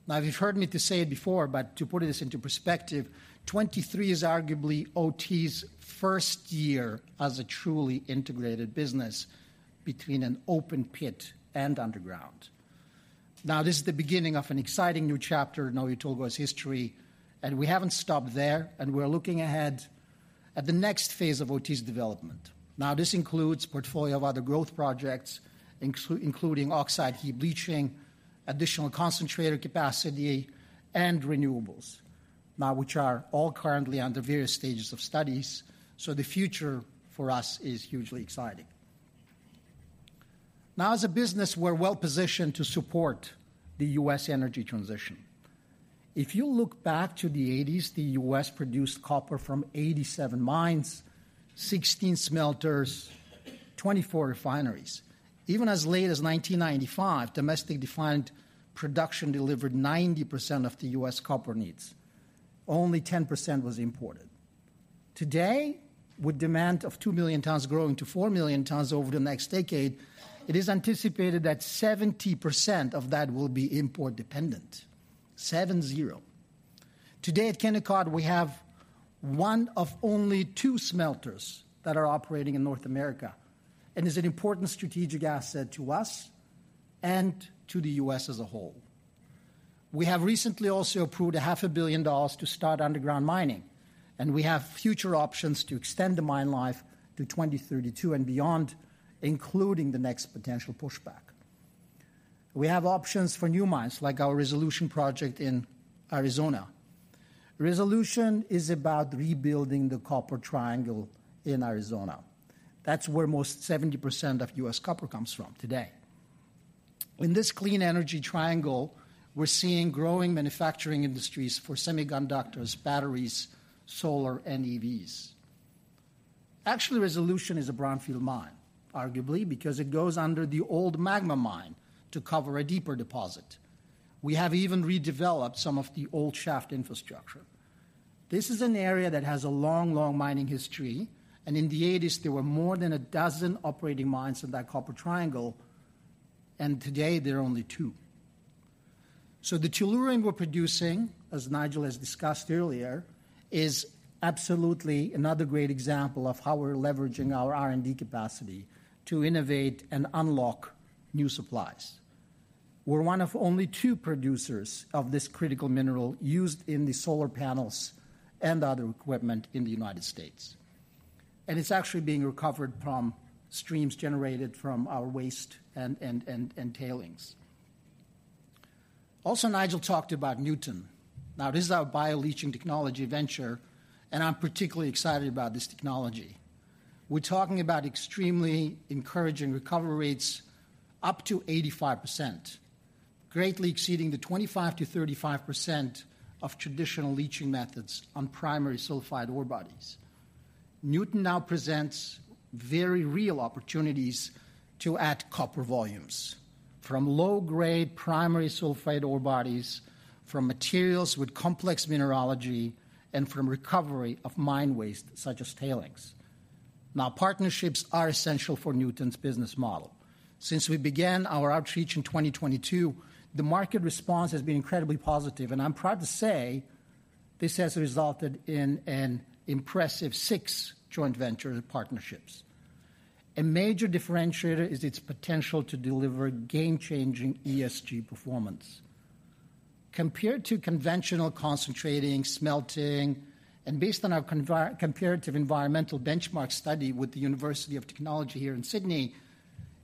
[SPEAKER 16] Now, you've heard me to say it before, but to put this into perspective, 2023 is arguably Oyu Tolgoi's first year as a truly integrated business between an open pit and underground. Now, this is the beginning of an exciting new chapter in Oyu Tolgoi's history, and we haven't stopped there, and we're looking ahead at the next phase of Oyu Tolgoi's development. Now, this includes portfolio of other growth projects, including oxide heap leaching, additional concentrator capacity, and renewables, now which are all currently under various stages of studies. So the future for us is hugely exciting. Now, as a business, we're well positioned to support the US energy transition. If you look back to the '80s, the US produced copper from 87 mines, 16 smelters, 24 refineries. Even as late as 1995, domestically defined production delivered 90% of the US copper needs. Only 10% was imported. Today, with demand of 2 million tons growing to 4 million tons over the next decade, it is anticipated that 70% of that will be import-dependent. 70. Today at Kennecott, we have one of only two smelters that are operating in North America and is an important strategic asset to us and to the US as a whole. We have recently also approved $500 million to start underground mining, and we have future options to extend the mine life to 2032 and beyond, including the next potential pushback. We have options for new mines, like our Resolution project in Arizona. Resolution is about rebuilding the copper triangle in Arizona. That's where most 70% of U.S. copper comes from today. In this clean energy triangle, we're seeing growing manufacturing industries for semiconductors, batteries, solar, and EVs. Actually, Resolution is a brownfield mine, arguably because it goes under the old Magma mine to cover a deeper deposit. We have even redeveloped some of the old shaft infrastructure. This is an area that has a long, long mining history, and in the 1980s, there were more than a dozen operating mines in that copper triangle, and today there are only two. So the tellurium we're producing, as Nigel has discussed earlier, is absolutely another great example of how we're leveraging our R&D capacity to innovate and unlock new supplies. We're one of only two producers of this critical mineral used in the solar panels and other equipment in the United States, and it's actually being recovered from streams generated from our waste and tailings. Also, Nigel talked about Nuton. Now, this is our bioleaching technology venture, and I'm particularly excited about this technology. We're talking about extremely encouraging recovery rates, up to 85%, greatly exceeding the 25%-35% of traditional leaching methods on primary sulfide ore bodies. Nuton now presents very real opportunities to add copper volumes from low-grade primary sulfide ore bodies, from materials with complex mineralogy, and from recovery of mine waste, such as tailings. Now, partnerships are essential for Nuton's business model. Since we began our outreach in 2022, the market response has been incredibly positive, and I'm proud to say this has resulted in an impressive 6 joint venture partnerships. A major differentiator is its potential to deliver game-changing ESG performance. Compared to conventional concentrating, smelting, and based on our comparative environmental benchmark study with the University of Technology here in Sydney,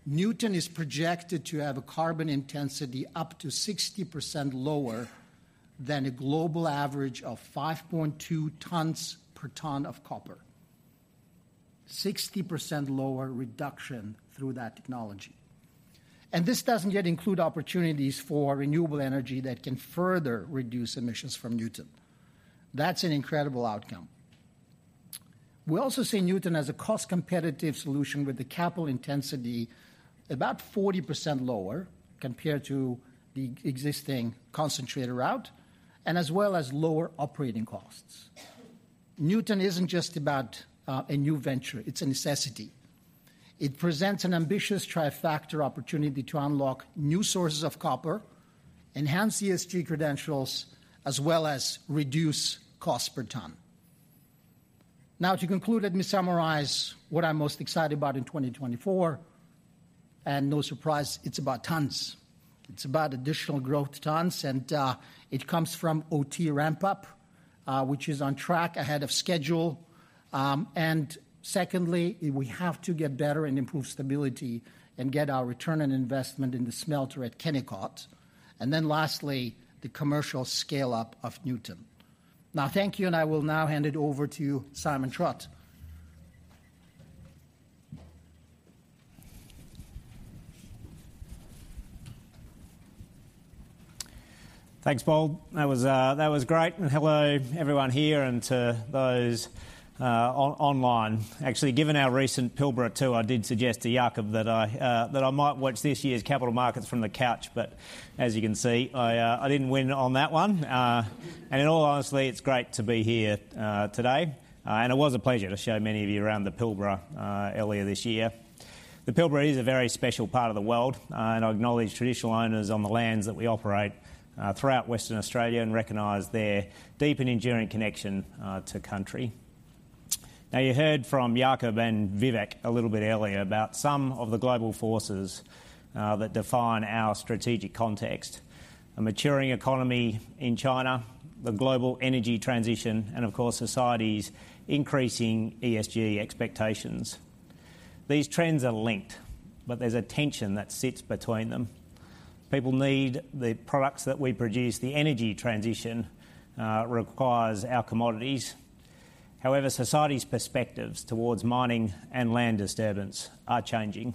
[SPEAKER 16] Nuton is projected to have a carbon intensity up to 60% lower than a global average of 5.2 tons per ton of copper. 60% lower reduction through that technology. This doesn't yet include opportunities for renewable energy that can further reduce emissions from Nuton. That's an incredible outcome. We also see Nuton as a cost-competitive solution with the capital intensity about 40% lower compared to the existing concentrator route and as well as lower operating costs. Nuton isn't just about a new venture; it's a necessity. It presents an ambitious trifecta opportunity to unlock new sources of copper, enhance ESG credentials, as well as reduce cost per ton. Now, to conclude, let me summarize what I'm most excited about in 2024, and no surprise, it's about tons. It's about additional growth tons, and it comes from OT ramp-up, which is on track ahead of schedule. And secondly, we have to get better and improve stability and get our return on investment in the smelter at Kennecott. And then lastly, the commercial scale-up of Nuton. Now, thank you, and I will now hand it over to Simon Trott.
[SPEAKER 10] Thanks, Paul. That was great, and hello, everyone here and to those online. Actually, given our recent Pilbara tour, I did suggest to Jakob that I might watch this year's capital markets from the couch, but as you can see, I didn't win on that one. And in all honesty, it's great to be here today, and it was a pleasure to show many of you around the Pilbara earlier this year. The Pilbara is a very special part of the world, and I acknowledge traditional owners on the lands that we operate throughout Western Australia and recognize their deep and enduring connection to country. Now, you heard from Jakob and Vivek a little bit earlier about some of the global forces, that define our strategic context: a maturing economy in China, the global energy transition, and of course, society's increasing ESG expectations. These trends are linked, but there's a tension that sits between them. People need the products that we produce. The energy transition, requires our commodities. However, society's perspectives towards mining and land disturbance are changing.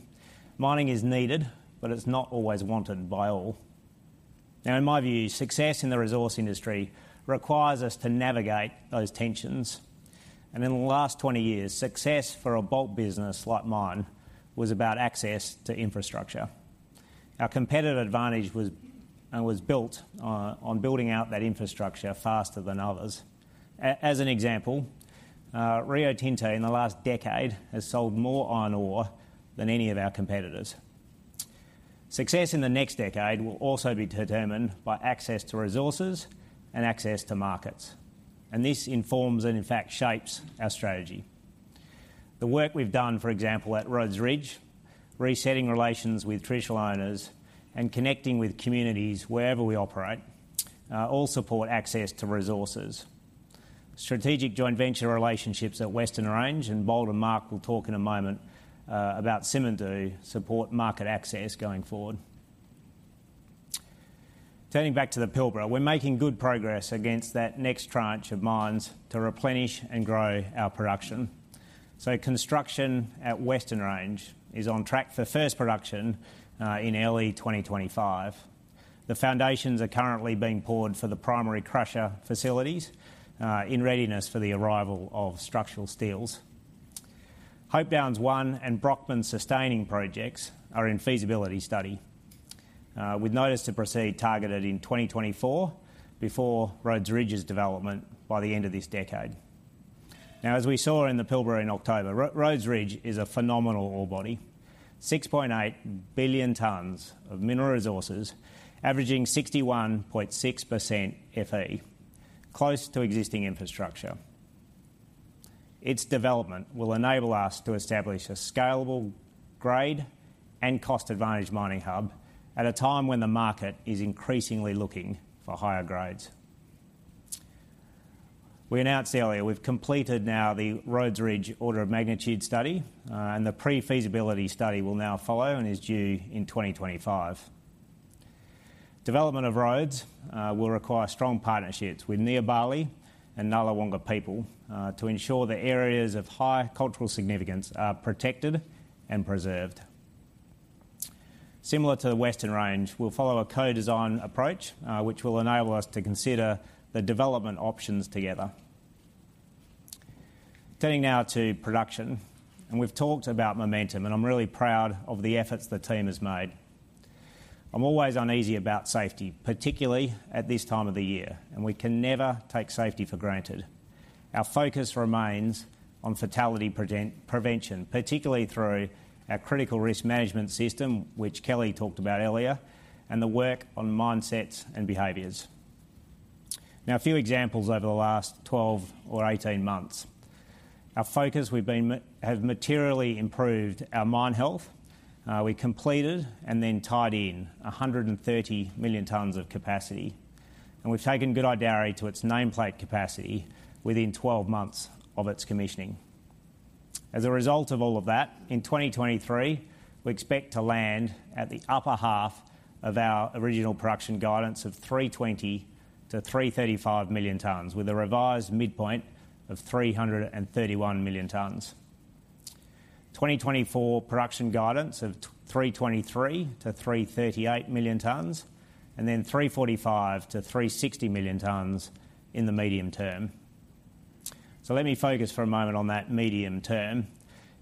[SPEAKER 10] Mining is needed, but it's not always wanted by all. Now, in my view, success in the resource industry requires us to navigate those tensions, and in the last 20 years, success for a bulk business like mine was about access to infrastructure. Our competitive advantage was, was built on, on building out that infrastructure faster than others. As an example, Rio Tinto in the last decade has sold more iron ore than any of our competitors. Success in the next decade will also be determined by access to resources and access to markets, and this informs and, in fact, shapes our strategy. The work we've done, for example, at Rhodes Ridge, resetting relations with traditional owners, and connecting with communities wherever we operate, all support access to resources. Strategic joint venture relationships at Western Range, and Paul and Mark will talk in a moment, about Simandou support market access going forward. Turning back to the Pilbara, we're making good progress against that next tranche of mines to replenish and grow our production. So construction at Western Range is on track for first production, in early 2025. The foundations are currently being poured for the primary crusher facilities in readiness for the arrival of structural steels. Hope Downs One and Brockman sustaining projects are in feasibility study with notice to proceed targeted in 2024 before Rhodes Ridge's development by the end of this decade. Now, as we saw in the Pilbara in October, Rhodes Ridge is a phenomenal ore body, 6.8 billion tons of mineral resources, averaging 61.6% FE, close to existing infrastructure. Its development will enable us to establish a scalable grade and cost advantage mining hub at a time when the market is increasingly looking for higher grades. We announced earlier, we've completed now the Rhodes Ridge order of magnitude study, and the pre-feasibility study will now follow and is due in 2025. Development of Rhodes will require strong partnerships with Nyiyaparli and Ngarluma people to ensure that areas of high cultural significance are protected and preserved. Similar to the Western Range, we'll follow a co-design approach, which will enable us to consider the development options together. Turning now to production, and we've talked about momentum, and I'm really proud of the efforts the team has made. I'm always uneasy about safety, particularly at this time of the year, and we can never take safety for granted. Our focus remains on fatality prevention, particularly through our critical risk management system, which Kelly talked about earlier, and the work on mindsets and behaviors. Now, a few examples over the last 12 or 18 months. Our focus, we've been have materially improved our mine health. We completed and then tied in 130 million tons of capacity, and we've taken Gudai-Darri to its nameplate capacity within 12 months of its commissioning. As a result of all of that, in 2023, we expect to land at the upper half of our original production guidance of 320 million tons-335 million tons, with a revised midpoint of 331 million tons. 2024 production guidance of 323-338 million tons, and then 345million tons-360 million tons in the medium term. So let me focus for a moment on that medium term.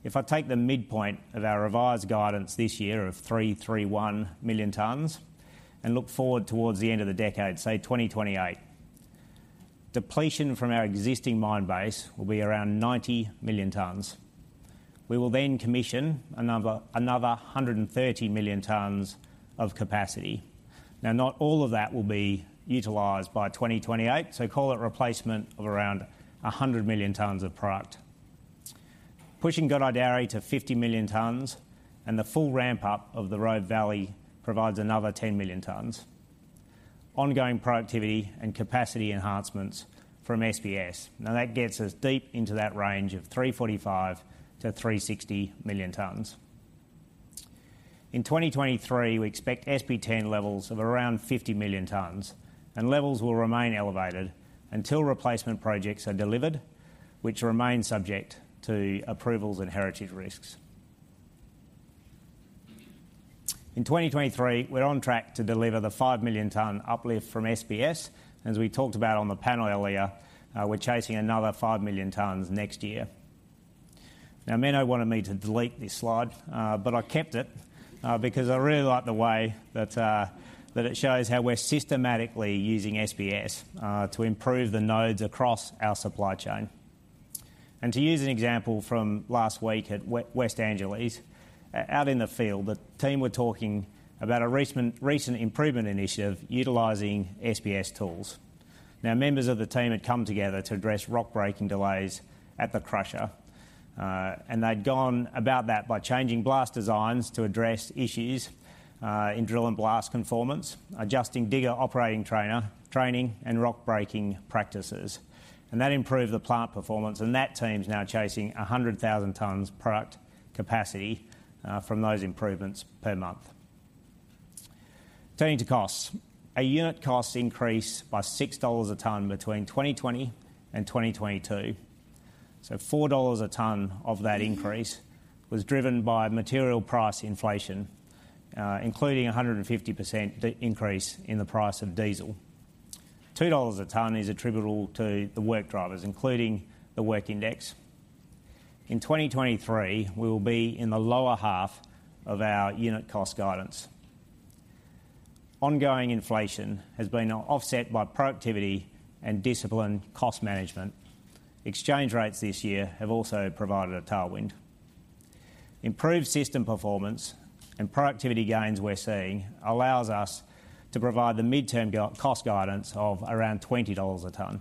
[SPEAKER 10] If I take the midpoint of our revised guidance this year of 331 million tons, and look forward towards the end of the decade, say 2028, depletion from our existing mine base will be around 90 million tons. We will then commission another, another 130 million tons of capacity. Now, not all of that will be utilized by 2028, so call it replacement of around 100 million tons of product. Pushing Goodard Darri to 50 million tons, and the full ramp up of the Rhodes Ridge provides another 10 million tons. Ongoing productivity and capacity enhancements from SPS. Now, that gets us deep into that range of 345-360 million tons. In 2023, we expect SP10 levels of around 50 million tons, and levels will remain elevated until replacement projects are delivered, which remain subject to approvals and heritage risks. In 2023, we're on track to deliver the 5 million ton uplift from SPS. As we talked about on the panel earlier, we're chasing another 5 million tons next year. Now, Menno wanted me to delete this slide, but I kept it because I really like the way that that it shows how we're systematically using SBS to improve the nodes across our supply chain. And to use an example from last week at West Angelas, out in the field, the team were talking about a recent, recent improvement initiative utilizing SBS tools. Now, members of the team had come together to address rock breaking delays at the crusher, and they'd gone about that by changing blast designs to address issues in drill and blast conformance, adjusting digger operating training and rock breaking practices. And that improved the plant performance, and that team's now chasing 100,000 tons product capacity from those improvements per month. Turning to costs. Our unit costs increased by $6/ton between 2020 and 2022. So $4/ton of that increase was driven by material price inflation, including a 150% increase in the price of diesel. $2/ton is attributable to the work drivers, including the work index. In 2023, we will be in the lower half of our unit cost guidance. Ongoing inflation has been offset by productivity and disciplined cost management. Exchange rates this year have also provided a tailwind. Improved system performance and productivity gains we're seeing allows us to provide the midterm cost guidance of around $20/ton.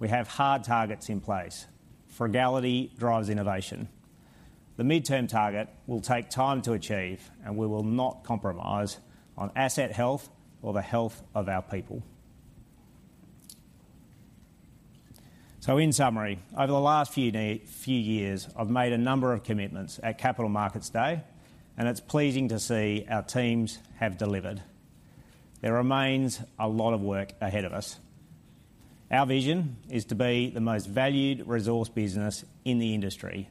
[SPEAKER 10] We have hard targets in place. Frugality drives innovation. The midterm target will take time to achieve, and we will not compromise on asset health or the health of our people. In summary, over the last few years, I've made a number of commitments at Capital Markets Day, and it's pleasing to see our teams have delivered. There remains a lot of work ahead of us. Our vision is to be the most valued resource business in the industry,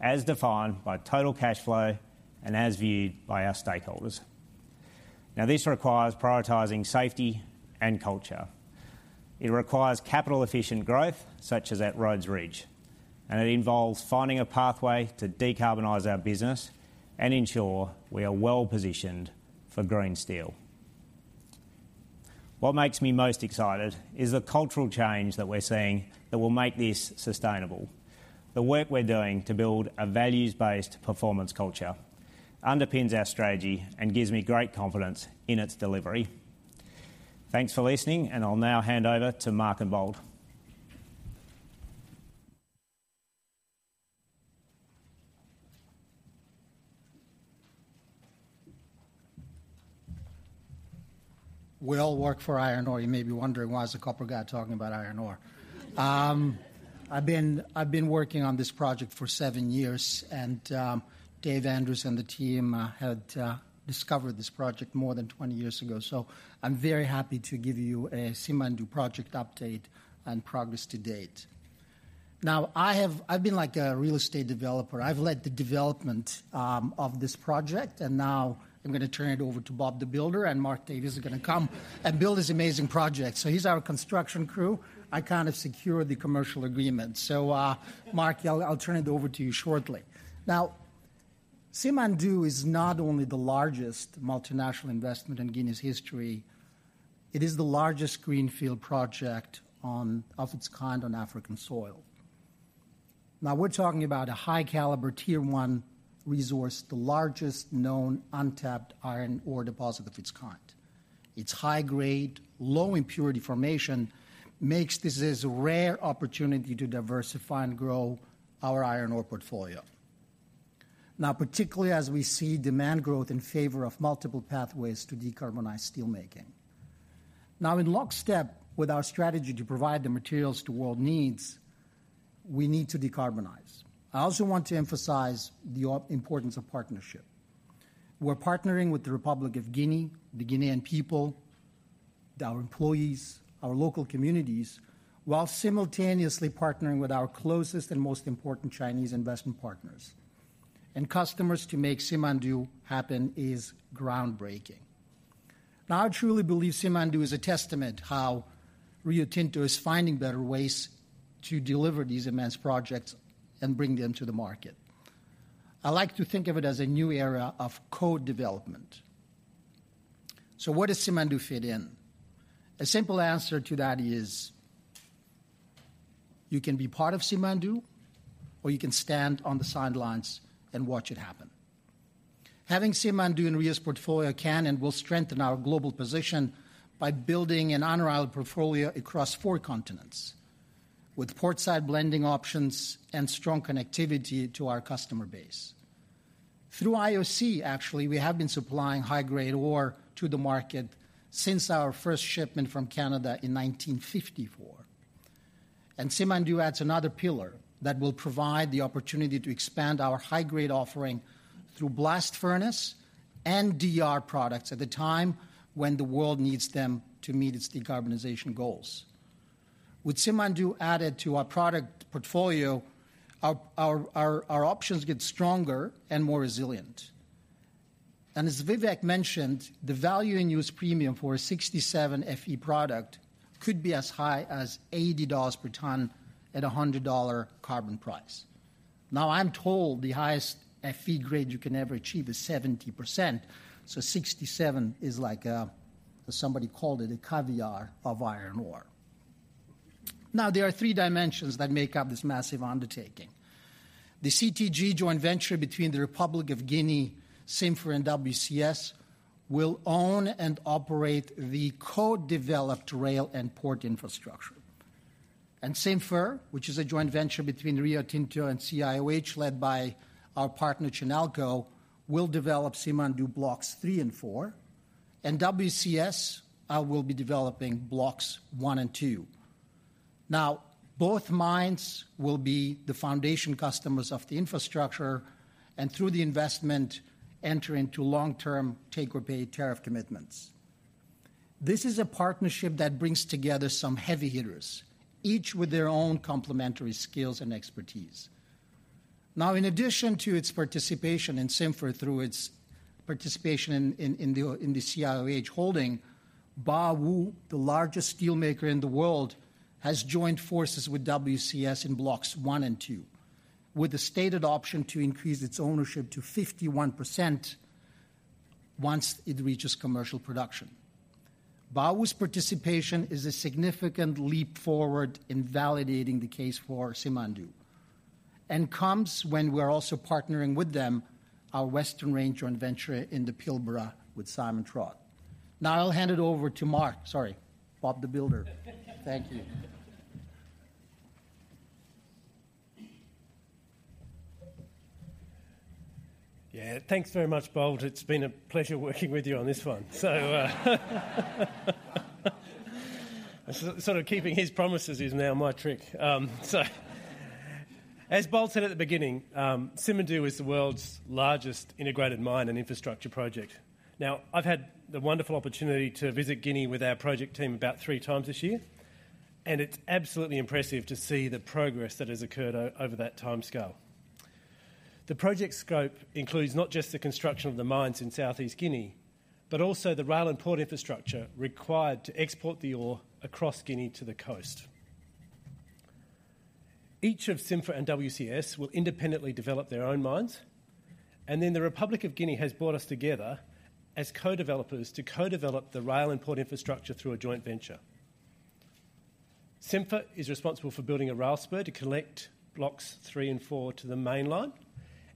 [SPEAKER 10] as defined by total cash flow and as viewed by our stakeholders. Now, this requires prioritizing safety and culture. It requires capital-efficient growth, such as at Rhodes Ridge, and it involves finding a pathway to decarbonize our business and ensure we are well positioned for green steel. What makes me most excited is the cultural change that we're seeing that will make this sustainable. The work we're doing to build a values-based performance culture underpins our strategy and gives me great confidence in its delivery. Thanks for listening, and I'll now hand over to Mark Davies.
[SPEAKER 16] We all work for iron ore. You may be wondering, why is a copper guy talking about iron ore? I've been working on this project for seven years, and Dave Andrews and the team had discovered this project more than 20 years ago. So I'm very happy to give you a Simandou project update and progress to date. Now, I've been like a real estate developer. I've led the development of this project, and now I'm going to turn it over to Bob the Builder, and Mark Davies is going to come and build this amazing project. So he's our construction crew. I kind of secure the commercial agreement. So, Mark, I'll turn it over to you shortly. Now, Simandou is not only the largest multinational investment in Guinea's history, it is the largest greenfield project of its kind on African soil. Now, we're talking about a high-caliber Tier one resource, the largest known untapped iron ore deposit of its kind. Its high-grade, low-impurity formation makes this as a rare opportunity to diversify and grow our iron ore portfolio. Now, particularly as we see demand growth in favor of multiple pathways to decarbonize steelmaking. Now, in lockstep with our strategy to provide the materials the world needs, we need to decarbonize. I also want to emphasize the importance of partnership. We're partnering with the Republic of Guinea, the Guinean people, our employees, our local communities, while simultaneously partnering with our closest and most important Chinese investment partners and customers to make Simandou happen is groundbreaking. Now, I truly believe Simandou is a testament to how Rio Tinto is finding better ways to deliver these immense projects and bring them to the market. I like to think of it as a new era of co-development. So where does Simandou fit in? A simple answer to that is, you can be part of Simandou, or you can stand on the sidelines and watch it happen. Having Simandou in Rio's portfolio can and will strengthen our global position by building an honorable portfolio across four continents, with port side blending options and strong connectivity to our customer base. Through IOC, actually, we have been supplying high-grade ore to the market since our first shipment from Canada in 1954. Simandou adds another pillar that will provide the opportunity to expand our high-grade offering through blast furnace and DR products at a time when the world needs them to meet its decarbonization goals. With Simandou added to our product portfolio, our options get stronger and more resilient. As Vivek mentioned, the value in use premium for a 67 FE product could be as high as $80 per ton at a $100 carbon price. Now, I'm told the highest FE grade you can ever achieve is 70%, so 67 is like, as somebody called it, a caviar of iron ore. Now, there are three dimensions that make up this massive undertaking. The WCS joint venture between the Republic of Guinea, Simfer, and WCS will own and operate the co-developed rail and port infrastructure. Simfer, which is a joint venture between Rio Tinto and CIOH, led by our partner Chinalco, will develop Simandou Blocks III and IV, and WCS will be developing Blocks I and II. Now, both mines will be the foundation customers of the infrastructure, and through the investment, enter into long-term take-or-pay tariff commitments. This is a partnership that brings together some heavy hitters, each with their own complementary skills and expertise. Now, in addition to its participation in Simfer through its participation in the CIOH holding, Baowu, the largest steelmaker in the world, has joined forces with WCS in Blocks I and II, with a stated option to increase its ownership to 51% once it reaches commercial production. Baowu's participation is a significant leap forward in validating the case for Simandou and comes when we're also partnering with them, our Western Range joint venture in the Pilbara with Simon Trott. Now I'll hand it over to Mark. Sorry, Bob the Builder. Thank you.
[SPEAKER 14] Yeah. Thanks very much, Bold. It's been a pleasure working with you on this one. So, sort of keeping his promises is now my trick. So as Bold said at the beginning, Simandou is the world's largest integrated mine and infrastructure project. Now, I've had the wonderful opportunity to visit Guinea with our project team about three times this year, and it's absolutely impressive to see the progress that has occurred over that timescale. The project scope includes not just the construction of the mines in Southeast Guinea, but also the rail and port infrastructure required to export the ore across Guinea to the coast. Each of Simfer and WCS will independently develop their own mines, and then the Republic of Guinea has brought us together as co-developers to co-develop the rail and port infrastructure through a joint venture. Simfer is responsible for building a rail spur to connect Blocks III and IV to the main line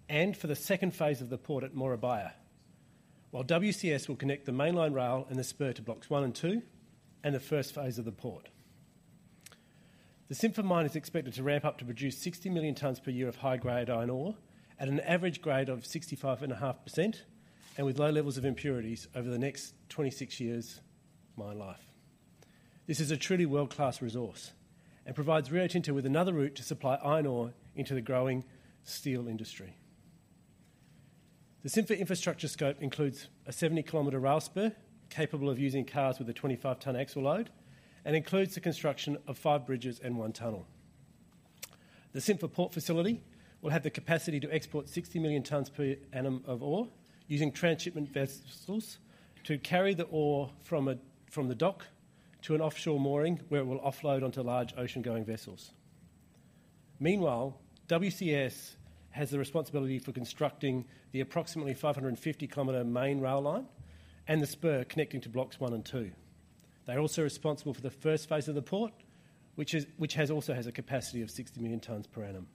[SPEAKER 14] and for the second phase of the port at Morebaya, while WCS will connect the main line rail and the spur to Blocks I and II, and the first phase of the port. The Simfer mine is expected to ramp up to produce 60 million tons per year of high-grade iron ore at an average grade of 65.5%, and with low levels of impurities over the next 26 years mine life. This is a truly world-class resource and provides Rio Tinto with another route to supply iron ore into the growing steel industry. The Simfer infrastructure scope includes a 70Km rail spur, capable of using cars with a 25-ton axle load, and includes the construction of five bridges and one tunnel. The Simfer port facility will have the capacity to export 60 million tons per annum of ore, using transshipment vessels to carry the ore from the dock to an offshore mooring, where it will offload onto large ocean-going vessels. Meanwhile, WCS has the responsibility for constructing the approximately 550-kilometer main rail line and the spur connecting to Blocks I and II. They're also responsible for the first phase of the port, which has a capacity of 60 million tons per annum.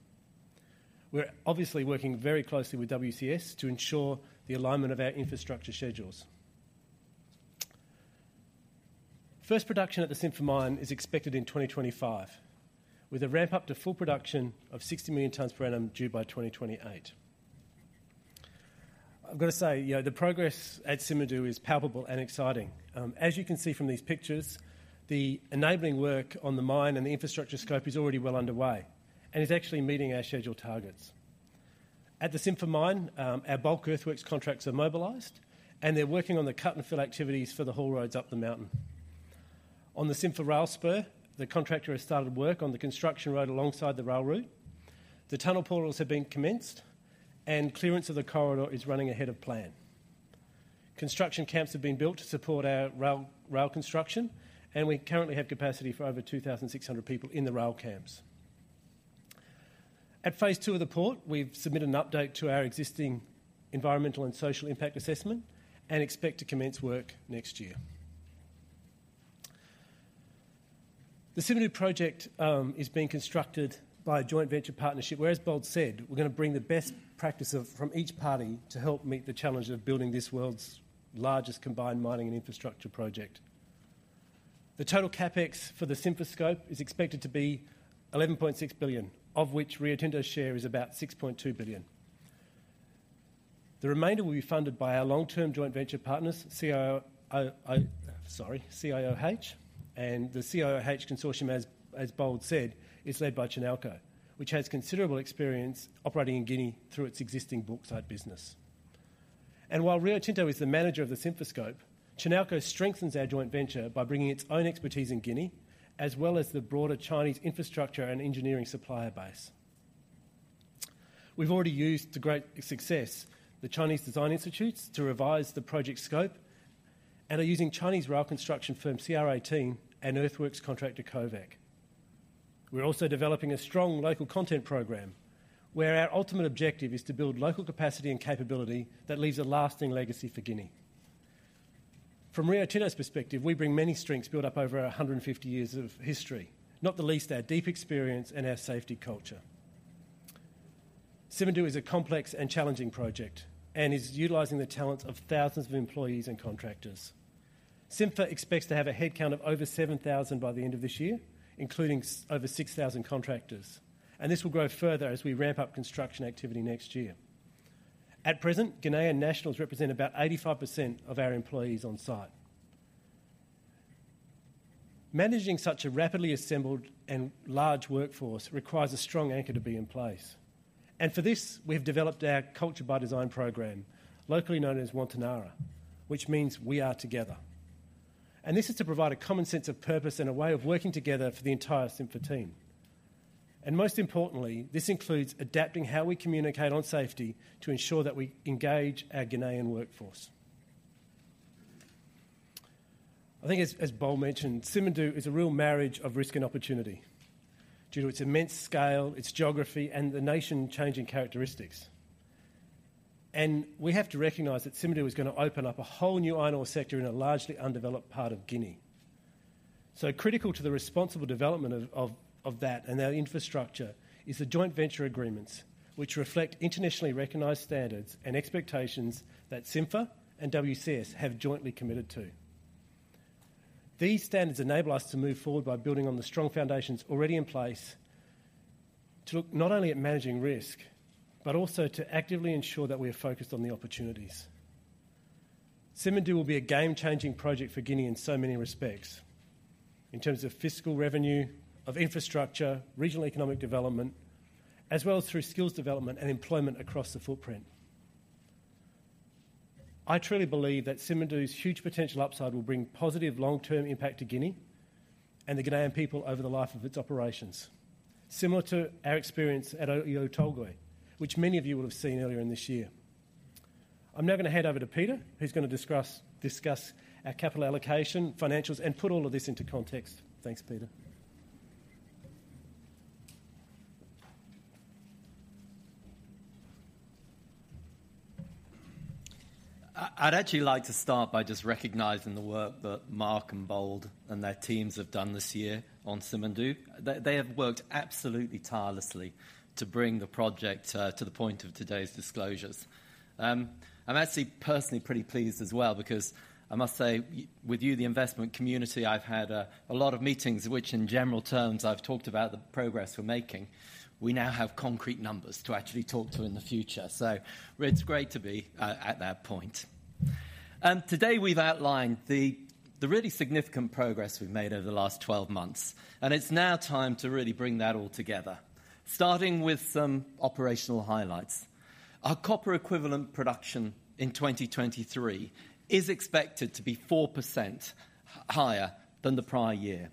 [SPEAKER 14] We're obviously working very closely with WCS to ensure the alignment of our infrastructure schedules. First production at the Simfer mine is expected in 2025, with a ramp-up to full production of 60 million tons per annum due by 2028. I've got to say, you know, the progress at Simandou is palpable and exciting. As you can see from these pictures, the enabling work on the mine and the infrastructure scope is already well underway and is actually meeting our schedule targets. At the Simfer mine, our bulk earthworks contracts are mobilized, and they're working on the cut-and-fill activities for the haul roads up the mountain. On the Simfer rail spur, the contractor has started work on the construction road alongside the rail route. The tunnel portals have been commenced, and clearance of the corridor is running ahead of plan. Construction camps have been built to support our rail construction, and we currently have capacity for over 2,600 people in the rail camps. At phase two of the port, we've submitted an update to our existing environmental and social impact assessment and expect to commence work next year. The Simandou project is being constructed by a joint venture partnership, where, as Bold said, we're going to bring the best practice from each party to help meet the challenge of building this world's largest combined mining and infrastructure project. The total CapEx for the Simfer scope is expected to be $11.6 billion, of which Rio Tinto's share is about $6.2 billion. The remainder will be funded by our long-term joint venture partners, CIOH, and the CIOH consortium as Bold said is led by Chinalco, which has considerable experience operating in Guinea through its existing bauxite business. While Rio Tinto is the manager of the Simfer Scope, Chinalco strengthens our joint venture by bringing its own expertise in Guinea, as well as the broader Chinese infrastructure and engineering supplier base. We've already used to great success the Chinese design institutes to revise the project scope, and are using Chinese rail construction firm CR18 and earthworks contractor COVEC. We're also developing a strong local content program, where our ultimate objective is to build local capacity and capability that leaves a lasting legacy for Guinea. From Rio Tinto's perspective, we bring many strengths built up over 150 years of history, not the least our deep experience and our safety culture. Simandou is a complex and challenging project, and is utilizing the talents of thousands of employees and contractors. Simfer expects to have a headcount of over 7,000 by the end of this year, including over 6,000 contractors, and this will grow further as we ramp up construction activity next year. At present, Guinean nationals represent about 85% of our employees on site. Managing such a rapidly assembled and large workforce requires a strong anchor to be in place, and for this, we've developed our Culture by Design program, locally known as Wantanara, which means we are together. This is to provide a common sense of purpose and a way of working together for the entire Simfer team. Most importantly, this includes adapting how we communicate on safety to ensure that we engage our Guinean workforce. I think as Bold mentioned, Simandou is a real marriage of risk and opportunity due to its immense scale, its geography, and the nation-changing characteristics. We have to recognize that Simandou is gonna open up a whole new iron ore sector in a largely undeveloped part of Guinea. So critical to the responsible development of that and our infrastructure is the joint venture agreements, which reflect internationally recognized standards and expectations that Simfer and WCS have jointly committed to. These standards enable us to move forward by building on the strong foundations already in place, to look not only at managing risk, but also to actively ensure that we are focused on the opportunities. Simandou will be a game-changing project for Guinea in so many respects, in terms of fiscal revenue, of infrastructure, regional economic development, as well as through skills development and employment across the footprint. I truly believe that Simandou's huge potential upside will bring positive long-term impact to Guinea and the Guinean people over the life of its operations, similar to our experience at Oyu Tolgoi, which many of you will have seen earlier in this year. I'm now gonna hand over to Peter, who's gonna discuss our capital allocation, financials, and put all of this into context. Thanks, Peter.
[SPEAKER 17] I'd actually like to start by just recognizing the work that Mark and Bold and their teams have done this year on Simandou. They, they have worked absolutely tirelessly to bring the project to the point of today's disclosures. I'm actually personally pretty pleased as well because I must say, with you, the investment community, I've had a lot of meetings, which in general terms, I've talked about the progress we're making. We now have concrete numbers to actually talk to in the future. So it's great to be at that point. And today, we've outlined the really significant progress we've made over the last 12 months, and it's now time to really bring that all together. Starting with some operational highlights. Our copper equivalent production in 2023 is expected to be 4% higher than the prior year.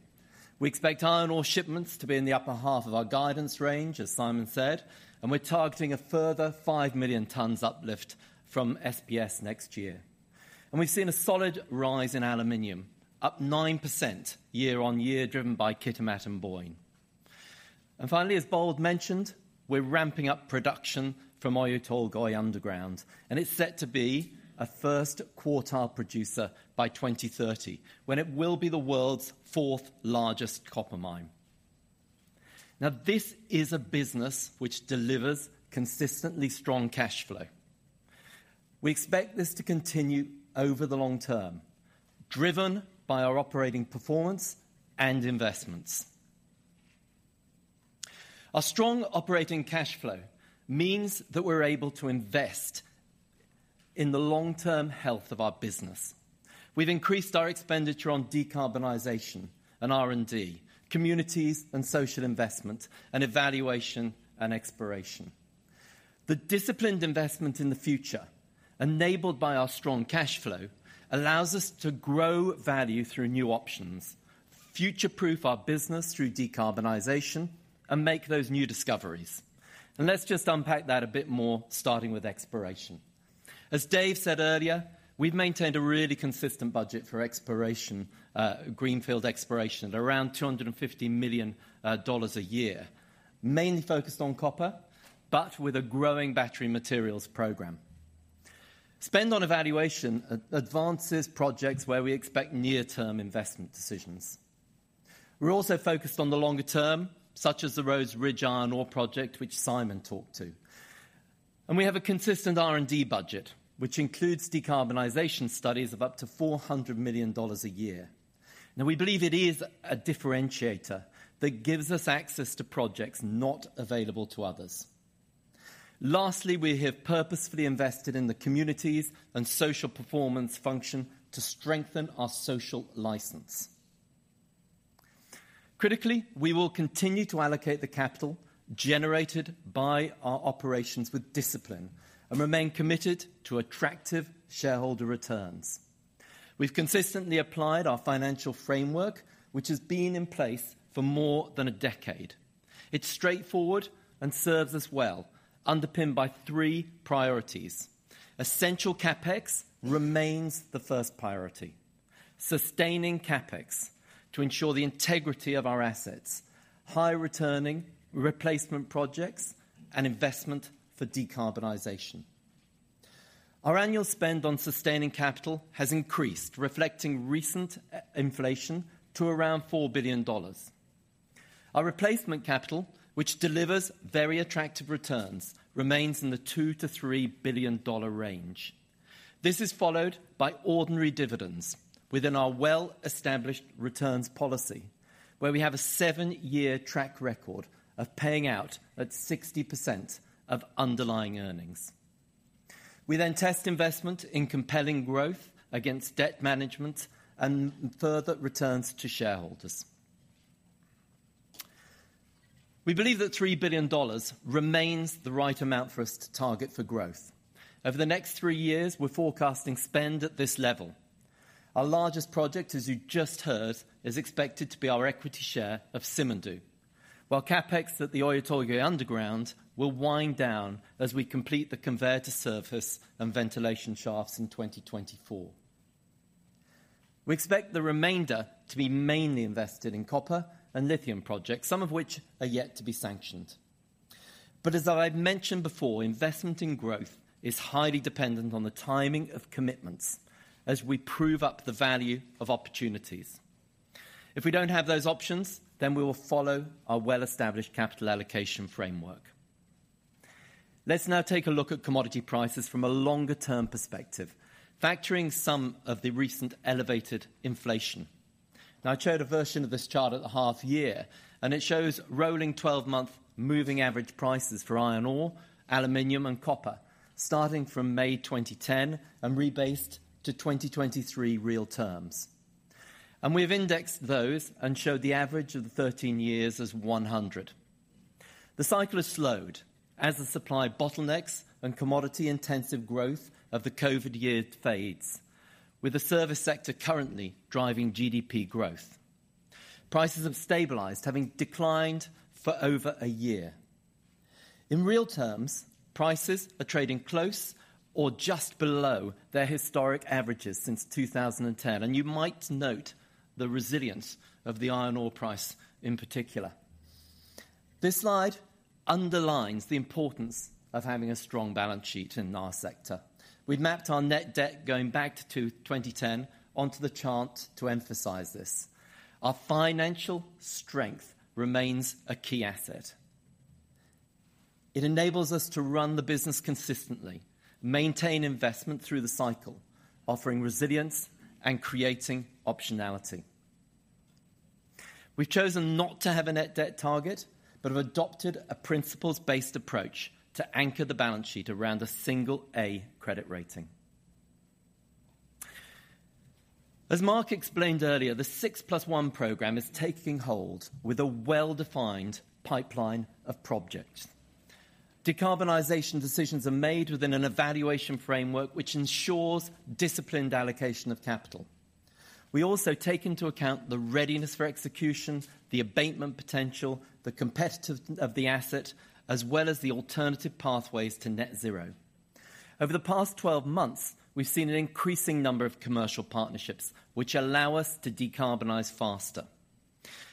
[SPEAKER 17] We expect iron ore shipments to be in the upper half of our guidance range, as Simon said, and we're targeting a further 5 million tons uplift from SBS next year. We've seen a solid rise in aluminum, up 9% year-on-year, driven by Kitimat and Boyne. Finally, as Bold mentioned, we're ramping up production from Oyu Tolgoi Underground, and it's set to be a first-quartile producer by 2030, when it will be the world's fourth largest copper mine. Now, this is a business which delivers consistently strong cash flow. We expect this to continue over the long term, driven by our operating performance and investments. Our strong operating cash flow means that we're able to invest in the long-term health of our business. We've increased our expenditure on decarbonization and R&D, communities and social investment, and evaluation and exploration. The disciplined investment in the future, enabled by our strong cash flow, allows us to grow value through new options, future-proof our business through decarbonization, and make those new discoveries. Let's just unpack that a bit more, starting with exploration. As Dave said earlier, we've maintained a really consistent budget for exploration, greenfield exploration, at around $250 million a year. Mainly focused on copper, but with a growing battery materials program. Spend on evaluation advances projects where we expect near-term investment decisions. We're also focused on the longer term, such as the Rhodes Ridge Iron Ore project, which Simon talked to. We have a consistent R&D budget, which includes decarbonization studies of up to $400 million a year. Now, we believe it is a differentiator that gives us access to projects not available to others. Lastly, we have purposefully invested in the communities and social performance function to strengthen our social license. Critically, we will continue to allocate the capital generated by our operations with discipline and remain committed to attractive shareholder returns. We've consistently applied our financial framework, which has been in place for more than a decade. It's straightforward and serves us well, underpinned by three priorities. Essential CapEx remains the first priority. Sustaining CapEx to ensure the integrity of our assets, high-returning replacement projects, and investment for decarbonization. Our annual spend on sustaining capital has increased, reflecting recent inflation to around $4 billion. Our replacement capital, which delivers very attractive returns, remains in the $2-$3 billion range. This is followed by ordinary dividends within our well-established returns policy, where we have a 7-year track record of paying out at 60% of underlying earnings. We then test investment in compelling growth against debt management and further returns to shareholders. We believe that $3 billion remains the right amount for us to target for growth. Over the next 3 years, we're forecasting spend at this level. Our largest project, as you just heard, is expected to be our equity share of Simandou, while CapEx at the Oyu Tolgoi underground will wind down as we complete the conveyor to surface and ventilation shafts in 2024. We expect the remainder to be mainly invested in copper and lithium projects, some of which are yet to be sanctioned. But as I've mentioned before, investment in growth is highly dependent on the timing of commitments as we prove up the value of opportunities. If we don't have those options, then we will follow our well-established capital allocation framework. Let's now take a look at commodity prices from a longer-term perspective, factoring some of the recent elevated inflation. Now, I showed a version of this chart at the half year, and it shows rolling twelve-month moving average prices for iron ore, aluminum, and copper, starting from May 2010 and rebased to 2023 real terms. We've indexed those and showed the average of the 13 years as 100. The cycle has slowed as the supply bottlenecks and commodity intensive growth of the COVID year fades, with the service sector currently driving GDP growth. Prices have stabilized, having declined for over a year. In real terms, prices are trading close or just below their historic averages since 2010, and you might note the resilience of the iron ore price in particular. This slide underlines the importance of having a strong balance sheet in our sector. We've mapped our net debt going back to 2010 onto the chart to emphasize this. Our financial strength remains a key asset. It enables us to run the business consistently, maintain investment through the cycle, offering resilience and creating optionality. We've chosen not to have a net debt target, but have adopted a principles-based approach to anchor the balance sheet around a single A credit rating. As Mark explained earlier, the 6+1 program is taking hold with a well-defined pipeline of projects. Decarbonization decisions are made within an evaluation framework, which ensures disciplined allocation of capital. We also take into account the readiness for execution, the abatement potential, the competitiveness of the asset, as well as the alternative pathways to net zero. Over the past 12 months, we've seen an increasing number of commercial partnerships, which allow us to decarbonize faster.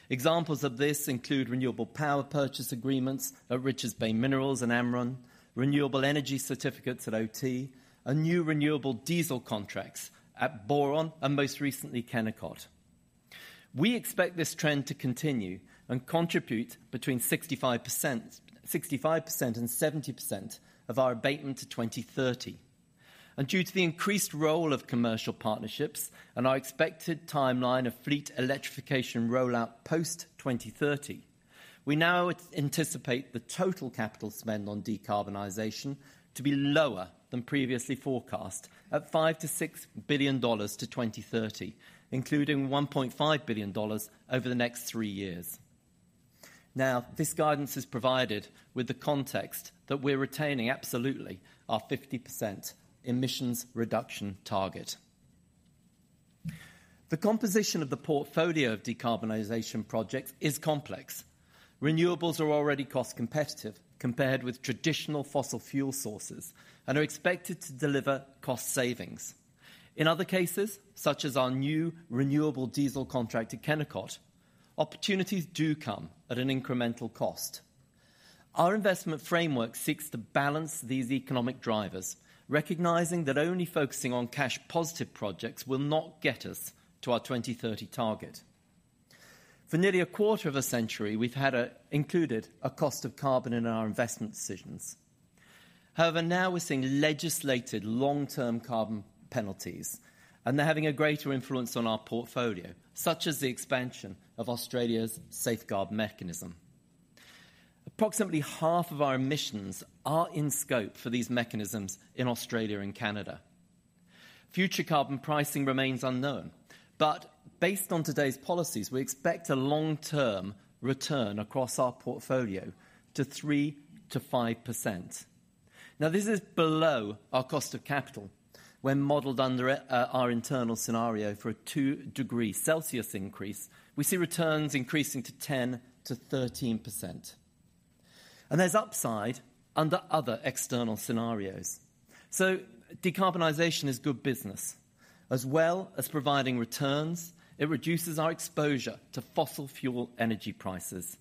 [SPEAKER 17] Examples of this include renewable power purchase agreements at Richards Bay Minerals and Amrun, renewable energy certificates at OT, and new renewable diesel contracts at Boron and most recently, Kennecott. We expect this trend to continue and contribute between 65%, 65% and 70% of our abatement to 2030. Due to the increased role of commercial partnerships and our expected timeline of fleet electrification rollout post-2030, we now anticipate the total capital spend on decarbonization to be lower than previously forecast, at $5-$6 billion to 2030, including $1.5 billion over the next three years. Now, this guidance is provided with the context that we're retaining absolutely our 50% emissions reduction target. The composition of the portfolio of decarbonization projects is complex. Renewables are already cost competitive compared with traditional fossil fuel sources and are expected to deliver cost savings. In other cases, such as our new renewable diesel contract at Kennecott, opportunities do come at an incremental cost. Our investment framework seeks to balance these economic drivers, recognizing that only focusing on cash-positive projects will not get us to our 2030 target. For nearly a quarter of a century, we've had included a cost of carbon in our investment decisions. However, now we're seeing legislated long-term carbon penalties, and they're having a greater influence on our portfolio, such as the expansion of Australia's safeguard mechanism. Approximately half of our emissions are in scope for these mechanisms in Australia and Canada. Future carbon pricing remains unknown, but based on today's policies, we expect a long-term return across our portfolio to 3%-5%. Now, this is below our cost of capital. When modeled under our internal scenario for a 2-degree Celsius increase, we see returns increasing to 10%-13%, and there's upside under other external scenarios. So decarbonization is good business. As well as providing returns, it reduces our exposure to fossil fuel energy prices,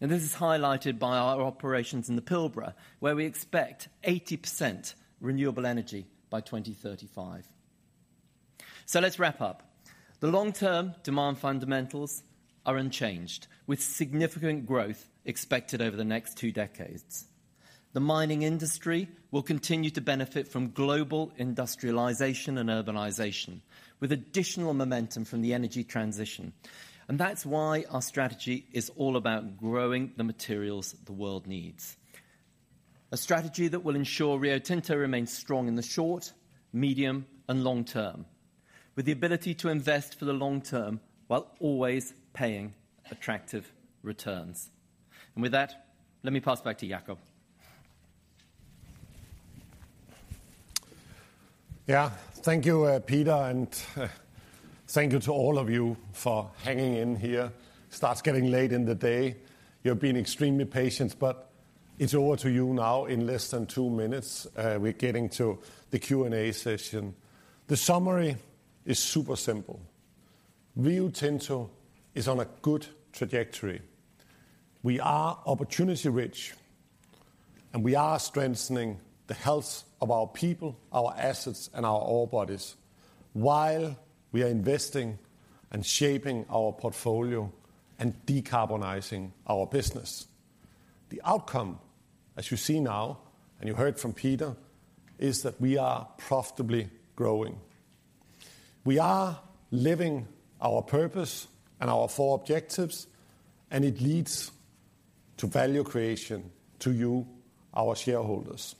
[SPEAKER 17] and this is highlighted by our operations in the Pilbara, where we expect 80% renewable energy by 2035. So let's wrap up. The long-term demand fundamentals are unchanged, with significant growth expected over the next two decades. The mining industry will continue to benefit from global industrialization and urbanization, with additional momentum from the energy transition, and that's why our strategy is all about growing the materials the world needs. A strategy that will ensure Rio Tinto remains strong in the short, medium, and long term, with the ability to invest for the long term while always paying attractive returns. With that, let me pass back to Jakob.
[SPEAKER 4] Yeah. Thank you, Peter, and thank you to all of you for hanging in here. Starts getting late in the day. You've been extremely patient, but it's over to you now in less than two minutes. We're getting to the Q&A session. The summary is super simple. Rio Tinto is on a good trajectory. We are opportunity rich, and we are strengthening the health of our people, our assets, and our ore bodies, while we are investing and shaping our portfolio and decarbonizing our business. The outcome, as you see now, and you heard from Peter, is that we are profitably growing. We are living our purpose and our four objectives, and it leads to value creation to you, our shareholders.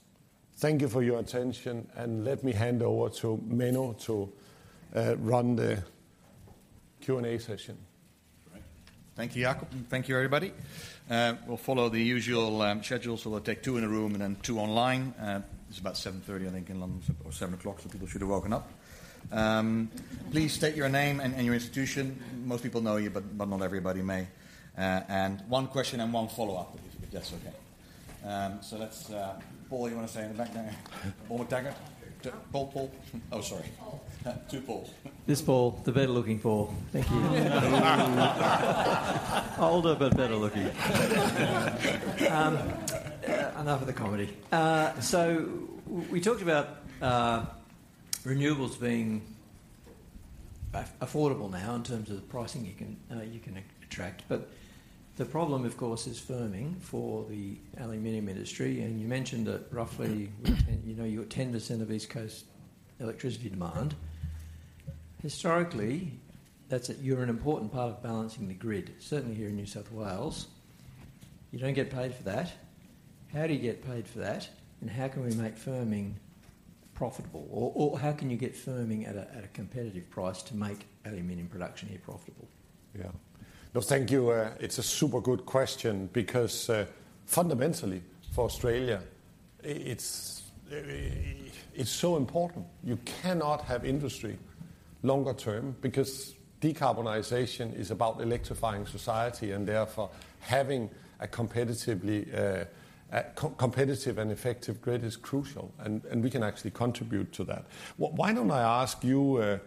[SPEAKER 4] Thank you for your attention, and let me hand over to Menno to run the Q&A session.
[SPEAKER 1] Great. Thank you, Jakob, and thank you, everybody. We'll follow the usual schedule, so we'll take two in the room and then two online. It's about 7:30 A.M., I think, in London or 7:00 A.M., so people should have woken up. Please state your name and your institution. Most people know you, but not everybody may, and one question and one follow-up, if you could. That's okay. So let's, Paul, you want to say in the back there? Paul McTaggart. Paul, Paul. Oh, sorry.
[SPEAKER 18] Paul.
[SPEAKER 1] Two Pauls.
[SPEAKER 18] This Paul, the better-looking Paul. Thank you. Older, but better looking. Enough of the comedy. So we talked about renewables being affordable now in terms of the pricing you can attract, but the problem, of course, is firming for the aluminum industry, and you mentioned that roughly, you know, you got 10% of East Coast electricity demand. Historically, that's you're an important part of balancing the grid, certainly here in New South Wales. You don't get paid for that. How do you get paid for that, and how can we make firming profitable? Or how can you get firming at a competitive price to make aluminum production here profitable?
[SPEAKER 4] Yeah. No, thank you. It's a super good question because, fundamentally for Australia, it's so important. You cannot have industry longer term because decarbonization is about electrifying society and therefore having a competitive and effective grid is crucial, and we can actually contribute to that. Why don't I ask you,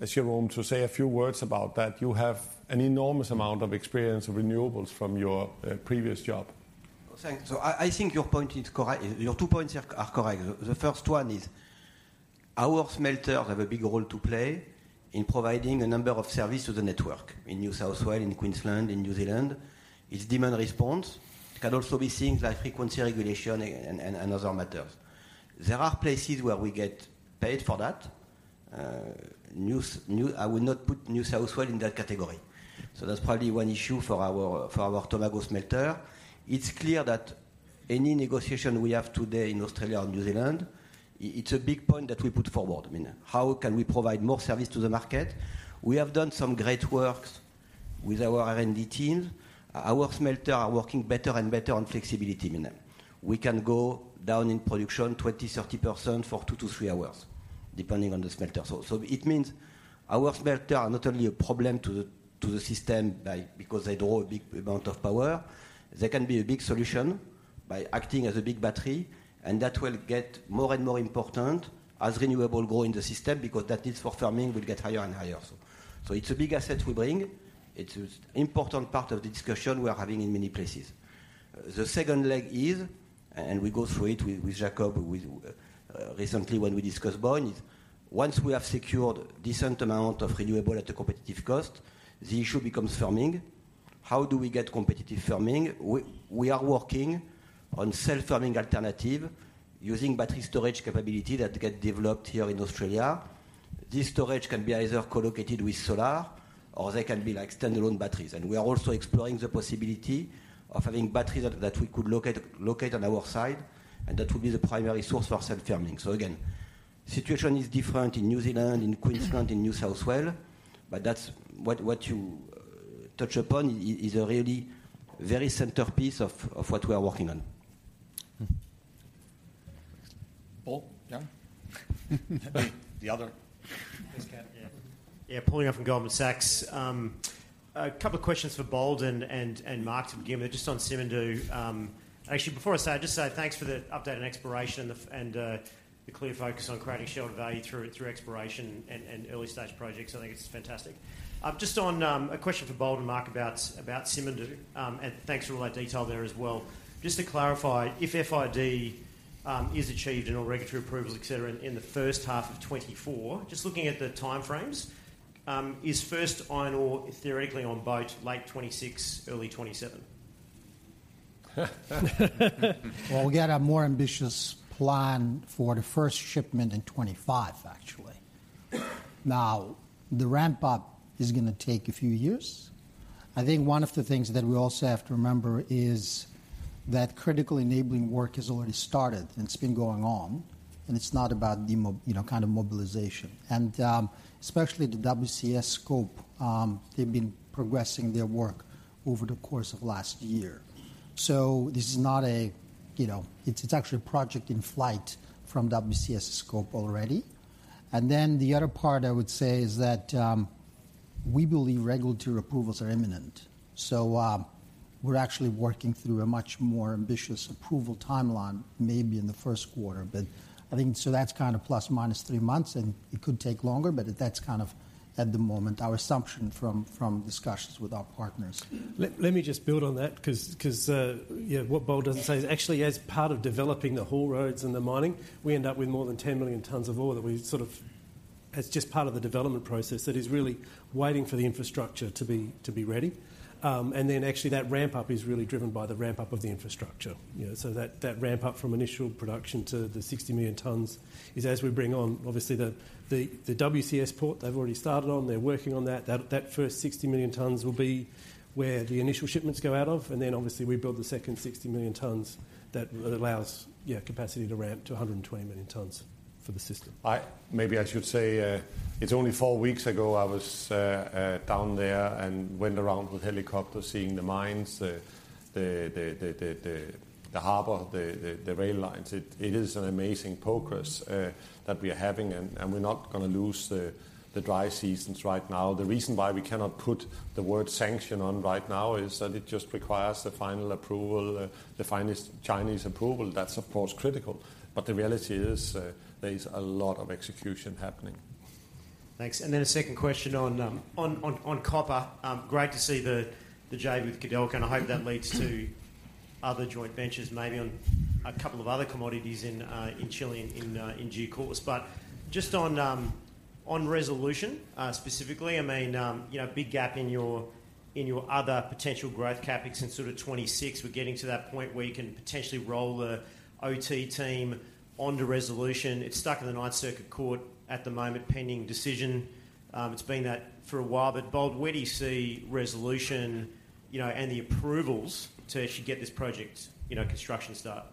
[SPEAKER 4] Jérôme, to say a few words about that? You have an enormous amount of experience with renewables from your previous job.
[SPEAKER 15] Thanks. So I think your point is correct—your two points are correct. The first one is our smelters have a big role to play in providing a number of services to the network in New South Wales, in Queensland, in New Zealand. It's demand response. It can also be things like frequency regulation and other matters. There are places where we get paid for that. I would not put New South Wales in that category. So that's probably one issue for our Tomago smelter. It's clear that any negotiation we have today in Australia or New Zealand, it's a big point that we put forward. I mean, how can we provide more service to the market? We have done some great works with our R&D team. Our smelters are working better and better on flexibility. We can go down in production 20%-30% for 2-3 hours, depending on the smelter. So, so it means our smelter are not only a problem to the, to the system by because they draw a big amount of power, they can be a big solution by acting as a big battery, and that will get more and more important as renewable grow in the system because that need for firming will get higher and higher. So, so it's a big asset we bring. It's an important part of the discussion we are having in many places. The second leg is, and we go through it with, with Jakob, with recently when we discussed Boyne, is once we have secured decent amount of renewable at a competitive cost, the issue becomes firming. How do we get competitive firming? We are working on self-firming alternative using battery storage capability that get developed here in Australia. This storage can be either co-located with solar or they can be like standalone batteries. And we are also exploring the possibility of having batteries that we could locate on our side, and that will be the primary source for self-firming. So again, situation is different in New Zealand, in Queensland, in New South Wales, but that's what you touch upon is a really very centerpiece of what we are working on.
[SPEAKER 4] Paul, yeah? The other- Yes, Ken.
[SPEAKER 19] Yeah. Yeah, Paulie from Goldman Sachs. A couple of questions for Bold and Mark to begin with, just on Simandou. Actually, before I say, I just say thanks for the update on exploration and the clear focus on creating shareholder value through exploration and early-stage projects. I think it's fantastic. Just on a question for Bold and Mark about Simandou. And thanks for all that detail there as well. Just to clarify, if FID is achieved and all regulatory approvals, et cetera, in the first half of 2024, just looking at the time frames, is first iron ore theoretically on boat late 2026, early 2027?
[SPEAKER 16] Well, we got a more ambitious plan for the first shipment in 2025, actually. Now, the ramp-up is gonna take a few years. I think one of the things that we also have to remember is that critical enabling work has already started, and it's been going on, and it's not about the, you know, kind of mobilization. And, especially the WCS scope, they've been progressing their work over the course of last year. So this is not a, you know, it's, it's actually a project in flight from WCS scope already. And then the other part I would say is that, we believe regulatory approvals are imminent. So, we're actually working through a much more ambitious approval timeline, maybe in the first quarter. But I think so that's kind of ±3 months, and it could take longer, but that's kind of, at the moment, our assumption from discussions with our partners.
[SPEAKER 14] Let me just build on that because, you know, what Bold doesn't say is actually as part of developing the haul roads and the mining, we end up with more than 10 million tons of ore that we sort of, as just part of the development process, that is really waiting for the infrastructure to be ready. And then actually that ramp-up is really driven by the ramp-up of the infrastructure. You know, so that ramp-up from initial production to the 60 million tons is as we bring on, obviously, the WCS port, they've already started on, they're working on that. That first 60 million tons will be where the initial shipments go out of, and then obviously we build the second 60 million tons that allows, yeah, capacity to ramp to 120 million tons for the system.
[SPEAKER 4] Maybe I should say, it's only four weeks ago, I was down there and went around with helicopter, seeing the mines, the harbor, the rail lines. It is an amazing progress that we are having, and we're not going to lose the dry seasons right now. The reason why we cannot put the word sanction on right now is that it just requires the final approval, the final Chinese approval. That's of course, critical, but the reality is, there is a lot of execution happening.
[SPEAKER 19] Thanks. And then a second question on copper. Great to see the JV with Codelco, and I hope that leads to other joint ventures, maybe on a couple of other commodities in Chile in due course. But just on Resolution, specifically, I mean, you know, big gap in your other potential growth CapEx since sort of 2026, we're getting to that point where you can potentially roll the OT team onto Resolution. It's stuck in the Ninth Circuit Court at the moment, pending decision. It's been that for a while, but Bold, where do you see Resolution, you know, and the approvals to actually get this project, you know, construction start?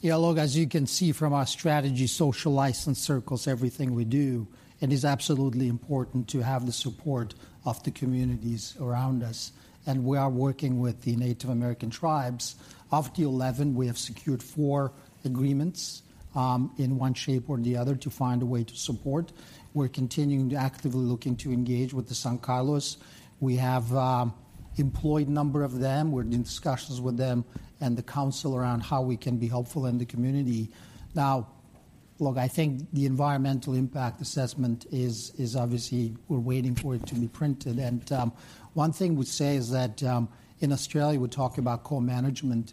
[SPEAKER 16] Yeah, look, as you can see from our strategy, social license circles everything we do, and it's absolutely important to have the support of the communities around us, and we are working with the Native American tribes. Of the 11, we have secured four agreements, in one shape or the other, to find a way to support. We're continuing to actively looking to engage with the San Carlos. We have, employed a number of them. We're in discussions with them and the council around how we can be helpful in the community. Now, look, I think the environmental impact assessment is obviously, we're waiting for it to be printed. One thing we say is that, in Australia, we talk about CRM.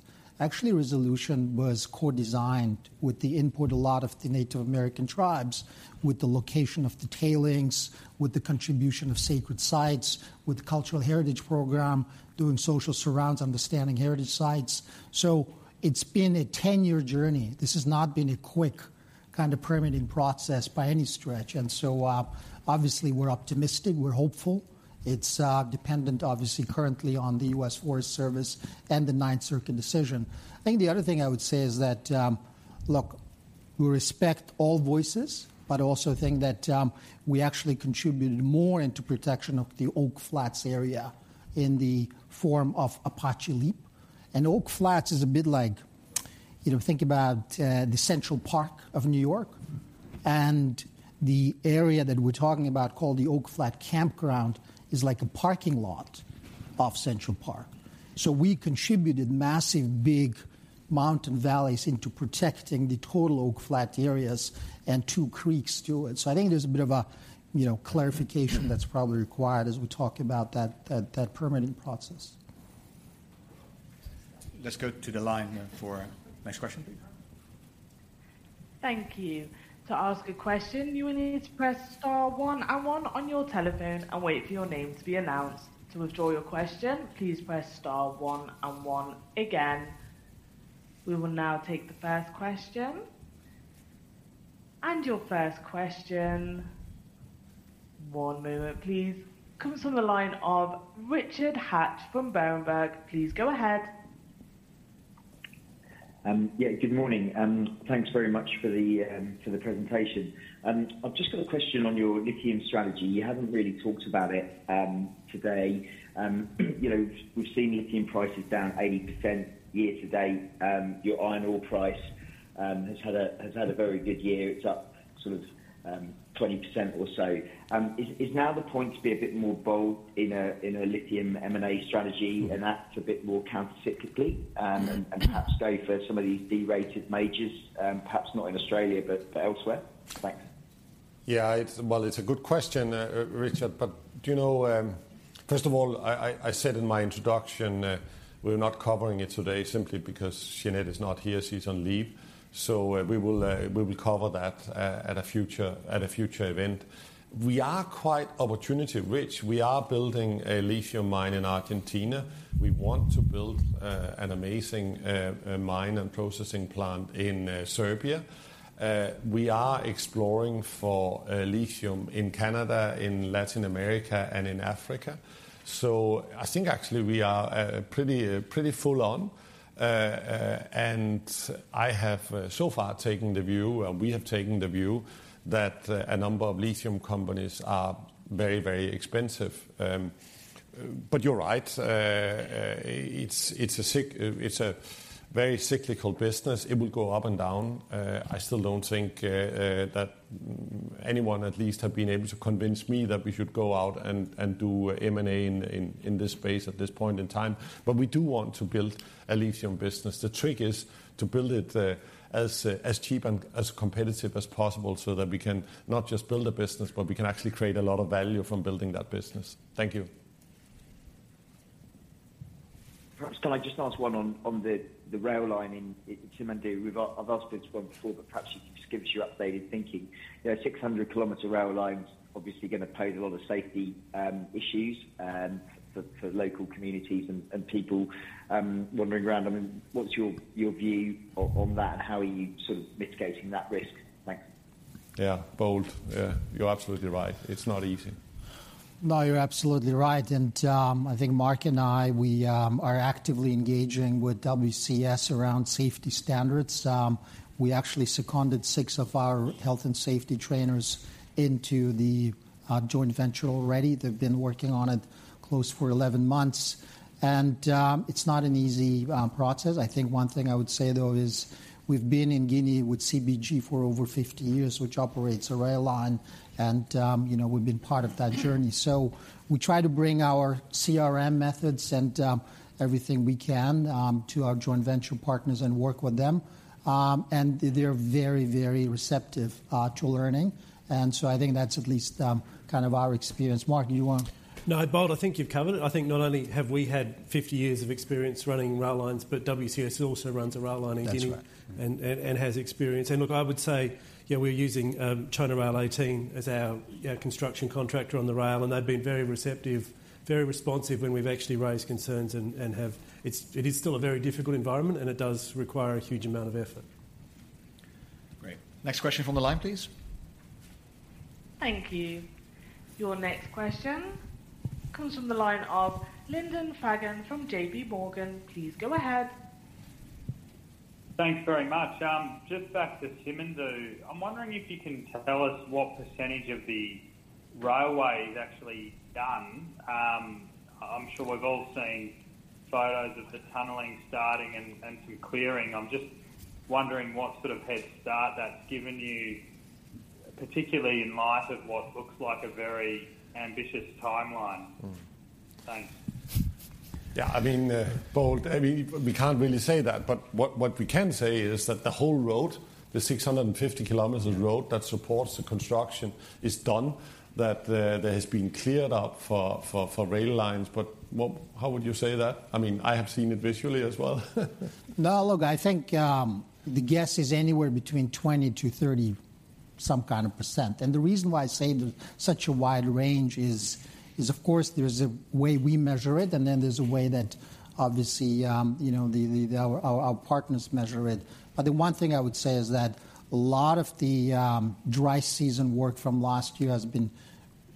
[SPEAKER 16] Actually, Resolution was co-designed with the input a lot of the Native American tribes, with the location of the tailings, with the contribution of sacred sites, with the cultural heritage program, doing social surveys, understanding heritage sites. So it's been a 10-year journey. This has not been a quick kind of permitting process by any stretch, and so, obviously, we're optimistic, we're hopeful. It's dependent, obviously, currently on the U.S. Forest Service and the Ninth Circuit decision. I think the other thing I would say is that, look, we respect all voices, but also think that we actually contributed more into protection of the Oak Flat area in the form of Apache Leap. Oak Flat is a bit like, you know, think about the Central Park of New York, and the area that we're talking about, called the Oak Flat Campground, is like a parking lot of Central Park. So we contributed massive, big mountain valleys into protecting the total Oak Flat areas and two creeks to it. So I think there's a bit of a, you know, clarification that's probably required as we talk about that permitting process.
[SPEAKER 15] Let's go to the line for next question, please. Thank you. To ask a question, you will need to press star one and one on your telephone and wait for your name to be announced. To withdraw your question, please press star one and one again.
[SPEAKER 14] We will now take the first question. And your first question, one moment please, comes from the line of Richard Hatch from Berenberg. Please go ahead.
[SPEAKER 20] Yeah, good morning, thanks very much for the presentation. I've just got a question on your lithium strategy. You haven't really talked about it today. You know, we've seen lithium prices down 80% year to date. Your iron ore price has had a very good year, it's up sort of 20% or so. Is now the point to be a bit more bold in a lithium M&A strategy and act a bit more countercyclically, and perhaps go for some of these derated majors? Perhaps not in Australia, but elsewhere? Thanks.
[SPEAKER 4] Well, it's a good question, Richard, but do you know, first of all, I said in my introduction, we're not covering it today simply because Sinead is not here, she's on leave. So, we will cover that at a future event. We are quite opportunity rich. We are building a lithium mine in Argentina. We want to build an amazing mine and processing plant in Serbia. We are exploring for lithium in Canada, in Latin America, and in Africa. So I think actually we are pretty full on. And I have so far taken the view we have taken the view that a number of lithium companies are very, very expensive. But you're right, it's a very cyclical business, it will go up and down. I still don't think that anyone at least have been able to convince me that we should go out and do M&A in this space at this point in time, but we do want to build a lithium business. The trick is to build it as cheap and as competitive as possible, so that we can not just build a business, but we can actually create a lot of value from building that business. Thank you.
[SPEAKER 20] Perhaps, can I just ask one on the rail line in Simandou? I've asked this one before, but perhaps you could just give us your updated thinking. You know, a 600Km rail line is obviously gonna pose a lot of safety issues for local communities and people wandering around. I mean, what's your view on that? How are you sort of mitigating that risk? Thanks.
[SPEAKER 4] Yeah, Bold. You're absolutely right. It's not easy.
[SPEAKER 16] No, you're absolutely right, and I think Mark and I are actively engaging with WCS around safety standards. We actually seconded six of our health and safety trainers into the joint venture already. They've been working on it closely for 11 months, and it's not an easy process. I think one thing I would say, though, is we've been in Guinea with CBG for over 50 years, which operates a rail line, and you know, we've been part of that journey. So we try to bring our CRM methods and everything we can to our joint venture partners and work with them. And they're very, very receptive to learning. And so I think that's at least kind of our experience. Mark, you want-
[SPEAKER 14] No, Bold, I think you've covered it. I think not only have we had 50 years of experience running rail lines, but WCS also runs a rail line in Guinea.
[SPEAKER 16] That's right.
[SPEAKER 14] And has experience. And look, I would say, you know, we're using China Rail 18 as our construction contractor on the rail, and they've been very receptive, very responsive when we've actually raised concerns and have... It is still a very difficult environment, and it does require a huge amount of effort.
[SPEAKER 4] Great. Next question from the line, please. Thank you. Your next question comes from the line of Lyndon Fagan, from J.P. Morgan. Please go ahead.
[SPEAKER 11] Thanks very much. Just back to Simandou. I'm wondering if you can tell us what percentage of the railway is actually done. I'm sure we've all seen photos of the tunneling starting and some clearing. I'm just wondering what sort of head start that's given you, particularly in light of what looks like a very ambitious timeline. Thanks.
[SPEAKER 4] Yeah, I mean, Bold, I mean, we can't really say that, but what, what we can say is that the whole road, the 650Km of road that supports the construction is done, that, there has been cleared up for, for, for rail lines. But what, how would you say that? I mean, I have seen it visually as well.
[SPEAKER 16] No, look, I think the guess is anywhere between 20%-30%, some kind of. And the reason why I say there's such a wide range is of course there's a way we measure it, and then there's a way that obviously you know our partners measure it. But the one thing I would say is that a lot of the dry season work from last year has been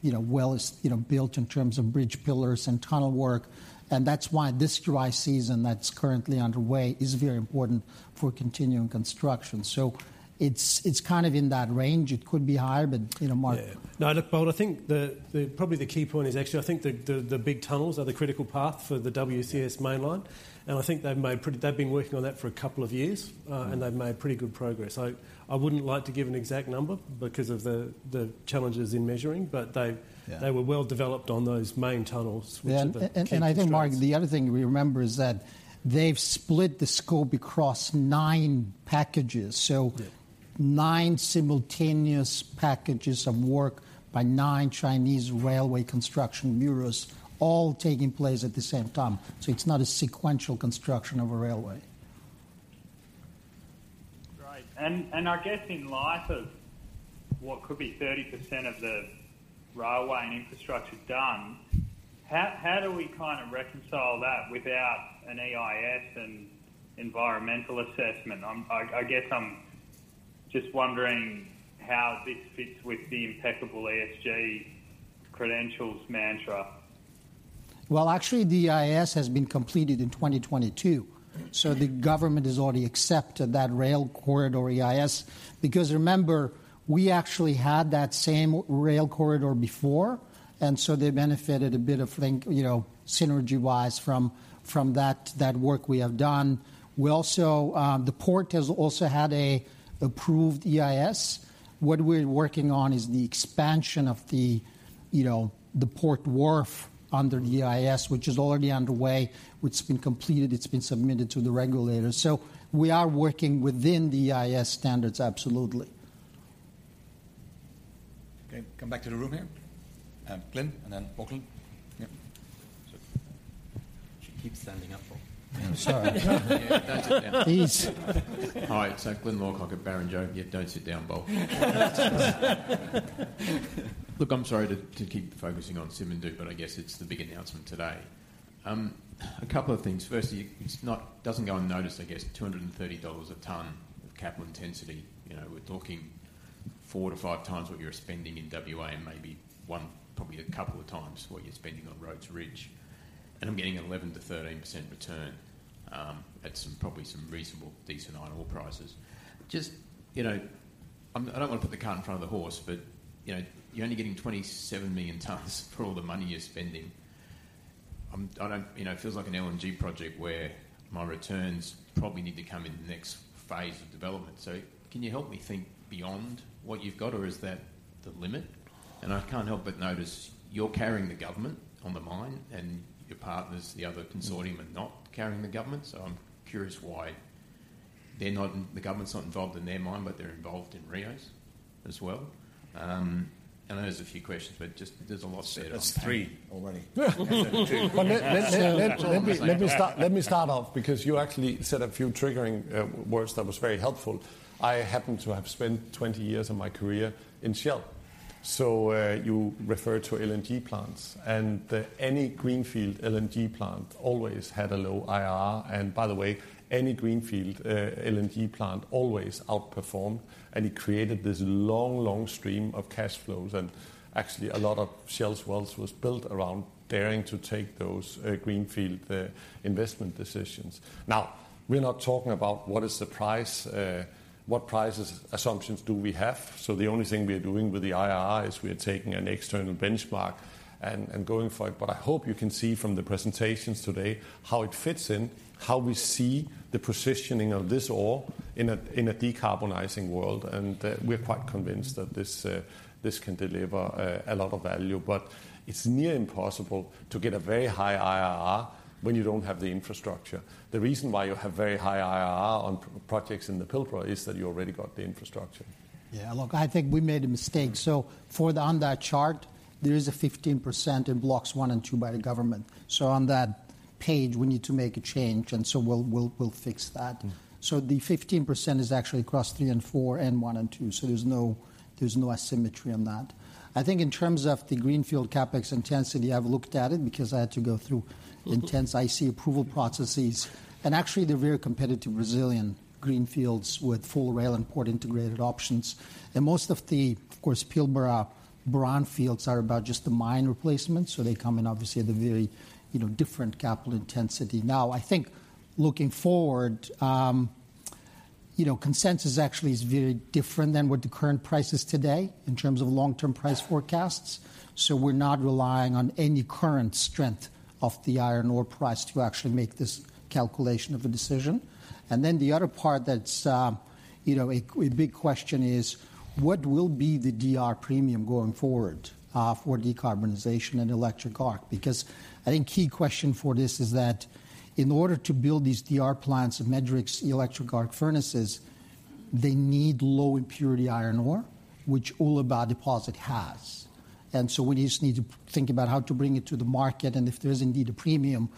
[SPEAKER 16] you know well, as you know, built in terms of bridge pillars and tunnel work, and that's why this dry season that's currently underway is very important for continuing construction. So it's kind of in that range. It could be higher, but you know, Mark-
[SPEAKER 14] Yeah. No, look, Bold, I think probably the key point is actually, I think the big tunnels are the critical path for the WCS mainline, and I think they've made pretty. They've been working on that for a couple of years. And they've made pretty good progress. I, I wouldn't like to give an exact number because of the, the challenges in measuring, but they-
[SPEAKER 4] Yeah...
[SPEAKER 14] they were well developed on those main tunnels, which are the key tracks.
[SPEAKER 16] Yeah. And I think, Mark, the other thing we remember is that they've split the scope across nine packages.
[SPEAKER 14] Yeah.
[SPEAKER 16] Nine simultaneous packages of work by nine Chinese railway construction bureaus, all taking place at the same time. So it's not a sequential construction of a railway.
[SPEAKER 11] Great! And I guess in light of what could be 30% of the railway and infrastructure done, how do we kind of reconcile that without an EIS and environmental assessment? I guess I'm just wondering how this fits with the impeccable ESG credentials mantra.
[SPEAKER 16] Well, actually, the EIS has been completed in 2022, so the government has already accepted that rail corridor EIS, because remember, we actually had that same rail corridor before, and so they benefited a bit of think, you know, synergy-wise from that work we have done. We also, the port has also had an approved EIS. What we're working on is the expansion of the, you know, the port wharf under the EIS, which is already underway, which been completed. It's been submitted to the regulators. So we are working within the EIS standards, absolutely.
[SPEAKER 14] Okay, come back to the room here. Glenn, and then Oakland. Yeah. So she keeps standing up for- I'm sorry. Yeah, don't sit down. Ease.
[SPEAKER 21] Hi, so Glyn Lawcock at Barrenjoey. Yeah, don't sit down, Bold. Look, I'm sorry to keep focusing on Simandou, but I guess it's the big announcement today. A couple of things. Firstly, it doesn't go unnoticed, I guess, $230 a ton of capital intensity. You know, we're talking 4x-5x times what you're spending in WA, and maybe one, probably a couple of times what you're spending on Rhodes Ridge. And I'm getting 11%-13% return, at some probably reasonable, decent iron ore prices. Just, you know, I don't want to put the cart in front of the horse, but, you know, you're only getting 27 million tons for all the money you're spending. You know, it feels like an LNG project where my returns probably need to come in the next phase of development. So can you help me think beyond what you've got, or is that the limit? And I can't help but notice you're carrying the government on the mine and your partners, the other consortium, are not carrying the government. So I'm curious why they're not—the government's not involved in their mine, but they're involved in Rio's as well. I know there's a few questions, but just there's a lot said.
[SPEAKER 14] That's three already.
[SPEAKER 4] But let me start off, because you actually said a few triggering words that was very helpful. I happen to have spent 20 years of my career in Shell. So, you referred to LNG plants, and any greenfield LNG plant always had a low IRR. And by the way, any greenfield LNG plant always outperformed, and it created this long, long stream of cash flows. And actually, a lot of Shell's wealth was built around daring to take those greenfield investment decisions. Now, we're not talking about what is the price, what prices assumptions do we have. So the only thing we are doing with the IRR is we are taking an external benchmark and going for it. But I hope you can see from the presentations today how it fits in, how we see the positioning of this ore in a decarbonizing world. And, we're quite convinced that this, this can deliver a lot of value. But it's near impossible to get a very high IRR when you don't have the infrastructure. The reason why you have very high IRR on projects in the Pilbara is that you already got the infrastructure.
[SPEAKER 16] Yeah, look, I think we made a mistake. So for the on that chart, there is a 15% in blocks 1 and 2 by the government. So on that page, we need to make a change, and so we'll fix that. So the 15% is actually across 3 and 4 and 1 and 2, so there's no asymmetry on that. I think in terms of the greenfield CapEx intensity, I've looked at it because I had to go through intense IC approval processes, and actually they're very competitive Brazilian greenfields with full rail and port-integrated options. Most of the, of course, Pilbara brownfields are about just the mine replacement, so they come in obviously at a very, you know, different capital intensity. Now, I think looking forward, you know, consensus actually is very different than what the current price is today in terms of long-term price forecasts. So we're not relying on any current strength of the iron ore price to actually make this calculation of a decision. And then the other part that's, you know, a big question is: What will be the DR premium going forward, for decarbonization and electric arc? Because I think key question for this is that in order to build these DR plants and Midrex's electric arc furnaces, they need low-impurity iron ore, which all of our deposit has. And so we just need to think about how to bring it to the market, and if there's indeed a premium,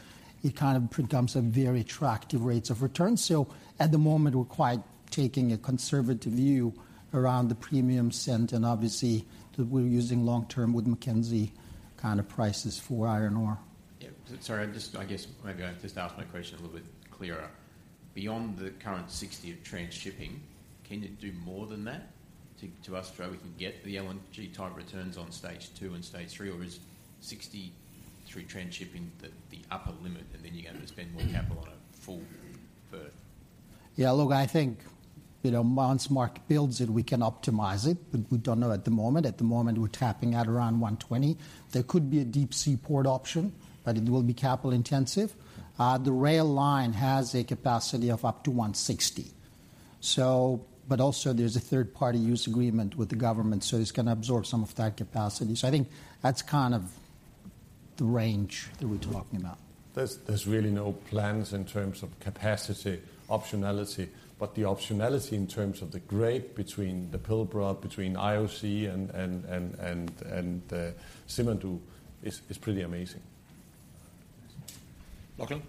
[SPEAKER 16] it kind of becomes a very attractive rates of return. At the moment, we're quite taking a conservative view around the premium end, and obviously, that we're using long-term Wood Mackenzie kind of prices for iron ore.
[SPEAKER 21] Yeah. Sorry, I just, I guess maybe I just ask my question a little bit clearer. Beyond the current 60 of transshipping, can you do more than that to, to Australia? We can get the LNG type returns on stage 2 and stage 3, or is 60 through transshipping the, the upper limit, and then you're going to spend more capital on a full port?
[SPEAKER 16] Yeah, look, I think, you know, once Mark builds it, we can optimize it, but we don't know at the moment. At the moment, we're tapping at around 120. There could be a deep sea port option, but it will be capital-intensive. The rail line has a capacity of up to 160. So, but also there's a third-party use agreement with the government, so it's gonna absorb some of that capacity. So I think that's kind of the range that we're talking about.
[SPEAKER 4] There's really no plans in terms of capacity, optionality, but the optionality in terms of the grade between the Pilbara, between IOC and Simandou is pretty amazing.
[SPEAKER 1] Lachlan?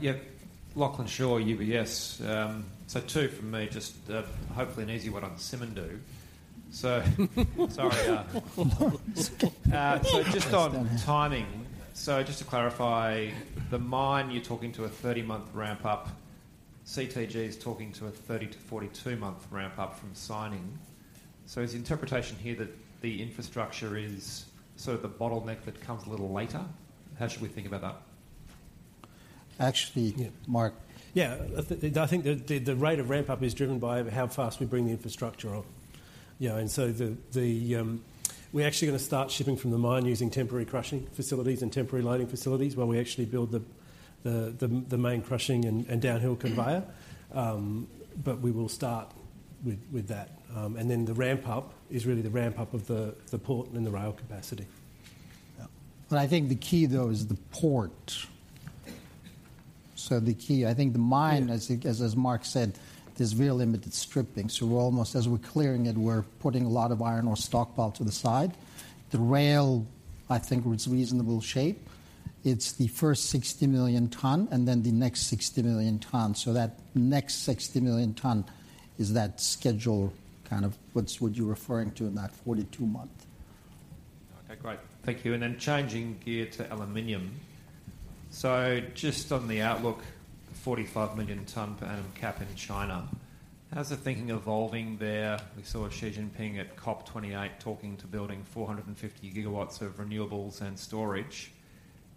[SPEAKER 22] Yeah, Lachlan Shaw, UBS. So two from me, just hopefully an easy one on Simandou. So just on timing. So just to clarify, the mine, you're talking to a 30-month ramp-up, CTG is talking to a 30- to 42-month ramp-up from signing. So is the interpretation here that the infrastructure is sort of the bottleneck that comes a little later? How should we think about that?
[SPEAKER 14] Actually-
[SPEAKER 1] Yeah, Mark.
[SPEAKER 14] Yeah. I think the rate of ramp-up is driven by how fast we bring the infrastructure on. You know, and so we're actually gonna start shipping from the mine using temporary crushing facilities and temporary loading facilities while we actually build the main crushing and downhill conveyor. But we will start with that. And then the ramp-up is really the ramp-up of the port and the rail capacity.
[SPEAKER 1] Yeah.
[SPEAKER 14] But I think the key though is the port. So the key... I think the mine, as Mark said, there's real limited stripping, so we're almost as we're clearing it, we're putting a lot of iron ore stockpile to the side. The rail, I think, is reasonable shape. It's the first 60 million ton, and then the next 60 million ton. So that next 60 million ton is that schedule, kind of what you're referring to in that 42-month.
[SPEAKER 22] Okay, great. Thank you. Then changing gear to aluminum. So just on the outlook, 45 million tons per annum cap in China, how's the thinking evolving there? We saw Xi Jinping at COP28 talking to building 450 gigawatts of renewables and storage.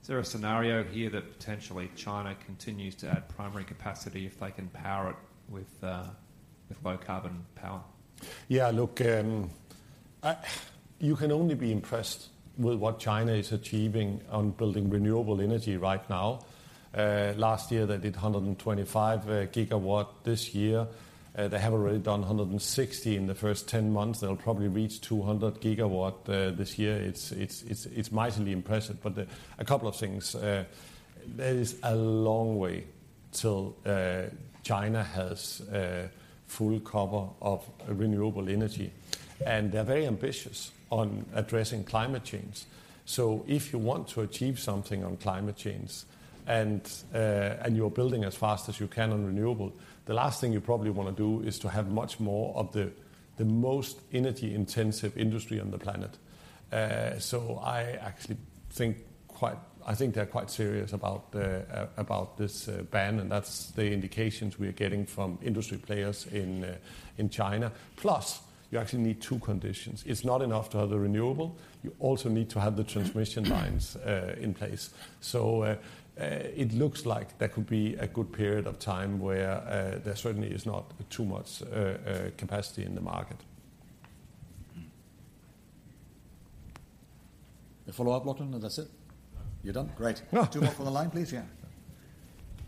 [SPEAKER 22] Is there a scenario here that potentially China continues to add primary capacity if they can power it with low carbon power?
[SPEAKER 4] Yeah, look, you can only be impressed with what China is achieving on building renewable energy right now. Last year, they did 125 GW. This year, they have already done 160 GW in the first 10 months. They'll probably reach 200 GW this year. It's mightily impressive. But a couple of things. There is a long way till China has full cover of renewable energy, and they're very ambitious on addressing climate change. So if you want to achieve something on climate change and you're building as fast as you can on renewable, the last thing you probably wanna do is to have much more of the most energy-intensive industry on the planet. So I actually think they're quite serious about the ban, and that's the indications we're getting from industry players in China. Plus, you actually need two conditions. It's not enough to have the renewable, you also need to have the transmission lines in place. So it looks like there could be a good period of time where there certainly is not too much capacity in the market.
[SPEAKER 1] A follow-up, Lachlan, or that's it?
[SPEAKER 22] No.
[SPEAKER 1] You're done? Great. Two more from the line, please. Yeah.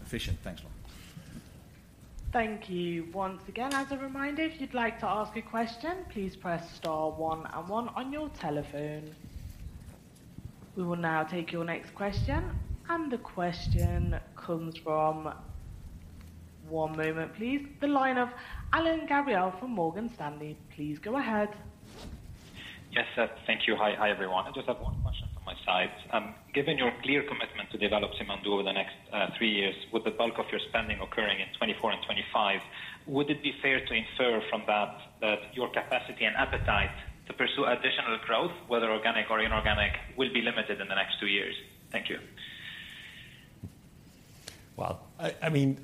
[SPEAKER 1] Efficient. Thanks, Lachlan. Thank you once again. As a reminder, if you'd like to ask a question, please press star one and one on your telephone. We will now take your next question, and the question comes from... One moment, please. The line of Alain Gabriel from Morgan Stanley, please go ahead.
[SPEAKER 23] Yes, sir. Thank you. Hi. Hi, everyone. I just have one question from my side. Given your clear commitment to develop Simandou over the next three years, with the bulk of your spending occurring in 2024 and 2025, would it be fair to infer from that, that your capacity and appetite to pursue additional growth, whether organic or inorganic, will be limited in the next two years? Thank you.
[SPEAKER 4] Well, I mean,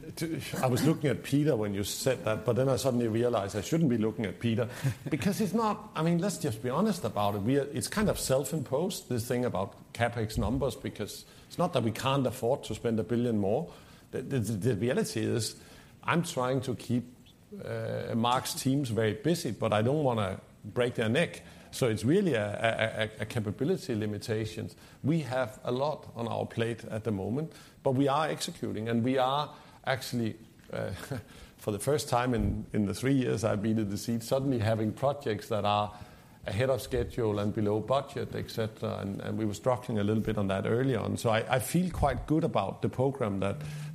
[SPEAKER 4] I was looking at Peter when you said that, but then I suddenly realized I shouldn't be looking at Peter. Because it's not... I mean, let's just be honest about it. We are—It's kind of self-imposed, this thing about CapEx numbers, because it's not that we can't afford to spend $1 billion more. The reality is, I'm trying to keep Mark's teams very busy, but I don't wanna break their neck. So it's really a capability limitations. We have a lot on our plate at the moment, but we are executing, and we are actually, for the first time in the three years I've been in the seat, suddenly having projects that are ahead of schedule and below budget, et cetera. And we were struggling a little bit on that early on. So I feel quite good about the program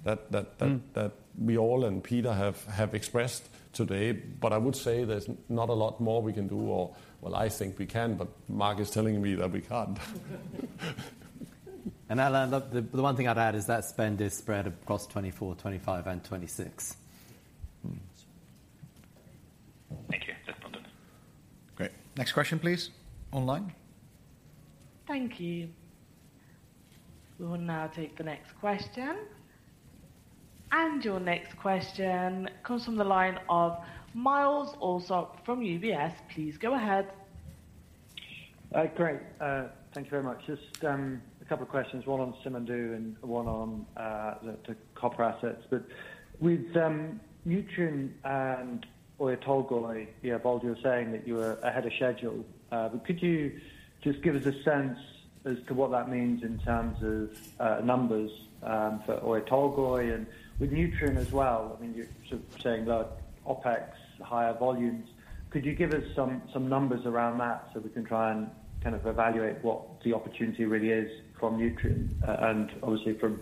[SPEAKER 4] that we all and Peter have expressed today. But I would say there's not a lot more we can do or. Well, I think we can, but Mark is telling me that we can't. Alan, the one thing I'd add is that spend is spread across 2024, 2025, and 2026.
[SPEAKER 23] Thank you. That's all done.
[SPEAKER 24] Great. Next question, please. Online. Thank you. We will now take the next question. Your next question comes from the line of Myles Allsop from UBS. Please go ahead.
[SPEAKER 25] Great. Thank you very much. Just a couple of questions, one on Simandou and one on the copper assets. But with Nuton and Oyu Tolgoi, yeah, Bold Baatar saying that you are ahead of schedule. But could you just give us a sense as to what that means in terms of numbers for Oyu Tolgoi and with Nuton as well? I mean, you're sort of saying that OpEx, higher volumes. Could you give us some numbers around that, so we can try and kind of evaluate what the opportunity really is from Nuton and obviously from-...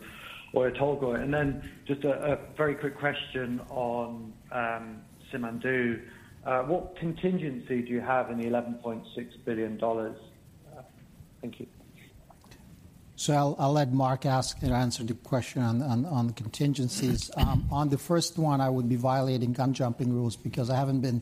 [SPEAKER 25] Oyu Tolgoi. And then just a very quick question on Simandou. What contingency do you have in the $11.6 billion? Thank you.
[SPEAKER 16] So I'll let Mark ask and answer the question on the contingencies. On the first one, I would be violating gun jumping rules because I haven't been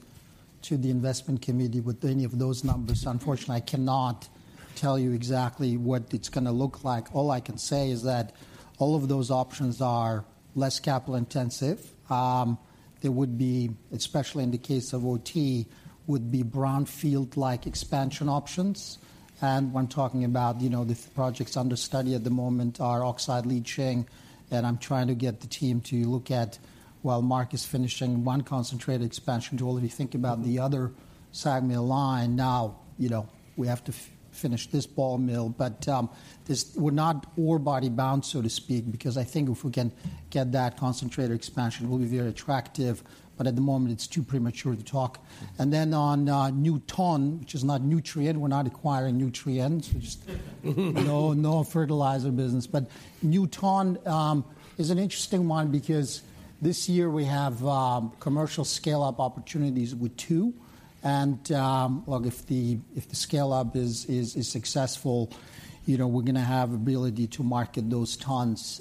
[SPEAKER 16] to the investment committee with any of those numbers. Unfortunately, I cannot tell you exactly what it's gonna look like. All I can say is that all of those options are less capital intensive. They would be, especially in the case of OT, brownfield-like expansion options. And when talking about, you know, the projects under study at the moment are oxide leaching, and I'm trying to get the team to look at, while Mark is finishing one concentrated expansion, to already think about the other sag mill line. Now, you know, we have to finish this ball mill, but, this we're not ore body bound, so to speak, because I think if we can get that concentrator expansion, it will be very attractive, but at the moment, it's too premature to talk. And then on, Nuton, which is not Nutrien, we're not acquiring Nutrien. So just no, no fertilizer business. But Nuton, is an interesting one because this year we have, commercial scale-up opportunities with two. And, look, if the, if the scale-up is, is, is successful, you know, we're going to have ability to market those tonnes.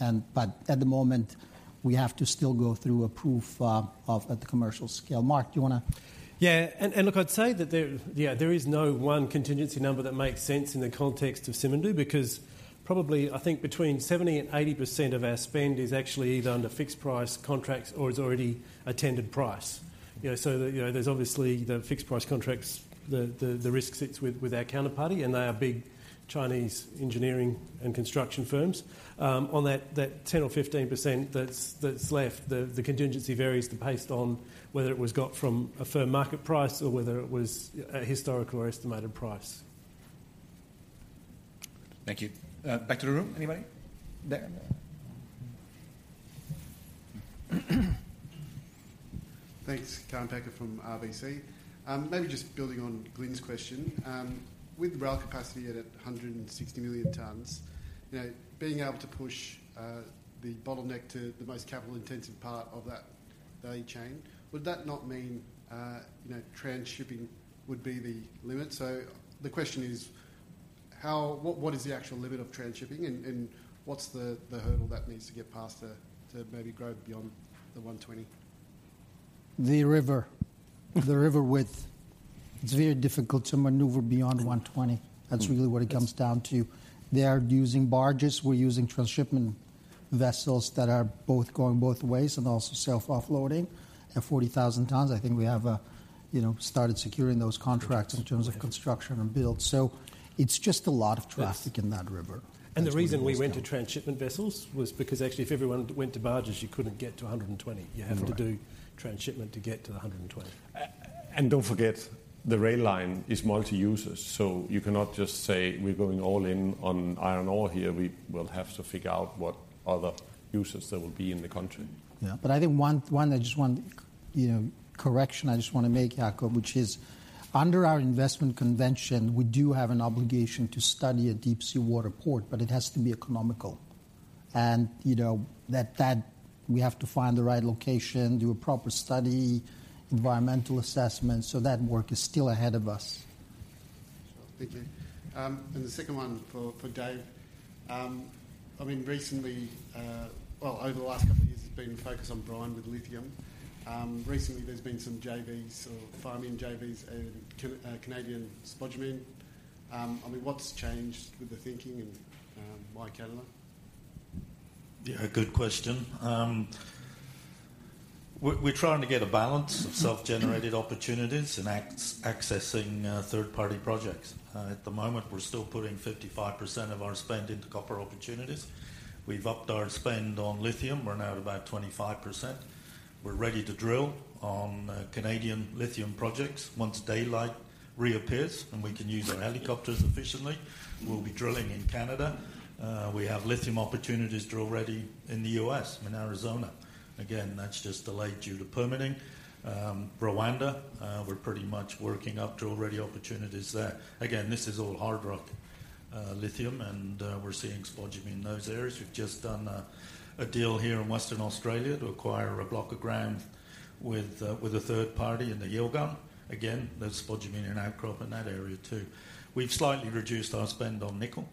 [SPEAKER 16] And but at the moment, we have to still go through a proof, of at the commercial scale. Mark, do you wanna-
[SPEAKER 14] Yeah. And look, I'd say that there is no one contingency number that makes sense in the context of Simandou, because probably I think between 70%-80% of our spend is actually either under fixed price contracts or is already a tendered price. You know, so, you know, there's obviously the fixed price contracts, the risk sits with our counterparty, and they are big Chinese engineering and construction firms. On that 10% or 15% that's left, the contingency varies based on whether it was got from a firm market price or whether it was a historical or estimated price.
[SPEAKER 1] Thank you. Back to the room. Anybody? Ben.
[SPEAKER 26] Thanks. Kaan Peker from RBC. Maybe just building on Glenn's question. With rail capacity at 160 million tons, you know, being able to push the bottleneck to the most capital-intensive part of that value chain, would that not mean, you know, transshipping would be the limit? So the question is: What is the actual limit of transshipping, and what's the hurdle that needs to get past to maybe grow beyond the 120?
[SPEAKER 16] The river. The river width. It's very difficult to maneuver beyond 120. That's really what it comes down to. They are using barges, we're using transshipment vessels that are both going both ways and also self-offloading at 40,000 tonnes. I think we have, you know, started securing those contracts in terms of construction and build. So it's just a lot of traffic in that river.
[SPEAKER 14] The reason we went to transshipment vessels was because actually, if everyone went to barges, you couldn't get to 120.
[SPEAKER 16] Right.
[SPEAKER 14] You have to do transshipment to get to the 120.
[SPEAKER 4] Don't forget, the rail line is multi-users, so you cannot just say, "We're going all in on iron ore here." We will have to figure out what other users there will be in the country.
[SPEAKER 16] Yeah, but I think I just want, you know, correction. I just want to make Jakob, which is under our investment convention, we do have an obligation to study a deep seawater port, but it has to be economical. And, you know, that we have to find the right location, do a proper study, environmental assessment, so that work is still ahead of us.
[SPEAKER 26] Sure. Thank you. And the second one for Dave. I mean, recently... Well, over the last couple of years, there's been focus on brine with lithium. Recently, there's been some JVs or farming JVs in Canadian spodumene. I mean, what's changed with the thinking and, why Canada?
[SPEAKER 6] Yeah, good question. We're trying to get a balance of self-generated opportunities and accessing third-party projects. At the moment, we're still putting 55% of our spend into copper opportunities. We've upped our spend on lithium. We're now at about 25%. We're ready to drill on Canadian lithium projects. Once daylight reappears and we can use our helicopters efficiently, we'll be drilling in Canada. We have lithium opportunities already in the U.S., in Arizona. Again, that's just delayed due to permitting. Rwanda, we're pretty much working up to already opportunities there. Again, this is all hard rock lithium, and we're seeing spodumene in those areas. We've just done a deal here in Western Australia to acquire a block of ground with a third party in the Yilgarn. Again, there's spodumene and outcrop in that area, too. We've slightly reduced our spend on nickel.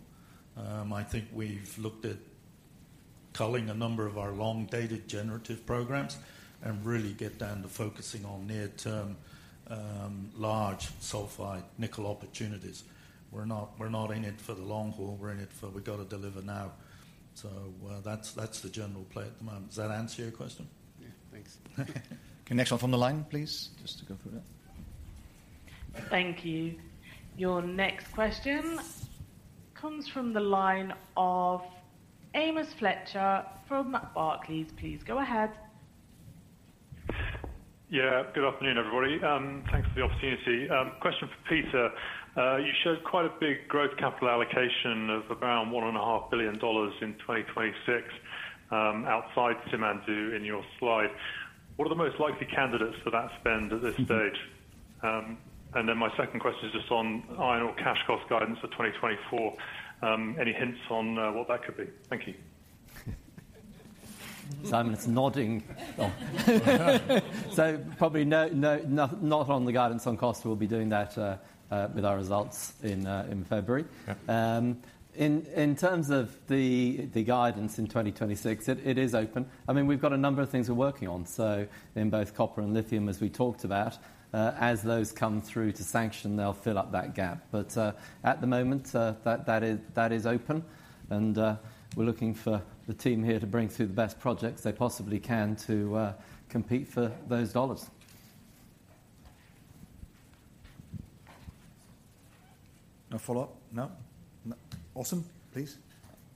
[SPEAKER 6] I think we've looked at culling a number of our long-dated generative programs and really get down to focusing on near-term, large sulfide nickel opportunities. We're not, we're not in it for the long haul, we're in it for we've got to deliver now. So, that's, that's the general play at the moment. Does that answer your question?
[SPEAKER 26] Yeah. Thanks.
[SPEAKER 1] The next one from the line, please, just to go through that. Thank you. Your next question comes from the line of Amos Fletcher from Barclays. Please go ahead.
[SPEAKER 27] Yeah, good afternoon, everybody. Thanks for the opportunity. Question for Peter. You showed quite a big growth capital allocation of around $1.5 billion in 2026....
[SPEAKER 17] outside Simandou in your slide, what are the most likely candidates for that spend at this stage? And then my second question is just on iron ore cash cost guidance for 2024. Any hints on what that could be? Thank you.
[SPEAKER 10] Simon is nodding. So probably no, not on the guidance on cost. We'll be doing that with our results in February.
[SPEAKER 4] Yeah.
[SPEAKER 10] In terms of the guidance in 2026, it is open. I mean, we've got a number of things we're working on, so in both copper and lithium, as we talked about. As those come through to sanction, they'll fill up that gap. But, at the moment, that is open, and we're looking for the team here to bring through the best projects they possibly can to compete for those dollars.
[SPEAKER 1] No follow-up? No. No. Austin, please.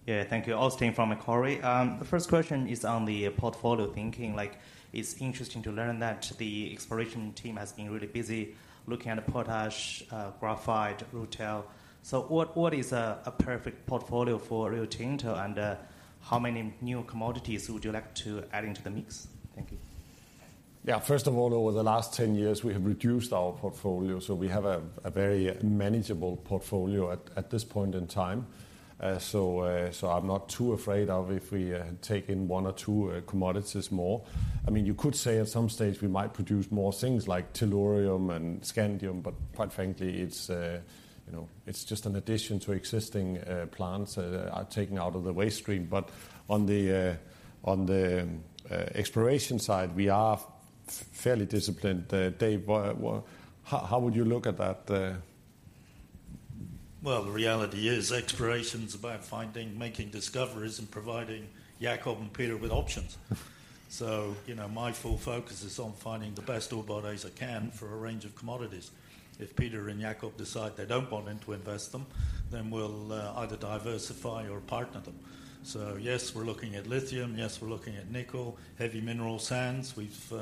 [SPEAKER 28] Yeah, thank you. Austin from Macquarie. The first question is on the portfolio thinking. Like, it's interesting to learn that the exploration team has been really busy looking at potash, graphite, rutile. So what is a perfect portfolio for Rio Tinto, and how many new commodities would you like to add into the mix? Thank you.
[SPEAKER 4] Yeah, first of all, over the last 10 years, we have reduced our portfolio, so we have a very manageable portfolio at this point in time. So, I'm not too afraid of if we take in one or two commodities more. I mean, you could say at some stage we might produce more things like tellurium and scandium, but quite frankly, it's you know, it's just an addition to existing plants that are taken out of the waste stream. But on the exploration side, we are fairly disciplined. Dave, how would you look at that?
[SPEAKER 6] Well, the reality is exploration's about finding, making discoveries, and providing Jakob and Peter with options. So, you know, my full focus is on finding the best ore bodies I can for a range of commodities. If Peter and Jakob decide they don't want them to invest them, then we'll either diversify or partner them. So yes, we're looking at lithium, yes, we're looking at nickel, heavy mineral sands. We've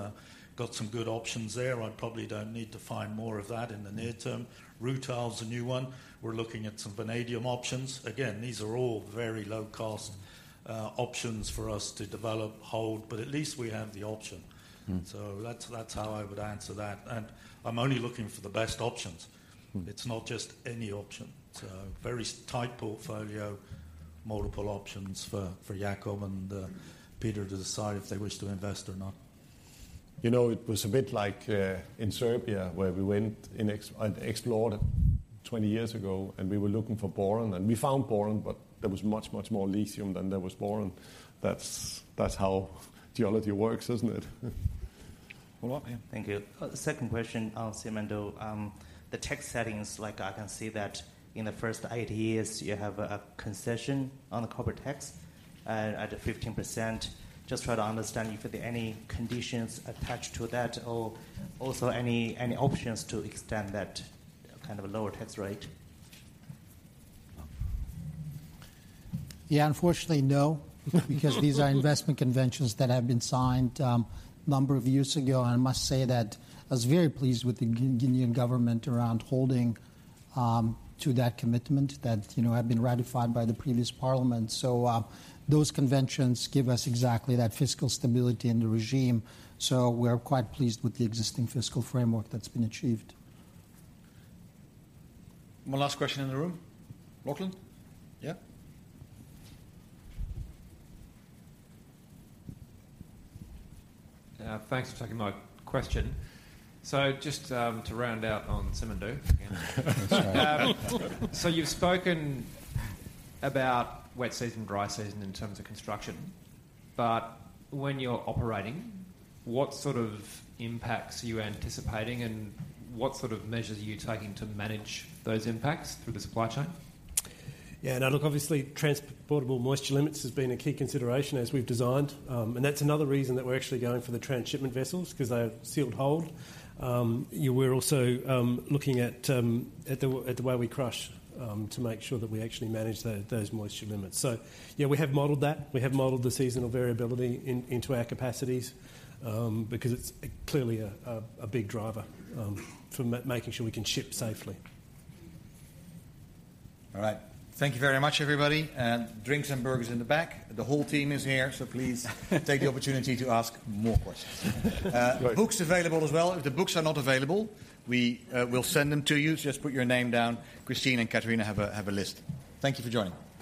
[SPEAKER 6] got some good options there. I probably don't need to find more of that in the near term. Rutile is a new one. We're looking at some vanadium options. Again, these are all very low-cost options for us to develop, hold, but at least we have the option.
[SPEAKER 4] Mm.
[SPEAKER 6] That's, that's how I would answer that, and I'm only looking for the best options.
[SPEAKER 4] Mm.
[SPEAKER 6] It's not just any option. It's a very tight portfolio, multiple options for Jakob and Peter to decide if they wish to invest or not.
[SPEAKER 4] You know, it was a bit like in Serbia, where we went and explored 20 years ago, and we were looking for boron, and we found boron, but there was much, much more lithium than there was boron. That's how geology works, isn't it?
[SPEAKER 1] Well, yeah.
[SPEAKER 28] Thank you. Second question on Simandou. The tax settings, like I can see that in the first eight years, you have a concession on the corporate tax at a 15%. Just try to understand if there are any conditions attached to that or also any options to extend that kind of a lower tax rate?
[SPEAKER 10] Yeah, unfortunately, no. Because these are investment conventions that have been signed a number of years ago, and I must say that I was very pleased with the Guinean government around holding to that commitment that, you know, had been ratified by the previous parliament. So, those conventions give us exactly that fiscal stability in the regime, so we're quite pleased with the existing fiscal framework that's been achieved.
[SPEAKER 1] One last question in the room. Lachlan? Yeah.
[SPEAKER 22] Thanks for taking my question. So just, to round out on Simandou.
[SPEAKER 4] That's right.
[SPEAKER 22] So, you've spoken about wet season, dry season in terms of construction, but when you're operating, what sort of impacts are you anticipating, and what sort of measures are you taking to manage those impacts through the supply chain?
[SPEAKER 17] Yeah, now, look, obviously, transportable moisture limits has been a key consideration as we've designed, and that's another reason that we're actually going for the transshipment vessels, 'cause they have a sealed hold. Yeah, we're also looking at the way we crush to make sure that we actually manage those moisture limits. So yeah, we have modeled that. We have modeled the seasonal variability into our capacities because it's clearly a big driver for making sure we can ship safely.
[SPEAKER 1] All right. Thank you very much, everybody, and drinks and burgers in the back. The whole team is here, so please take the opportunity to ask more questions.
[SPEAKER 4] Right.
[SPEAKER 1] Books available as well. If the books are not available, we will send them to you. Just put your name down. Christine and Katarina have a list. Thank you for joining.